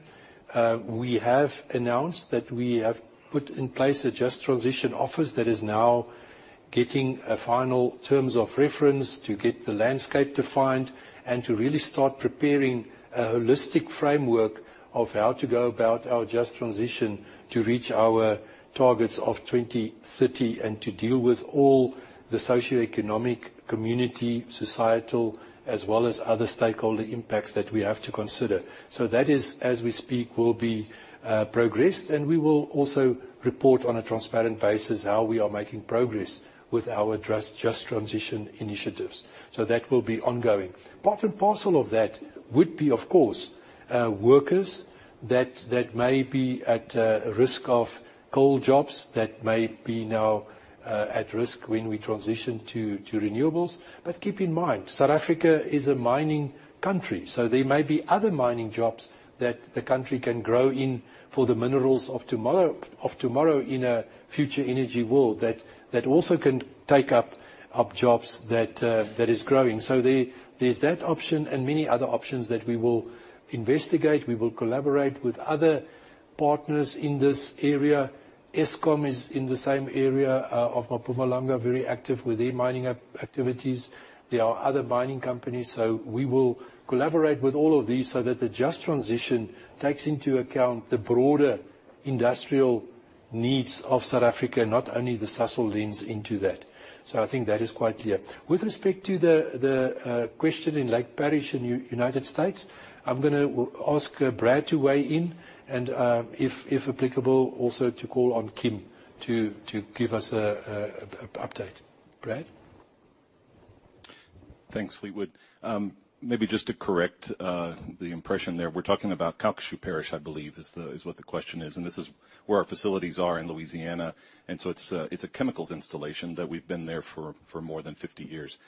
we have announced that we have put in place a just transition office that is now getting a final terms of reference to get the landscape defined and to really start preparing a holistic framework of how to go about our just transition to reach our targets of 2030 and to deal with all the socioeconomic, community, societal, as well as other stakeholder impacts that we have to consider. That, as we speak, will be progressed, and we will also report on a transparent basis how we are making progress with our just transition initiatives. That will be ongoing. Part and parcel of that would be, of course, workers that may be at risk of coal jobs, that may be now at risk when we transition to renewables. Keep in mind, South Africa is a mining country, so there may be other mining jobs that the country can grow in for the minerals of tomorrow in a future energy world that also can take up jobs that is growing. There's that option and many other options that we will investigate. We will collaborate with other partners in this area. Eskom is in the same area of Mpumalanga, very active with their mining activities. There are other mining companies. We will collaborate with all of these so that the just transition takes into account the broader industrial needs of South Africa, not only the Sasol lens into that. I think that is quite clear. With respect to the question in Lake Charles in United States, I'm going to ask Brad to weigh in and, if applicable, also to call on Kim to give us an update. Brad? Thanks, Fleetwood. Maybe just to correct the impression there. We're talking about Calcasieu Parish, I believe, is what the question is, and this is where our facilities are in Louisiana, and so it's a chemicals installation that we've been there for more than 50 years.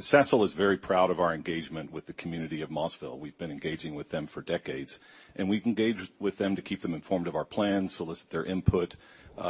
Sasol is very proud of our engagement with the community of Mossville. We've been engaging with them for decades, and we've engaged with them to keep them informed of our plans, solicit their input,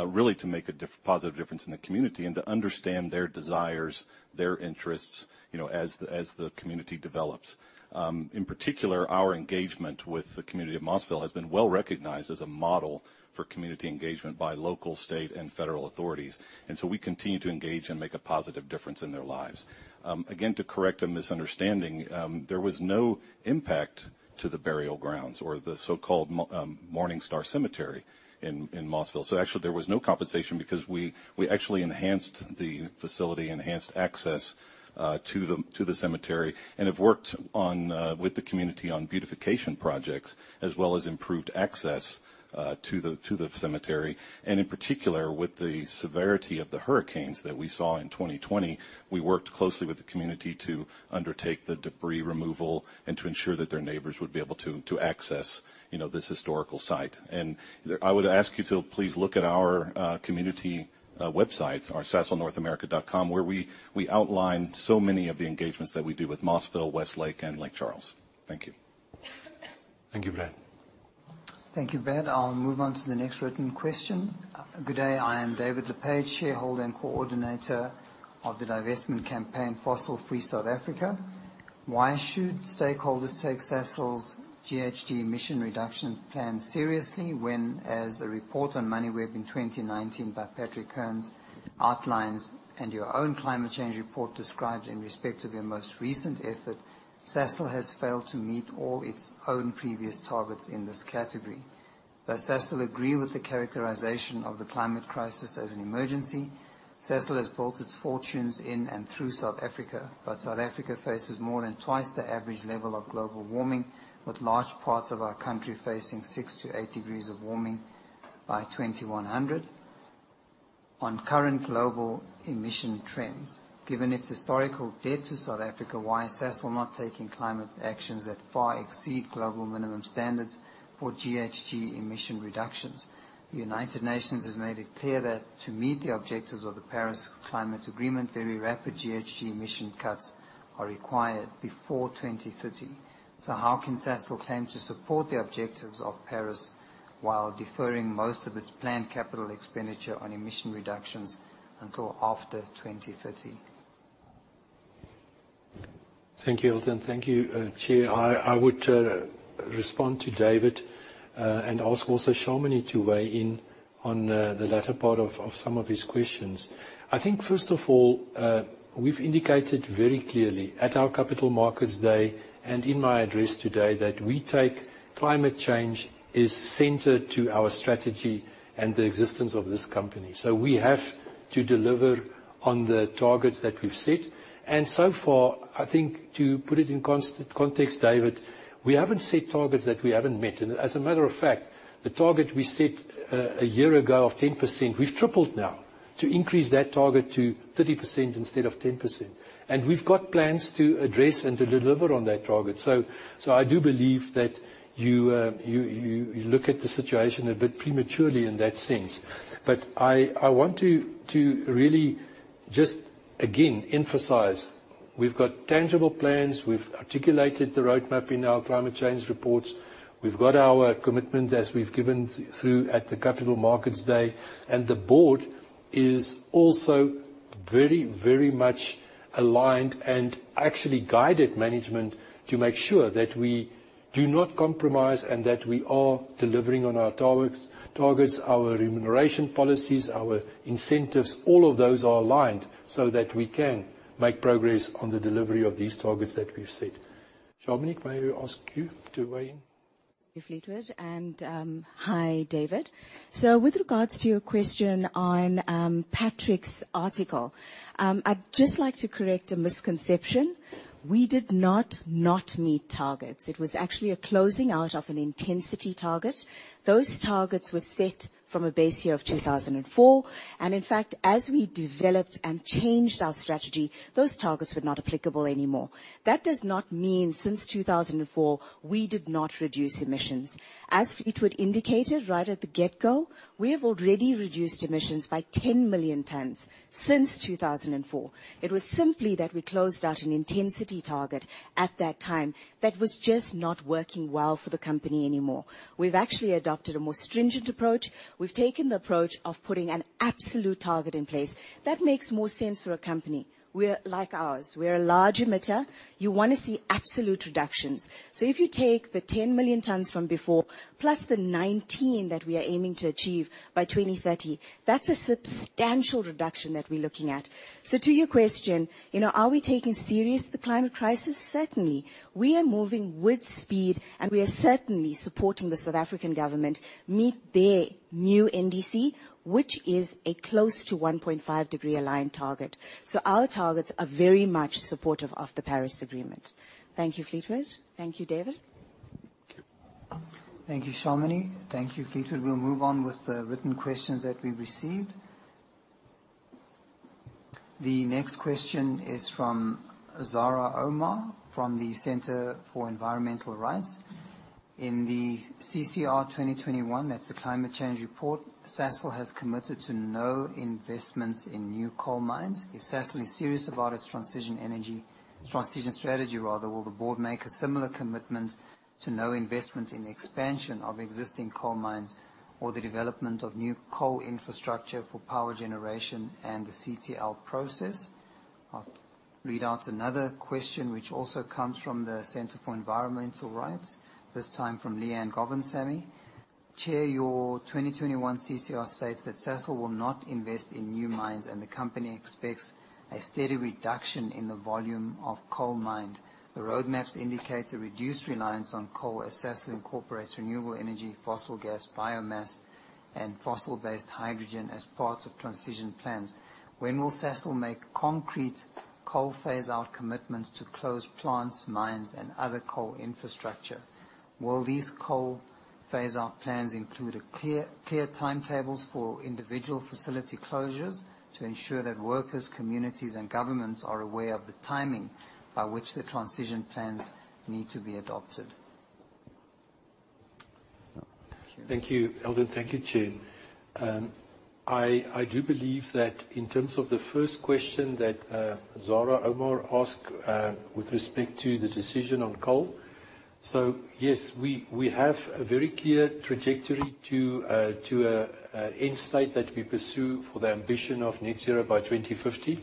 really to make a positive difference in the community and to understand their desires, their interests, as the community develops. In particular, our engagement with the community of Mossville has been well-recognized as a model for community engagement by local, state, and federal authorities. We continue to engage and make a positive difference in their lives. Again, to correct a misunderstanding, there was no impact to the burial grounds or the so-called Morning Star Cemetery in Mossville. Actually, there was no compensation because we actually enhanced the facility, enhanced access to the cemetery, and have worked with the community on beautification projects, as well as improved access to the cemetery. In particular, with the severity of the hurricanes that we saw in 2020, we worked closely with the community to undertake the debris removal and to ensure that their neighbors would be able to access this historical site. I would ask you to please look at our community websites, our sasolnorthamerica.com, where we outline so many of the engagements that we do with Mossville, Westlake, and Lake Charles. Thank you. Thank you, Brad. Thank you, Brad. I'll move on to the next written question. Good day. I am David Le Page, shareholder and coordinator of the divestment campaign, Fossil Free South Africa. Why should stakeholders take Sasol's GHG emission reduction plan seriously when, as a report on Moneyweb in 2019 by Patrick Cairns outlines, and your own climate change report described in respect of your most recent effort, Sasol has failed to meet all its own previous targets in this category. Does Sasol agree with the characterization of the climate crisis as an emergency? Sasol has built its fortunes in and through South Africa, but South Africa faces more than twice the average level of global warming, with large parts of our country facing six to eight degrees of warming by 2100 on current global emission trends. Given its historical debt to South Africa, why is Sasol not taking climate actions that far exceed global minimum standards for GHG emission reductions? The United Nations has made it clear that to meet the objectives of the Paris Agreement, very rapid GHG emission cuts are required before 2030. How can Sasol claim to support the objectives of Paris while deferring most of its planned capital expenditure on emission reductions until after 2030? Thank you, Elton. Thank you, Chair. I would respond to David, and ask also Shamini to weigh in on the latter part of some of his questions. I think first of all, we've indicated very clearly at our Capital Markets Day and in my address today, that we take climate change as centered to our strategy and the existence of this company. We have to deliver on the targets that we've set. So far, I think to put it in context, David, we haven't set targets that we haven't met. As a matter of fact, the target we set a year ago of 10%, we've tripled now to increase that target to 30% instead of 10%. We've got plans to address and to deliver on that target. I do believe that you look at the situation a bit prematurely in that sense. I want to really just, again, emphasize we've got tangible plans. We've articulated the roadmap in our climate change reports. We've got our commitment as we've given through at the Capital Markets Day, and the board is also very much aligned and actually guided management to make sure that we do not compromise and that we are delivering on our targets, our remuneration policies, our incentives, all of those are aligned so that we can make progress on the delivery of these targets that we've set. Shamini, may I ask you to weigh in? Thank you, Fleetwood, and hi, David. With regards to your question on Patrick's article, I'd just like to correct a misconception. We did not meet targets. It was actually a closing out of an intensity target. Those targets were set from a base year of 2004, and in fact, as we developed and changed our strategy, those targets were not applicable anymore. That does not mean since 2004, we did not reduce emissions. As Fleetwood indicated right at the get-go, we have already reduced emissions by 10 million tons since 2004. It was simply that we closed out an intensity target at that time that was just not working well for the company anymore. We've actually adopted a more stringent approach. We've taken the approach of putting an absolute target in place. That makes more sense for a company like ours. We're a large emitter. You want to see absolute reductions. If you take the 10 million tons from before, plus the 19 that we are aiming to achieve by 2030, that's a substantial reduction that we're looking at. To your question, are we taking serious the climate crisis? Certainly. We are moving with speed, and we are certainly supporting the South African government meet their new NDC, which is a close to 1.5-degree aligned target. Our targets are very much supportive of the Paris Agreement. Thank you, Fleetwood. Thank you, David. Thank you. Thank you, Shamini. Thank you, Fleetwood. We will move on with the written questions that we received. The next question is from Zahra Omar from the Centre for Environmental Rights. In the CCR 2021, that is the climate change report, Sasol has committed to no investments in new coal mines. If Sasol is serious about its transition energy, transition strategy rather, will the board make a similar commitment to no investment in expansion of existing coal mines or the development of new coal infrastructure for power generation and the CTL process? I will read out another question, which also comes from the Centre for Environmental Rights, this time from Liaan Govender. Chair, your 2021 CCR states that Sasol will not invest in new mines. The company expects a steady reduction in the volume of coal mined. The roadmaps indicate a reduced reliance on coal as Sasol incorporates renewable energy, fossil gas, biomass, and fossil-based hydrogen as part of transition plans. When will Sasol make concrete coal phase out commitments to close plants, mines, and other coal infrastructure? Will these coal phase out plans include clear timetables for individual facility closures to ensure that workers, communities, and governments are aware of the timing by which the transition plans need to be adopted? Thank you, Elton. Thank you, Chair. I do believe that in terms of the first question that Zahra Omar asked, with respect to the decision on coal. Yes, we have a very clear trajectory to an end state that we pursue for the ambition of net zero by 2050.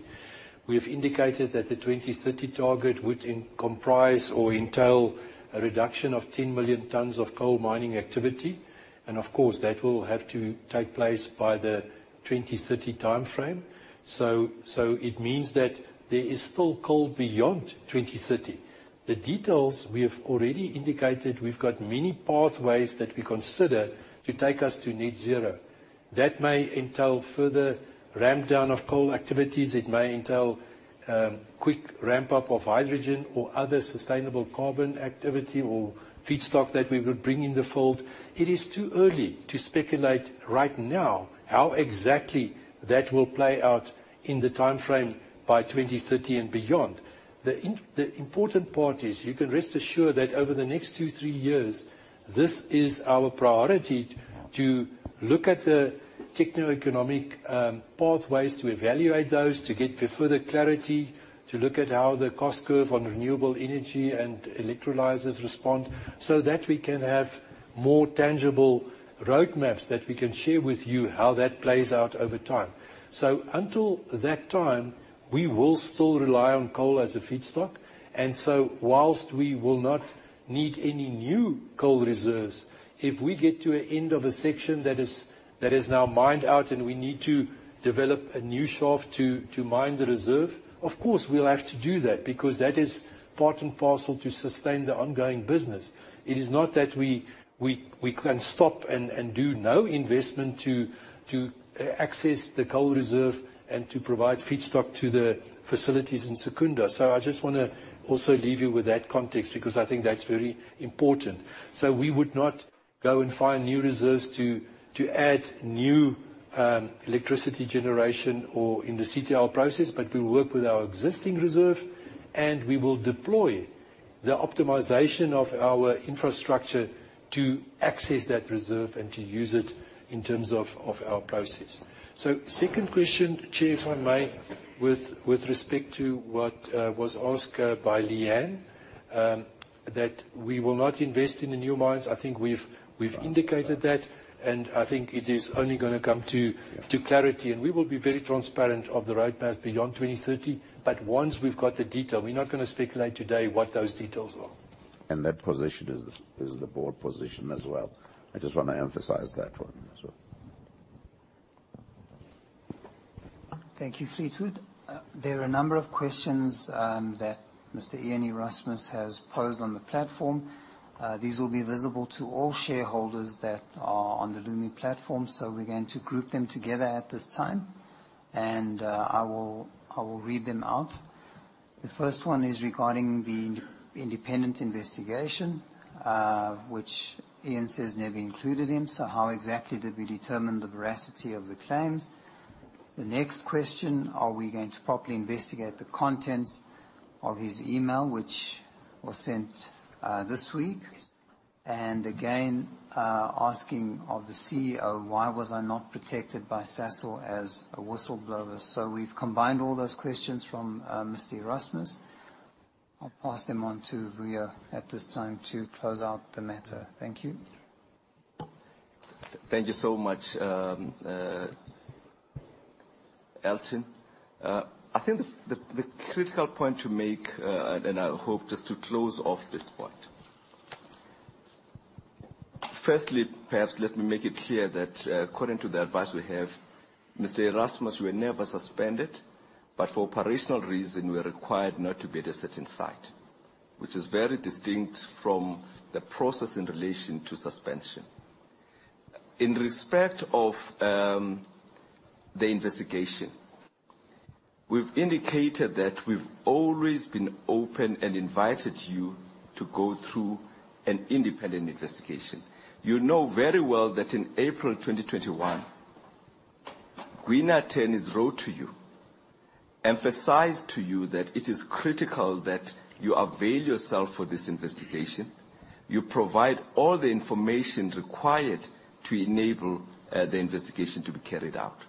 We have indicated that the 2030 target would comprise or entail a reduction of 10 million tonnes of coal mining activity. Of course, that will have to take place by the 2030 timeframe. It means that there is still coal beyond 2030. The details we have already indicated, we've got many pathways that we consider to take us to net zero. That may entail further ramp down of coal activities. It may entail quick ramp up of hydrogen or other sustainable carbon activity or feedstock that we would bring in the fold. It is too early to speculate right now how exactly that will play out in the timeframe by 2030 and beyond. The important part is, you can rest assured that over the next two, three years, this is our priority, to look at the techno-economic pathways, to evaluate those, to get further clarity, to look at how the cost curve on renewable energy and electrolysers respond, that we can have more tangible roadmaps that we can share with you how that plays out over time. Until that time, we will still rely on coal as a feedstock. Whilst we will not need any new coal reserves, if we get to an end of a section that is now mined out and we need to develop a new shaft to mine the reserve, of course, we will have to do that, because that is part and parcel to sustain the ongoing business. It is not that we can stop and do no investment to access the coal reserve and to provide feedstock to the facilities in Secunda. I just want to also leave you with that context, because I think that is very important. We would not go and find new reserves to add new electricity generation or in the CTL process, but we will work with our existing reserve, and we will deploy the optimization of our infrastructure to access that reserve and to use it in terms of our process. Second question, Chair, if I may, with respect to what was asked by Leanne, that we will not invest in the new mines. I think we have indicated that, and I think it is only going to come to clarity. We will be very transparent of the road map beyond 2030. Once we have got the detail, we are not going to speculate today what those details are. That position is the Board position as well. I just want to emphasize that for you, sir. Thank you, Fleetwood. There are a number of questions that Mr. Ian Erasmus has posed on the platform. These will be visible to all shareholders that are on the Lumi platform. We are going to group them together at this time, and I will read them out. The first one is regarding the independent investigation, which Ian says never included him. How exactly did we determine the veracity of the claims? The next question, are we going to properly investigate the contents of his email, which was sent this week? Again, asking of the CEO, why was I not protected by Sasol as a whistleblower? We have combined all those questions from Mr. Erasmus. I will pass them on to Vuyo at this time to close out the matter. Thank you. Thank you so much, Elton Fortuin. I think the critical point to make, I hope just to close off this point. Firstly, perhaps let me make it clear that according to the advice we have, Mr. Erasmus were never suspended, but for operational reason, were required not to be at a certain site, which is very distinct from the process in relation to suspension. In respect of the investigation, we've indicated that we've always been open and invited you to go through an independent investigation. You know very well that in April 2021, Gwina Attorneys wrote to you, emphasized to you that it is critical that you avail yourself for this investigation, you provide all the information required to enable the investigation to be carried out.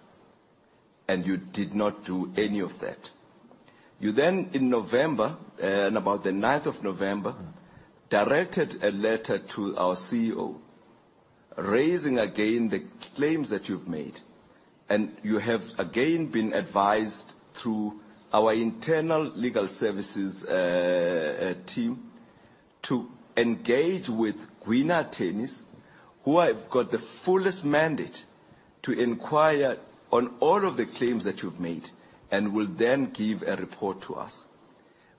You did not do any of that. You, in November, about the 9th of November, directed a letter to our CEO, raising again the claims that you've made. You have again been advised through our internal legal services team to engage with Gwina Attorneys, who have got the fullest mandate to inquire on all of the claims that you've made and will then give a report to us.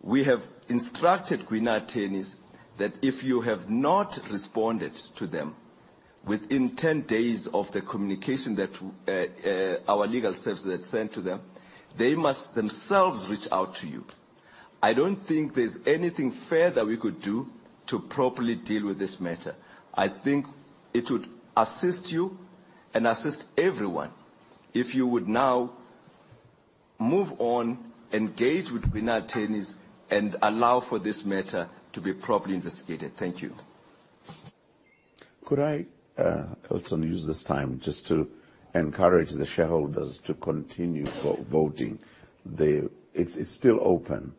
We have instructed Gwina Attorneys that if you have not responded to them within 10 days of the communication that our legal services had sent to them, they must themselves reach out to you. I don't think there's anything further we could do to properly deal with this matter. I think it would assist you and assist everyone if you would now move on, engage with Gwina Attorneys, and allow for this matter to be properly investigated. Thank you. Could I, Elton Fortuin, use this time just to encourage the shareholders to continue voting. It's still open,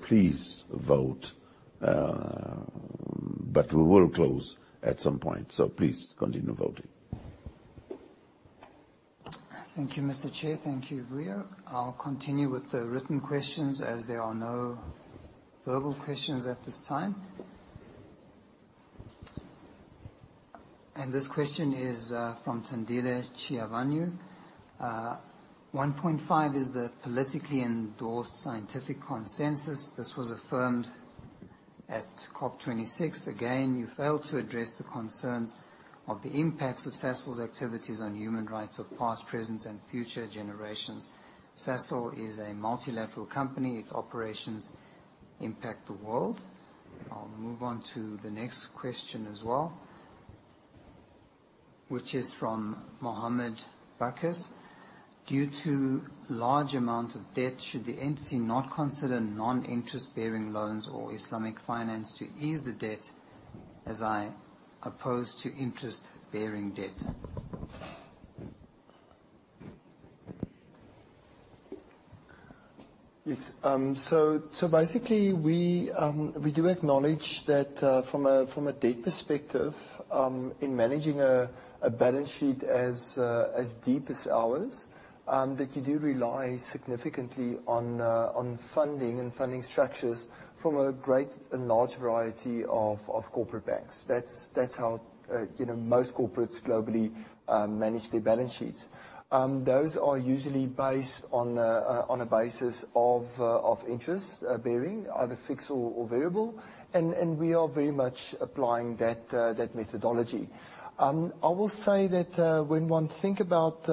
please vote. We will close at some point, please continue voting. Thank you, Mr. Chair. Thank you, Vuyo. I'll continue with the written questions as there are no verbal questions at this time. This question is from Thandile Chinyavanhu. 1.5 is the politically endorsed scientific consensus. This was affirmed at COP26. Again, you failed to address the concerns of the impacts of Sasol's activities on human rights of past, present, and future generations. Sasol is a multilateral company. Its operations impact the world. I'll move on to the next question as well, which is from Mohammed Bacchus. Due to large amount of debt, should the entity not consider non-interest bearing loans or Islamic finance to ease the debt, as opposed to interest bearing debt? Yes. Basically, we do acknowledge that from a debt perspective, in managing a balance sheet as deep as ours, that you do rely significantly on funding and funding structures from a great and large variety of corporate banks. That is how most corporates globally manage their balance sheets. Those are usually based on a basis of interest-bearing, either fixed or variable, and we are very much applying that methodology. I will say that when one thinks about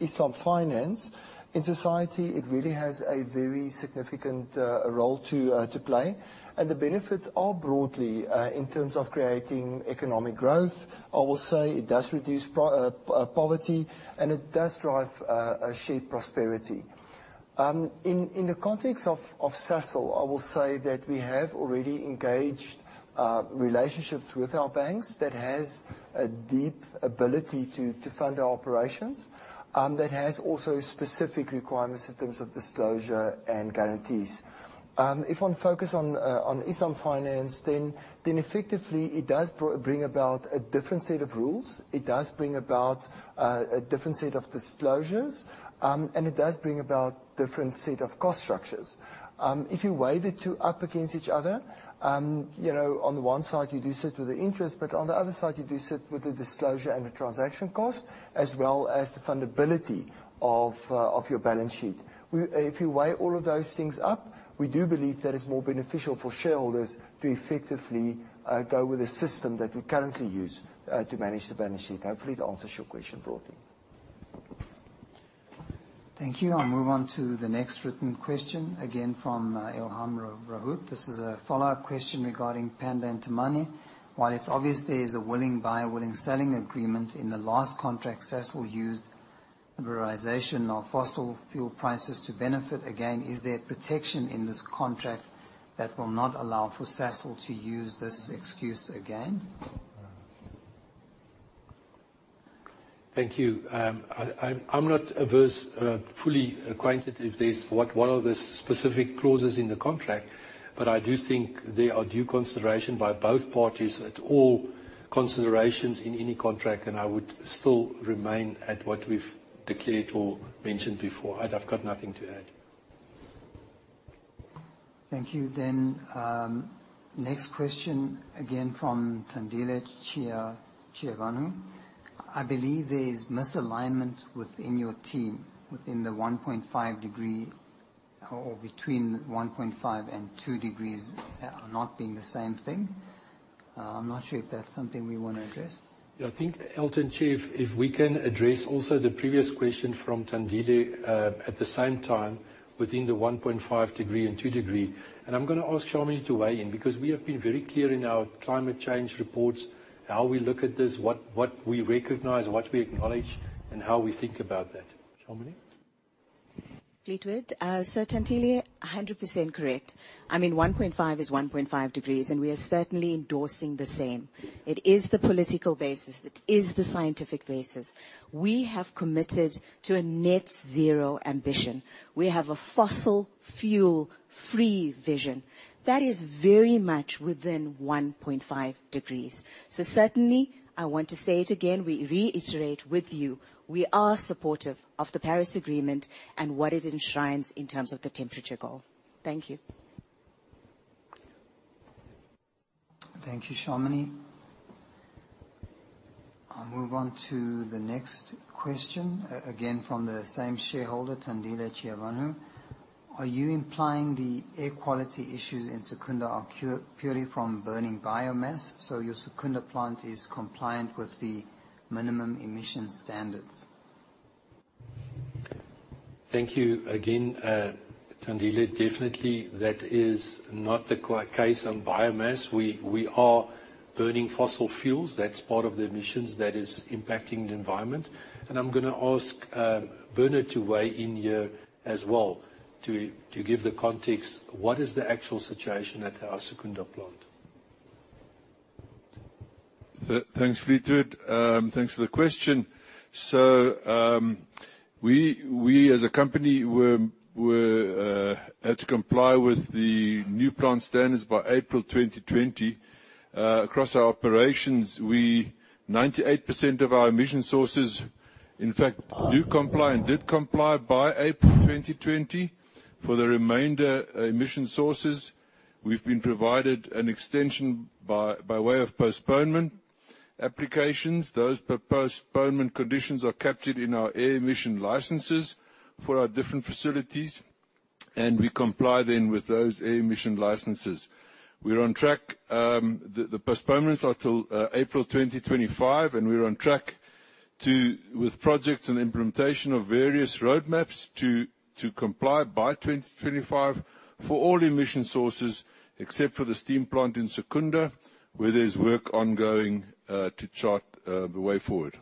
Islam finance, in society, it really has a very significant role to play, and the benefits are broadly in terms of creating economic growth. I will say it does reduce poverty, and it does drive a shared prosperity. In the context of Sasol, I will say that we have already engaged relationships with our banks that have a deep ability to fund our operations, that also have specific requirements in terms of disclosure and guarantees. If one focuses on Islam finance, effectively it does bring about a different set of rules, it does bring about a different set of disclosures, and it does bring about different set of cost structures. If you weigh the two up against each other, on the one side you do sit with the interest, on the other side, you do sit with the disclosure and the transaction cost, as well as the fundability of your balance sheet. If you weigh all of those things up, we do believe that it is more beneficial for shareholders to effectively go with the system that we currently use to manage the balance sheet. Hopefully that answers your question broadly. Thank you. I will move on to the next written question, again, from Ilham Rawoot. This is a follow-up question regarding Pande and Temane. While it is obvious there is a willing buyer/willing seller agreement, in the last contract, Sasol used liberalization of fossil fuel prices to benefit again. Is there protection in this contract that will not allow for Sasol to use this excuse again? Thank you. I'm not fully acquainted with this, what are the specific clauses in the contract, I do think there are due consideration by both parties at all considerations in any contract, I would still remain at what we've declared or mentioned before, I've got nothing to add. Thank you. Next question, again, from Thandile Chinyavanhu. I believe there's misalignment within your team within the 1.5 degree, or between 1.5 and 2 degrees are not being the same thing. I'm not sure if that's something we want to address. Yeah, I think, Elton, Chief, if we can address also the previous question from Thandile at the same time, within the 1.5 degree and 2 degree. I'm going to ask Shamini to weigh in, because we have been very clear in our climate change reports how we look at this, what we recognize, what we acknowledge, and how we think about that. Shamini? Fleetwood. Thandile, 100% correct. 1.5 is 1.5 degrees, and we are certainly endorsing the same. It is the political basis. It is the scientific basis. We have committed to a net zero ambition. We have a fossil fuel free vision. That is very much within 1.5 degrees. Certainly, I want to say it again, we reiterate with you, we are supportive of the Paris Agreement and what it enshrines in terms of the temperature goal. Thank you. Thank you, Shamini. I'll move on to the next question, again, from the same shareholder, Thandile Chinyavanhu. Are you implying the air quality issues in Secunda are purely from burning biomass, your Secunda plant is compliant with the minimum emission standards? Thank you again, Thandile Chinyavanhu. Definitely that is not the case on biomass. We are burning fossil fuels. That's part of the emissions that is impacting the environment. I'm going to ask Bernard to weigh in here as well, to give the context, what is the actual situation at our Secunda plant? Thanks, Fleetwood. Thanks for the question. We as a company had to comply with the new plant standards by April 2020. Across our operations, 98% of our emission sources, in fact, do comply and did comply by April 2020. For the remainder emission sources, we've been provided an extension by way of postponement applications, those postponement conditions are captured in our air emission licenses for our different facilities. We comply then with those air emission licenses. We are on track. The postponements are till April 2025. We're on track with projects and implementation of various roadmaps to comply by 2025 for all emission sources, except for the steam plant in Secunda, where there's work ongoing to chart the way forward.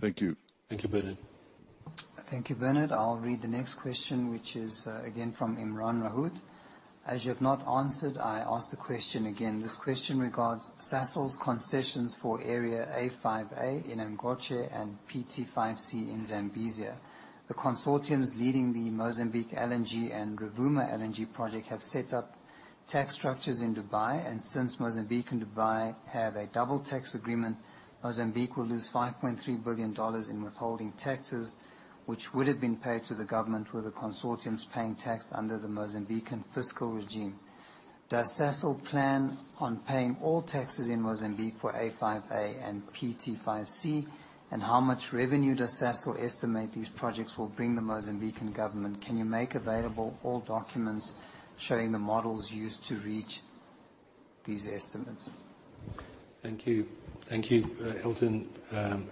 Thank you. Thank you, Bernard. Thank you, Bernard. I'll read the next question, which is again from Imraan Rawoot. As you have not answered, I ask the question again. This question regards Sasol's concessions for Area A5A in Angoche and PT5C in Zambezi. The consortiums leading the Mozambique LNG and Rovuma LNG project have set up tax structures in Dubai, and since Mozambique and Dubai have a double tax agreement, Mozambique will lose ZAR 5.3 billion in withholding taxes, which would've been paid to the government were the consortiums paying tax under the Mozambican fiscal regime. How much revenue does Sasol estimate these projects will bring the Mozambican government? Can you make available all documents showing the models used to reach these estimates? Thank you. Thank you, Elton.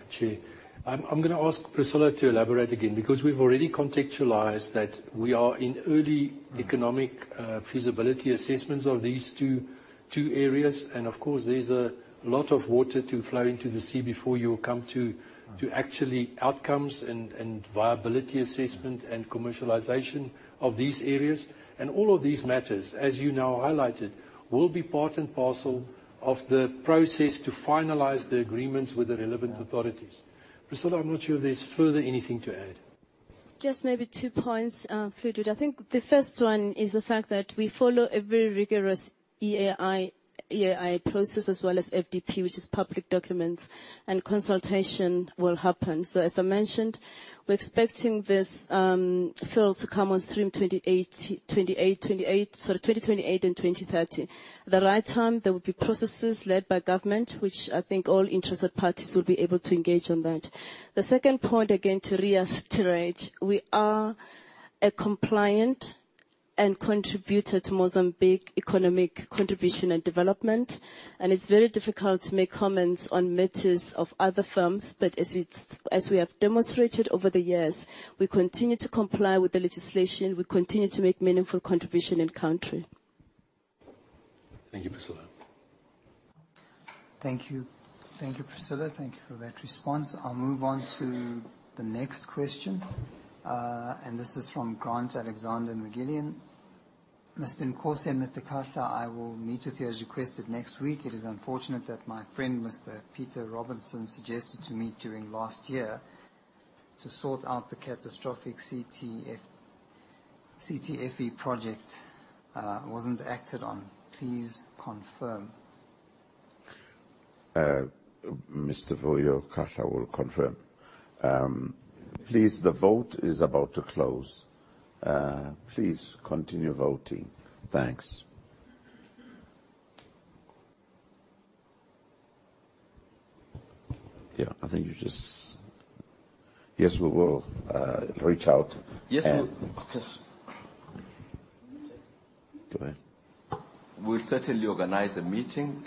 Chair. I'm going to ask Priscillah to elaborate again because we've already contextualized that we are in early economic feasibility assessments of these two areas. Of course, there's a lot of water to flow into the sea before you come to actually outcomes and viability assessment and commercialization of these areas. All of these matters, as you now highlighted, will be part and parcel of the process to finalize the agreements with the relevant authorities. Priscillah, I'm not sure if there's further anything to add. Just maybe two points, Fudut. The first one is the fact that we follow a very rigorous EIA process as well as FDP, which is public documents, and consultation will happen. As I mentioned, we're expecting this field to come on stream 2028 and 2030. The right time, there will be processes led by government, which all interested parties will be able to engage on that. The second point, again, to reiterate, we are a compliant and contributor to Mozambique economic contribution and development, and it's very difficult to make comments on matters of other firms. As we have demonstrated over the years, we continue to comply with the legislation. We continue to make meaningful contribution in country. Thank you, Priscillah. Thank you. Thank you, Priscilla. Thank you for that response. This is from Grant Alexander Magillian. Mr. Nkosi and Mr. Khosa, I will meet with you as requested next week. It is unfortunate that my friend, Mr. Peter Robertson, suggested to me during last year to sort out the catastrophic CTFE project, wasn't acted on. Please confirm. Mr. Vuyo Khosa will confirm. Please, the vote is about to close. Please continue voting. Thanks. Yes, we will reach out and- Yes, we- Go ahead. We'll certainly organize a meeting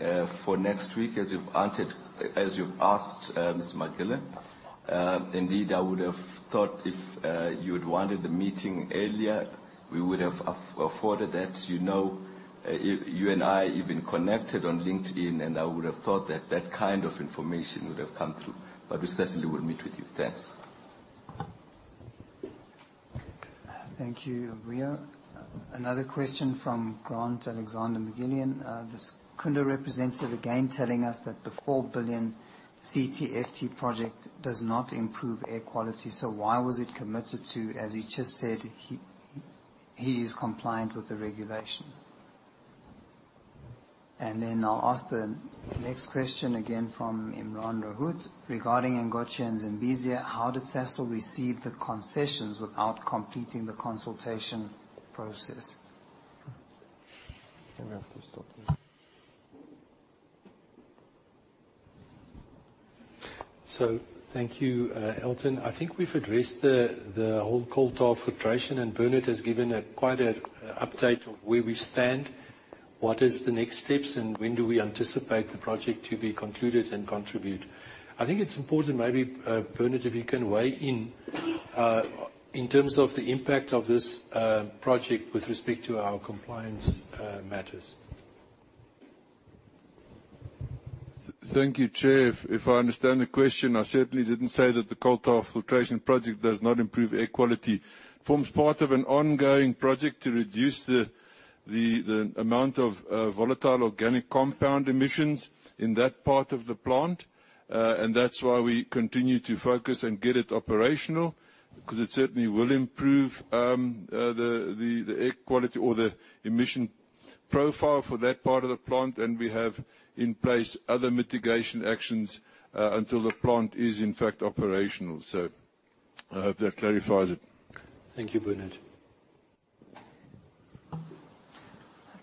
for next week as you've asked, Mr. Magillian. Indeed, I would have thought if you had wanted the meeting earlier, we would have afforded that. You and I even connected on LinkedIn, and I would have thought that that kind of information would have come through, but we certainly will meet with you. Thanks. Thank you, Vuyo. Another question from Grant Alexander Magillian. The Secunda representative again telling us that the 4 billion CTL project does not improve air quality. Why was it committed to, as he just said he is compliant with the regulations? Then I'll ask the next question again from Imraan Rawoot. Regarding Angoche and Zambezi, how did Sasol receive the concessions without completing the consultation process? Maybe I'll first start here. Thank you, Elton. I think we've addressed the whole coal tar filtration, and Bernard has given quite an update of where we stand, what is the next steps, and when do we anticipate the project to be concluded and contribute. I think it's important maybe, Bernard, if you can weigh in terms of the impact of this project with respect to our compliance matters. Thank you, Chair. If I understand the question, I certainly didn't say that the coal tar filtration project does not improve air quality. It forms part of an ongoing project to reduce the amount of volatile organic compound emissions in that part of the plant. That's why we continue to focus and get it operational, because it certainly will improve the air quality or the emission profile for that part of the plant. We have in place other mitigation actions until the plant is in fact operational. I hope that clarifies it. Thank you, Bernard.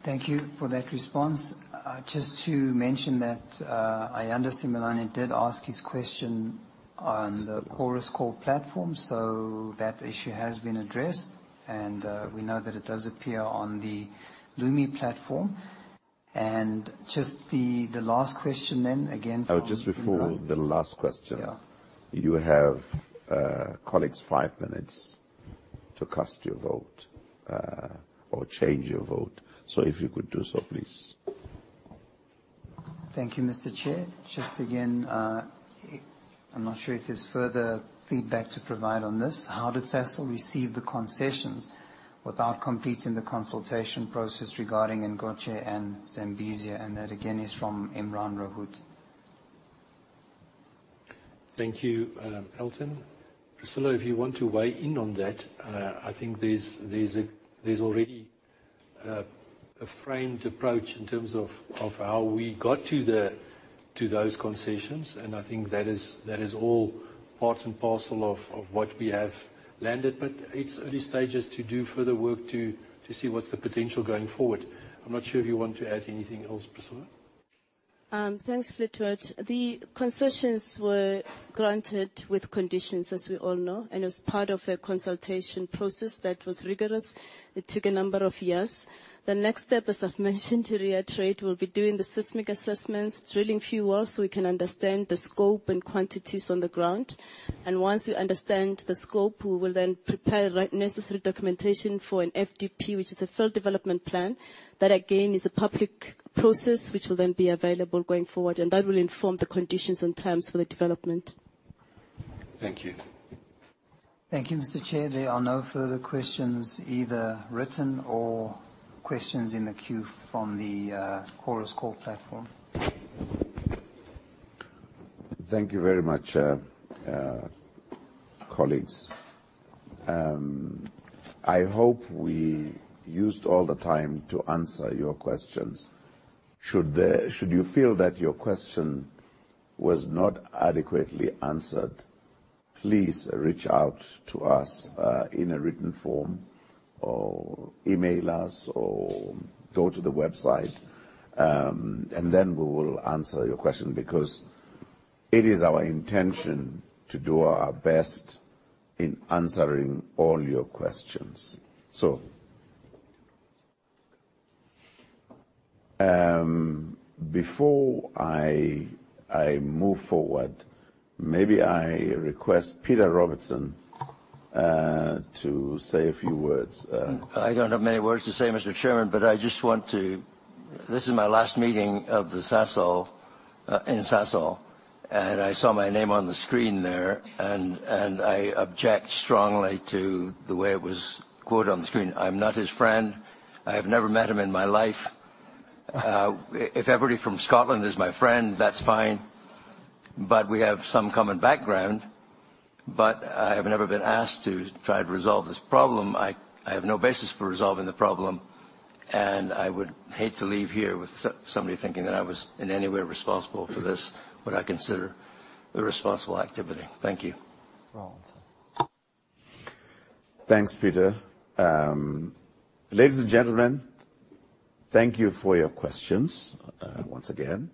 Thank you for that response. Just to mention that Ayanda Simelane did ask his question on the Chorus Call platform, so that issue has been addressed, and we know that it does appear on the Lumi platform. just before the last question. Yeah. You have, colleagues, five minutes to cast your vote or change your vote. if you could do so, please. Thank you, Mr. Chair. Just again, I'm not sure if there's further feedback to provide on this. How did Sasol receive the concessions without completing the consultation process regarding Ngodje and Zambezi? That, again, is from Imraan Rawoot. Thank you, Elton. Priscilla, if you want to weigh in on that, I think there's already a framed approach in terms of how we got to those concessions, and I think that is all part and parcel of what we have landed. It's early stages to do further work to see what's the potential going forward. I'm not sure if you want to add anything else, Priscilla. Thanks, Flutoit. The concessions were granted with conditions, as we all know. As part of a consultation process that was rigorous, it took a number of years. The next step, as I've mentioned, to reiterate, we'll be doing the seismic assessments, drilling a few wells so we can understand the scope and quantities on the ground. Once we understand the scope, we will then prepare the necessary documentation for an FDP, which is a field development plan. That, again, is a public process which will then be available going forward, and that will inform the conditions and terms for the development. Thank you. Thank you, Mr. Chair. There are no further questions, either written or questions in the queue from the Chorus Call platform. Thank you very much, colleagues. I hope we used all the time to answer your questions. Should you feel that your question was not adequately answered, please reach out to us in a written form or email us or go to the website. Then we will answer your question, because it is our intention to do our best in answering all your questions. Before I move forward, maybe I request Peter Robertson to say a few words. I don't have many words to say, Mr. Chairman. This is my last meeting in Sasol. I saw my name on the screen there. I object strongly to the way it was quoted on the screen. I'm not his friend. I have never met him in my life. If everybody from Scotland is my friend, that's fine, but we have some common background. I have never been asked to try to resolve this problem. I have no basis for resolving the problem. I would hate to leave here with somebody thinking that I was in any way responsible for this, what I consider irresponsible activity. Thank you. Thanks, Peter. Ladies and gentlemen, thank you for your questions once again.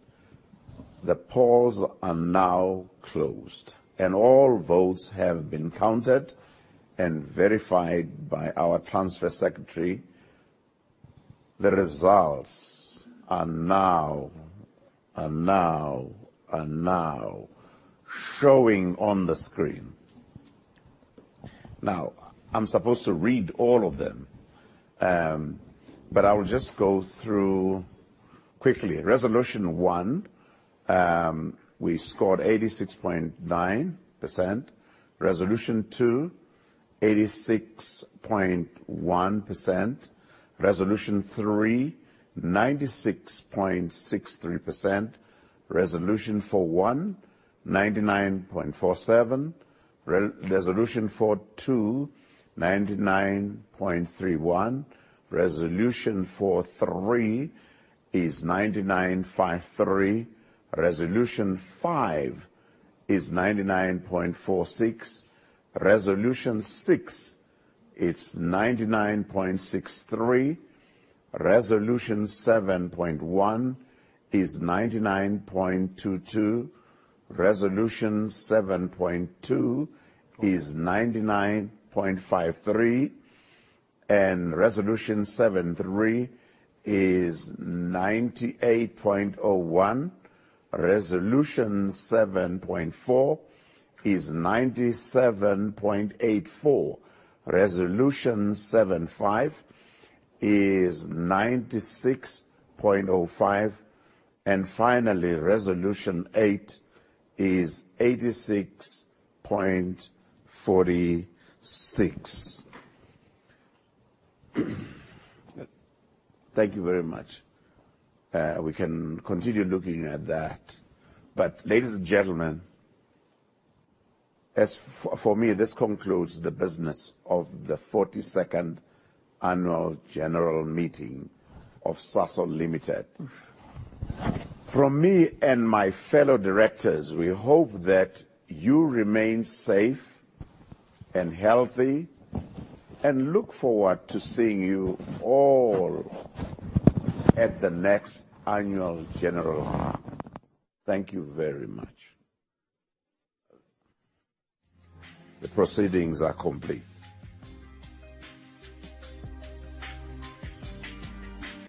The polls are now closed. All votes have been counted and verified by our transfer secretary. The results are now showing on the screen. I'm supposed to read all of them, but I will just go through quickly. Resolution 1, we scored 86.9%. Resolution 2, 86.1%. Resolution 3, 96.63%. Resolution 4.1, 99.47%. Resolution 4.2, 99.31%. Resolution 4.3 is 99.53%. Resolution 5 is 99.46%. Resolution 6, it's 99.63%. Resolution 7.1 is 99.22%. Resolution 7.2 is 99.53%. Resolution 7.3 is 98.01%. Resolution 7.4 is 97.84%. Resolution 7.5 is 96.05%. Finally, Resolution 8 is 86.46%. Thank you very much. We can continue looking at that. Ladies and gentlemen, for me, this concludes the business of the 42nd annual general meeting of Sasol Limited. From me and my fellow directors, we hope that you remain safe and healthy, and look forward to seeing you all at the next annual general meeting. Thank you very much. The proceedings are complete.